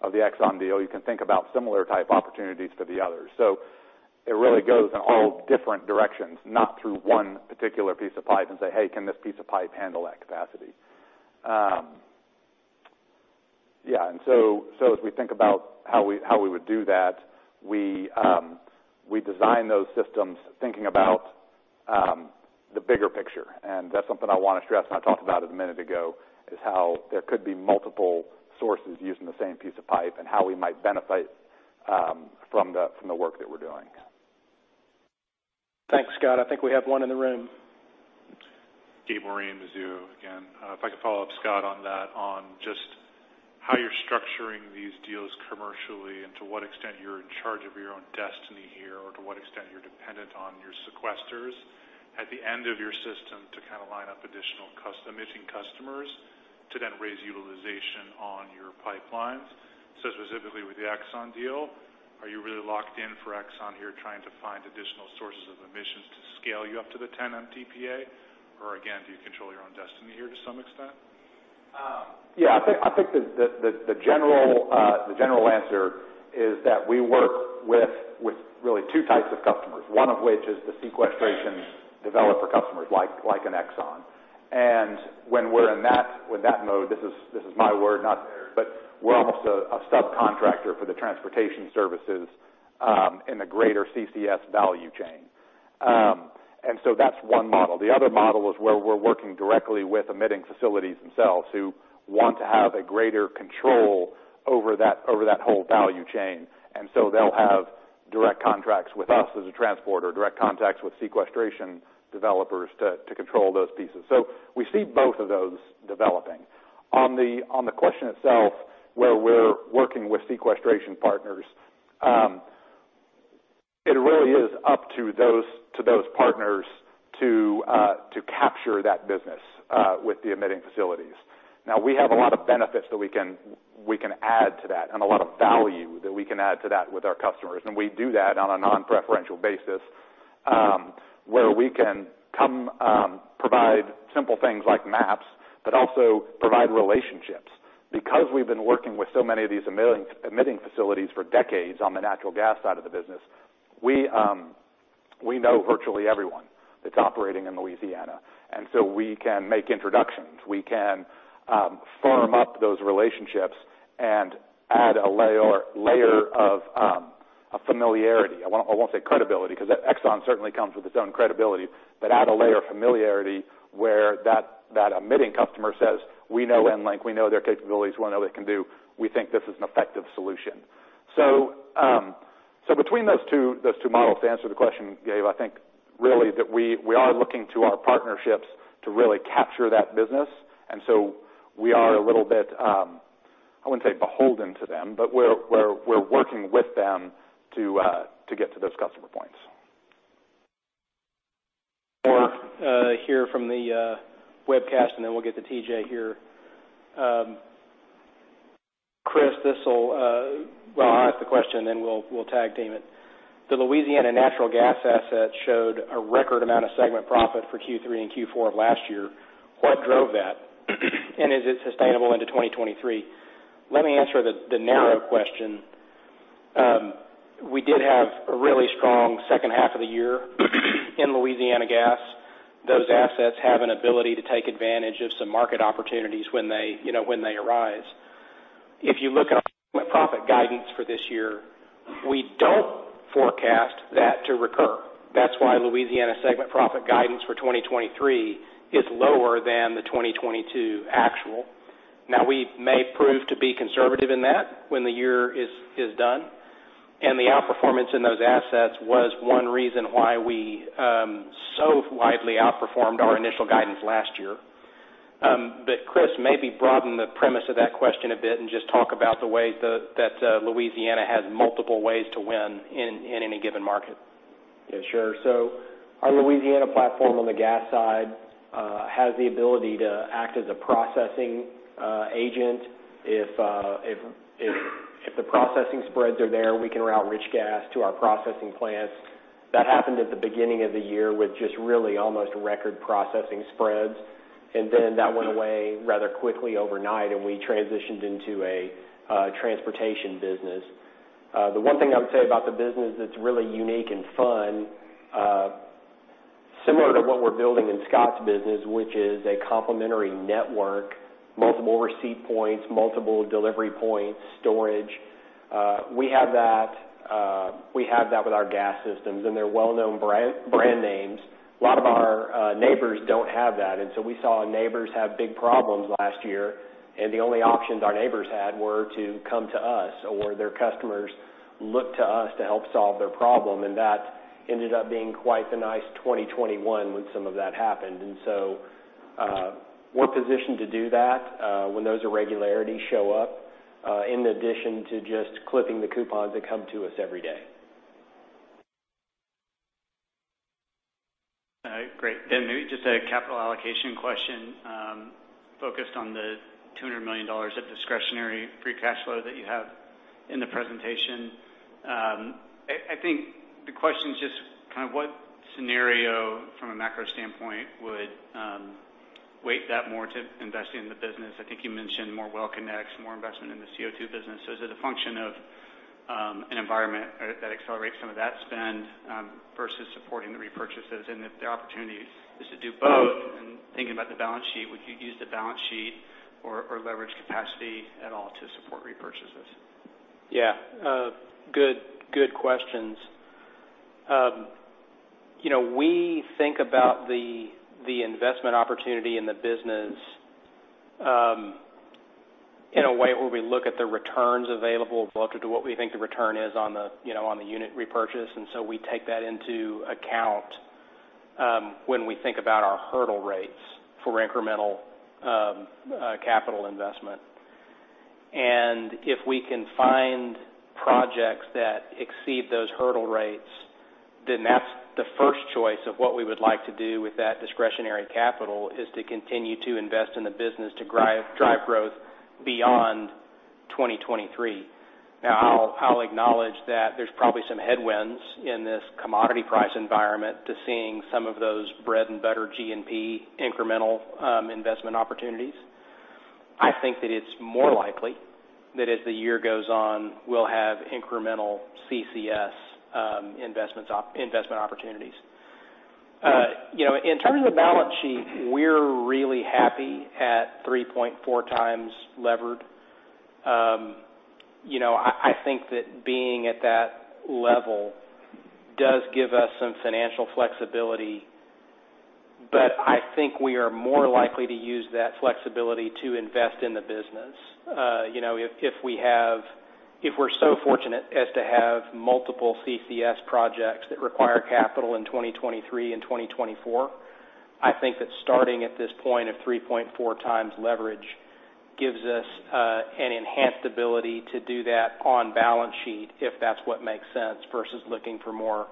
of the ExxonMobil deal. You can think about similar type opportunities for the others. It really goes in all different directions, not through one particular piece of pipe and say, "Hey, can this piece of pipe handle that capacity?" As we think about how we would do that, we design those systems thinking about the bigger picture. That's something I wanna stress and I talked about a minute ago, is how there could be multiple sources using the same piece of pipe and how we might benefit, from the work that we're doing. Thanks, Scott. I think we have one in the room. Gabe Moreen, Mizuho again. If I could follow up, Scott, on that, on just how you're structuring these deals commercially and to what extent you're in charge of your own destiny here, or to what extent you're dependent on your sequesters at the end of your system to kind of line up additional emitting customers to then raise utilization on your pipelines. Specifically with the Exxon deal, are you really locked in for Exxon here trying to find additional sources of emissions to scale you up to the 10 Mtpa? Again, do you control your own destiny here to some extent? Yeah. I think the general answer is that we work with really two types of customers, one of which is the sequestration developer customers, like an Exxon. When we're in that mode, this is my word, not theirs, but we're almost a subcontractor for the transportation services in the greater CCS value chain. That's one model. The other model is where we're working directly with emitting facilities themselves who want to have a greater control over that, over that whole value chain. They'll have direct contracts with us as a transporter, direct contracts with sequestration developers to control those pieces. We see both of those developing. On the question itself, where we're working with sequestration partners, it really is up to those partners to capture that business with the emitting facilities. We have a lot of benefits that we can add to that, and a lot of value that we can add to that with our customers, and we do that on a non-preferential basis, where we can come provide simple things like maps, but also provide relationships. We've been working with so many of these emitting facilities for decades on the natural gas side of the business, we know virtually everyone that's operating in Louisiana. We can make introductions. We can firm up those relationships and add a layer of a familiarity. I won't say credibility, 'cause Exxon certainly comes with its own credibility. Add a layer of familiarity where that emitting customer says, "We know EnLink. We know their capabilities. We know what they can do. We think this is an effective solution." Between those two models, to answer the question, Gabe, I think really that we are looking to our partnerships to really capture that business. We are a little bit, I wouldn't say beholden to them, but we're working with them to get to those customer points. Hear from the webcast, we'll get to TJ here. Chris, I'll ask the question, we'll tag-team it. The Louisiana natural gas assets showed a record amount of segment profit for Q3 and Q4 of last year. What drove that? Is it sustainable into 2023? Let me answer the narrow question. We did have a really strong second half of the year in Louisiana Gas. Those assets have an ability to take advantage of some market opportunities when they, you know, when they arise. If you look at our segment profit guidance for this year, we don't forecast that to recur. That's why Louisiana segment profit guidance for 2023 is lower than the 2022 actual. Now, we may prove to be conservative in that when the year is done, and the outperformance in those assets was one reason why we so widely outperformed our initial guidance last year. Chris, maybe broaden the premise of that question a bit and just talk about the way that Louisiana has multiple ways to win in any given market. Yeah, sure. Our Louisiana platform on the gas side has the ability to act as a processing agent. If the processing spreads are there, we can route rich gas to our processing plants. That happened at the beginning of the year with just really almost record processing spreads. That went away rather quickly overnight, and we transitioned into a transportation business. The one thing I would say about the business that's really unique and fun, similar to what we're building in Scott's business, which is a complementary network, multiple receipt points, multiple delivery points, storage, we have that, we have that with our gas systems, and they're well-known brand names. A lot of our neighbors don't have that. We saw our neighbors have big problems last year, and the only options our neighbors had were to come to us or their customers look to us to help solve their problem. That ended up being quite the nice 2021 when some of that happened. We're positioned to do that, when those irregularities show up, in addition to just clipping the coupons that come to us every day. All right. Great. Maybe just a capital allocation question, focused on the $200 million of discretionary free cash flow that you have in the presentation. I think the question is just kind of what scenario from a macro standpoint would weight that more to investing in the business? I think you mentioned more well connects, more investment in the CO2 business. Is it a function of an environment that accelerates some of that spend versus supporting the repurchases? If the opportunity is to do both and thinking about the balance sheet, would you use the balance sheet or leverage capacity at all to support repurchases? Yeah. Good questions. You know, we think about the investment opportunity in the business in a way where we look at the returns available relative to what we think the return is on the, you know, on the unit repurchase. We take that into account when we think about our hurdle rates for incremental capital investment. If we can find projects that exceed those hurdle rates, that's the first choice of what we would like to do with that discretionary capital, is to continue to invest in the business to drive growth beyond 2023. Now, I'll acknowledge that there's probably some headwinds in this commodity price environment to seeing some of those bread and butter G&P incremental investment opportunities. I think that it's more likely that as the year goes on, we'll have incremental CCS investments investment opportunities. You know, in terms of balance sheet, we're really happy at 3.4x levered. You know, I think that being at that level does give us some financial flexibility, but I think we are more likely to use that flexibility to invest in the business. You know, if we're so fortunate as to have multiple CCS projects that require capital in 2023 and 2024, I think that starting at this point of 3.4x leverage gives us an enhanced ability to do that on balance sheet, if that's what makes sense, versus looking for more,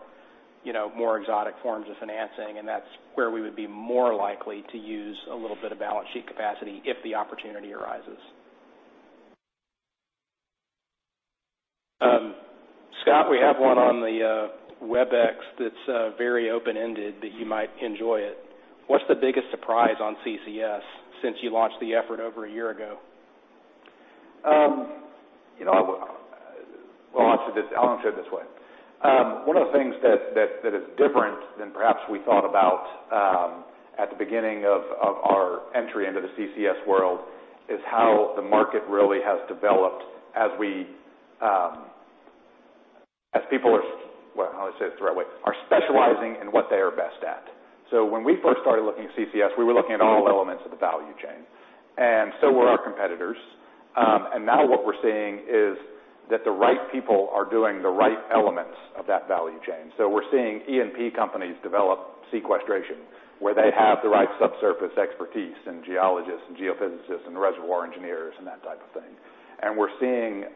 you know, more exotic forms of financing. That's where we would be more likely to use a little bit of balance sheet capacity if the opportunity arises. Scott, we have one on the Webex that's very open-ended, but you might enjoy it. What's the biggest surprise on CCS since you launched the effort over a year ago? You know, well, I'll answer it this way. One of the things that is different than perhaps we thought about at the beginning of our entry into the CCS world is how the market really has developed as we, as people, well, how do I say this the right way? Are specializing in what they are best at. When we first started looking at CCS, we were looking at all elements of the value chain, and so were our competitors. Now what we're seeing is that the right people are doing the right elements of that value chain. We're seeing E&P companies develop sequestration, where they have the right subsurface expertise and geologists and geophysicists and reservoir engineers and that type of thing. We're seeing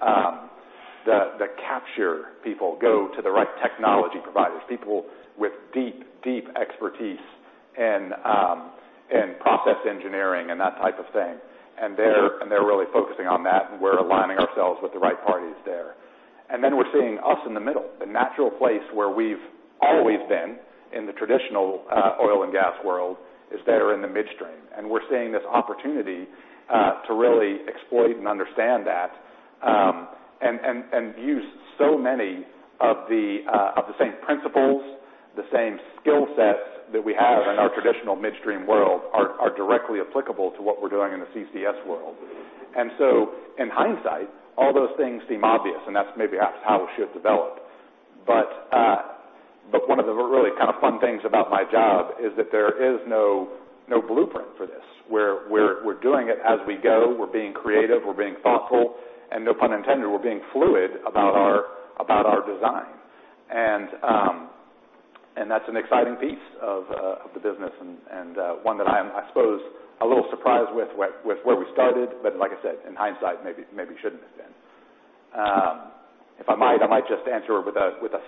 the capture people go to the right technology providers, people with deep, deep expertise in process engineering and that type of thing. They're really focusing on that, and we're aligning ourselves with the right parties there. Then we're seeing us in the middle. The natural place where we've always been in the traditional oil and gas world is better in the midstream. We're seeing this opportunity to really exploit and understand that, and use so many of the same principles, the same skill sets that we have in our traditional midstream world are directly applicable to what we're doing in the CCS world. In hindsight, all those things seem obvious, and that's maybe how it should develop. One of the really kind of fun things about my job is that there is no blueprint for this, where we're doing it as we go. We're being creative, we're being thoughtful, and no pun intended, we're being fluid about our design. That's an exciting piece of the business and one that I'm, I suppose, a little surprised with where we started. Like I said, in hindsight, maybe shouldn't have been. If I might, I might just answer with a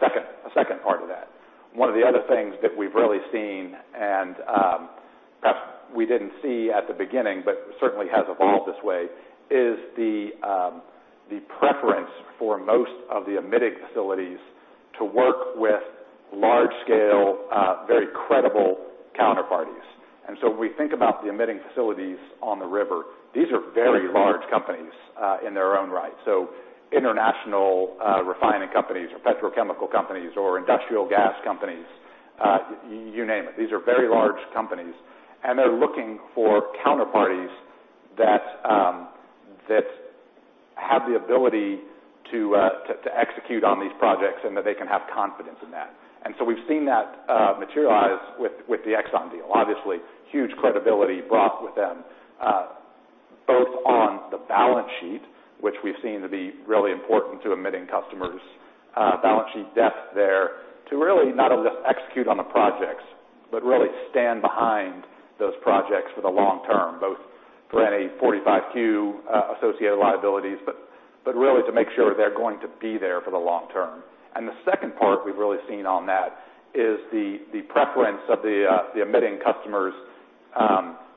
second part of that. One of the other things that we've really seen, and perhaps we didn't see at the beginning but certainly has evolved this way, is the preference for most of the emitting facilities to work with large scale, very credible counterparties. We think about the emitting facilities on the river. These are very large companies, in their own right. So international refining companies or petrochemical companies or industrial gas companies, you name it, these are very large companies, and they're looking for counterparties that have the ability to execute on these projects and that they can have confidence in that. We've seen that materialize with the ExxonMobil deal. Obviously, huge credibility brought with them, both on the balance sheet, which we've seen to be really important to emitting customers, balance sheet depth there, to really not only just execute on the projects but really stand behind those projects for the long term, both for any 45Q associated liabilities, but really to make sure they're going to be there for the long term. The second part we've really seen on that is the preference of the emitting customers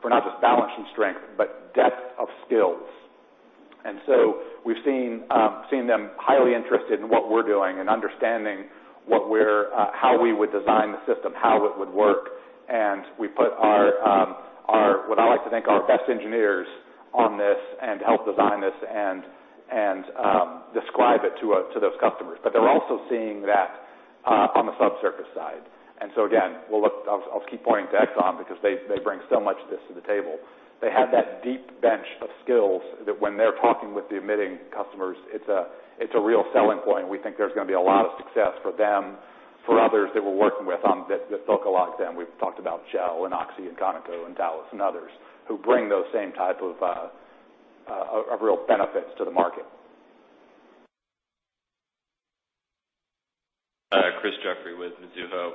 for not just balance sheet strength, but depth of skills. We've seen them highly interested in what we're doing and understanding how we would design the system, how it would work. We put our, what I like to think, our best engineers on this and help design this and describe it to those customers. But they're also seeing that on the subsurface side. Again, I'll keep pointing to Exxon because they bring so much of this to the table. They have that deep bench of skills that when they're talking with the emitting customers, it's a real selling point. We think there's gonna be a lot of success for them, for others that we're working with that look a lot them. We've talked about Shell and Oxy and Conoco and Talos and others who bring those same type of real benefits to the market Chris Jeffrey with Mizuho.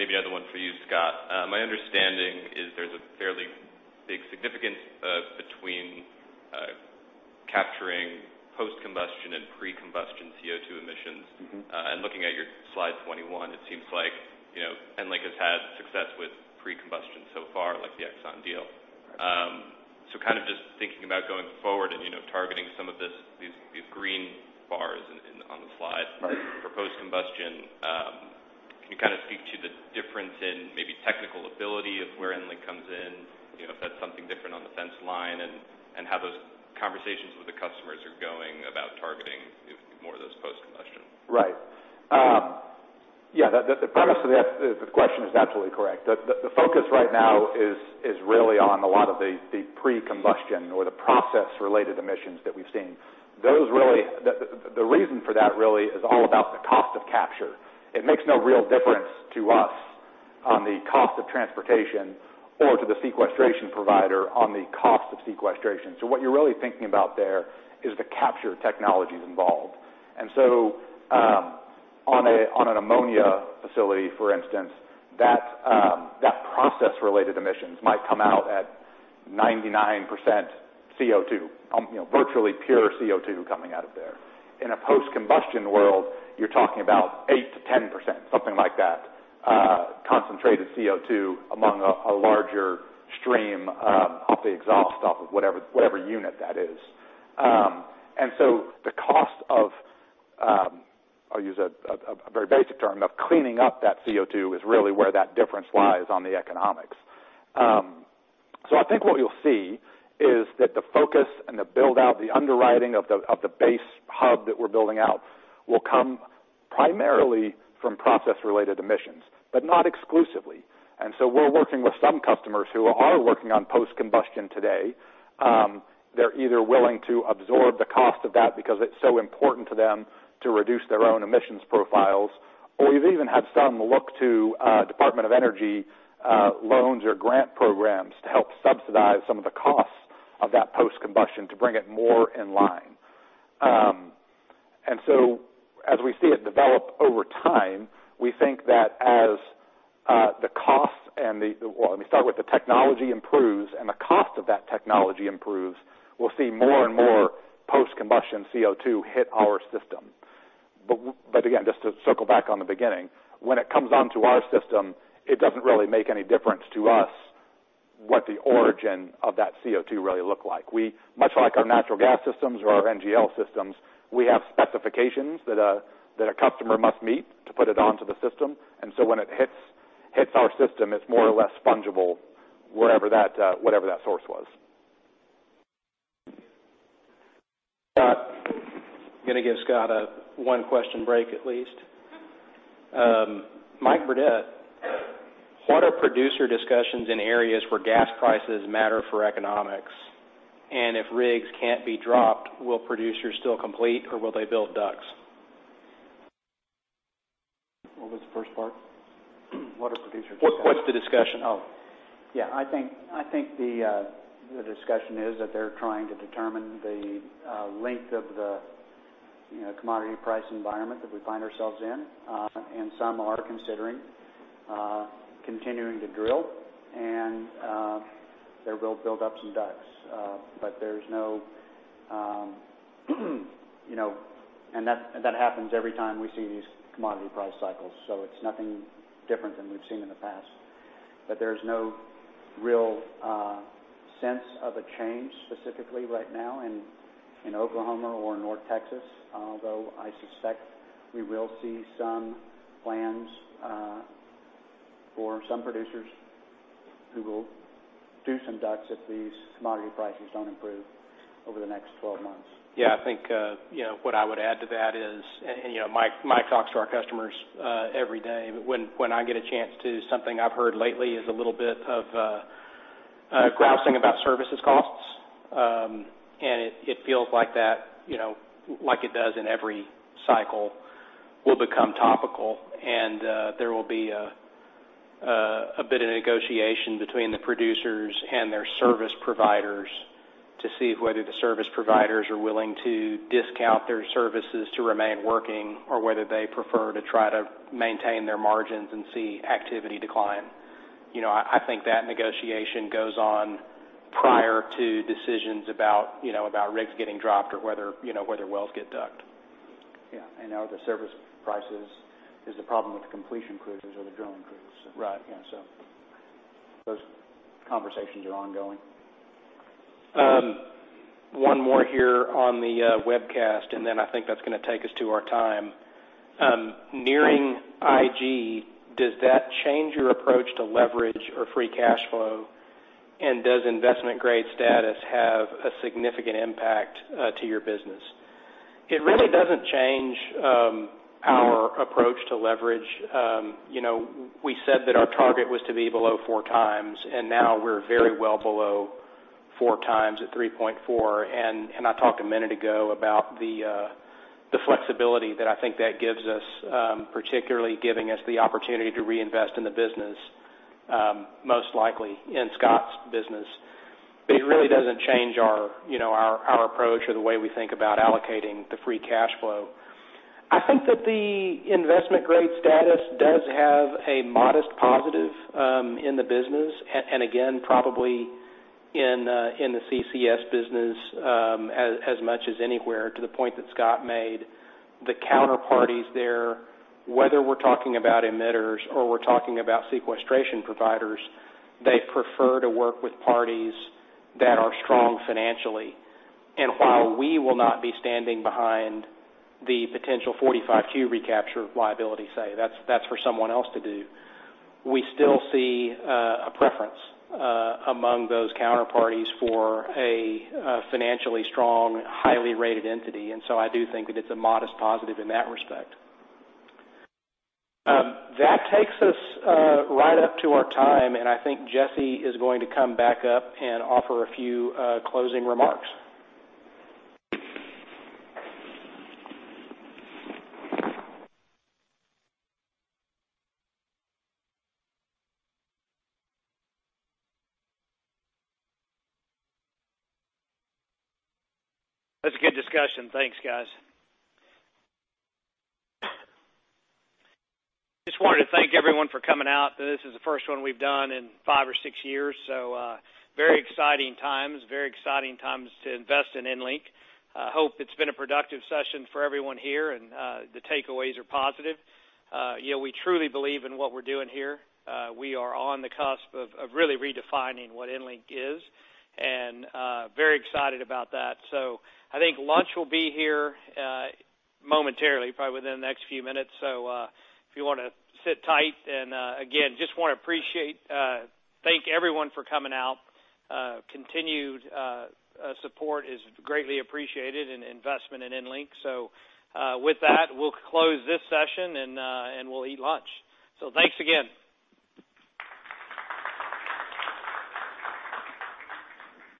Maybe I have one for you, Scott. My understanding is there's a fairly big significance between capturing post-combustion and pre-combustion CO2 emissions. Mm-hmm. Looking at your slide 21, it seems like, you know, EnLink has had success with pre-combustion so far, like the Exxon deal. Kind of just thinking about going forward and, you know, targeting these green bars on the slide. Right. -for post-combustion, can you kind of speak to the difference in maybe technical ability of where EnLink comes in? You know, if that's something different on the fence line, and how those conversations with the customers are going about targeting if more of those post-combustion? Right. Yeah. The premise to the question is absolutely correct. The focus right now is really on a lot of the pre-combustion or the process-related emissions that we've seen. The reason for that really is all about the cost of capture. It makes no real difference to us on the cost of transportation or to the sequestration provider on the cost of sequestration. What you're really thinking about there is the capture technologies involved. On an ammonia facility, for instance, that process-related emissions might come out at 99% CO2, you know, virtually pure CO2 coming out of there. In a post-combustion world, you're talking about 8%-10%, something like that, concentrated CO2 among a larger stream, off the exhaust, off of whatever unit that is. The cost of, I'll use a very basic term, of cleaning up that CO2 is really where that difference lies on the economics. I think what you'll see is that the focus and the build-out, the underwriting of the base hub that we're building out will come primarily from process-related emissions, but not exclusively. We're working with some customers who are working on post-combustion today. They're either willing to absorb the cost of that because it's so important to them to reduce their own emissions profiles. We've even had some look to Department of Energy loans or grant programs to help subsidize some of the costs of that post-combustion to bring it more in line. As we see it develop over time, we think that as well, let me start with the technology improves, and the cost of that technology improves, we'll see more and more post-combustion CO2 hit our system. Again, just to circle back on the beginning, when it comes onto our system, it doesn't really make any difference to us what the origin of that CO2 really look like. Much like our natural gas systems or our NGL systems, we have specifications that a customer must meet to put it onto the system. When it hits our system, it's more or less fungible wherever that, whatever that source was. Scott. Gonna give Scott a one question break at least. Mike Burdett, what are producer discussions in areas where gas prices matter for economics? If rigs can't be dropped, will producers still complete, or will they build DUCs? What was the first part? What are producers? What's the discussion? Yeah, I think the discussion is that they're trying to determine the length of the, you know, commodity price environment that we find ourselves in. Some are considering continuing to drill, and they will build up some DUCs. There's no, you know... That happens every time we see these commodity price cycles, so it's nothing different than we've seen in the past. There's no real sense of a change specifically right now in Oklahoma or North Texas, although I suspect we will see some plans for some producers who will do some DUCs if these commodity prices don't improve over the next 12 months. Yeah, I think, you know, what I would add to that is, Mike talks to our customers every day. When I get a chance to, something I've heard lately is a little bit of grousing about services costs. It feels like that, you know, like it does in every cycle, will become topical. There will be a bit of negotiation between the producers and their service providers to see whether the service providers are willing to discount their services to remain working or whether they prefer to try to maintain their margins and see activity decline. You know, I think that negotiation goes on prior to decisions about rigs getting dropped or whether wells get DUC'd. Yeah. Now the service prices is the problem with the completion crews or the drilling crews. Right. Yeah, those conversations are ongoing. One more here on the webcast, I think that's gonna take us to our time. Nearing IG, does that change your approach to leverage or free cash flow? Does investment grade status have a significant impact to your business? It really doesn't change our approach to leverage. You know, we said that our target was to be below 4x, and now we're very well below 4x at 3.4. I talked a minute ago about the flexibility that I think that gives us, particularly giving us the opportunity to reinvest in the business, most likely in Scott's business. It really doesn't change our, you know, our approach or the way we think about allocating the free cash flow. I think that the investment grade status does have a modest positive in the business. Again, probably in the CCS business, as much as anywhere to the point that Scott made. The counterparties there, whether we're talking about emitters or we're talking about sequestration providers, they prefer to work with parties that are strong financially. While we will not be standing behind the potential 45Q recapture liability, say, that's for someone else to do, we still see a preference among those counterparties for a financially strong, highly rated entity. So I do think that it's a modest positive in that respect. That takes us right up to our time, and I think Jesse is going to come back up and offer a few closing remarks. That's a good discussion. Thanks, guys. Just wanted to thank everyone for coming out. This is the first one we've done in five or six years, very exciting times, very exciting times to invest in EnLink. I hope it's been a productive session for everyone here, the takeaways are positive. You know, we truly believe in what we're doing here. We are on the cusp of really redefining what EnLink is, very excited about that. I think lunch will be here momentarily, probably within the next few minutes. If you wanna sit tight. Again, just wanna appreciate, thank everyone for coming out. Continued support is greatly appreciated in investment in EnLink. With that, we'll close this session, and we'll eat lunch. Thanks again.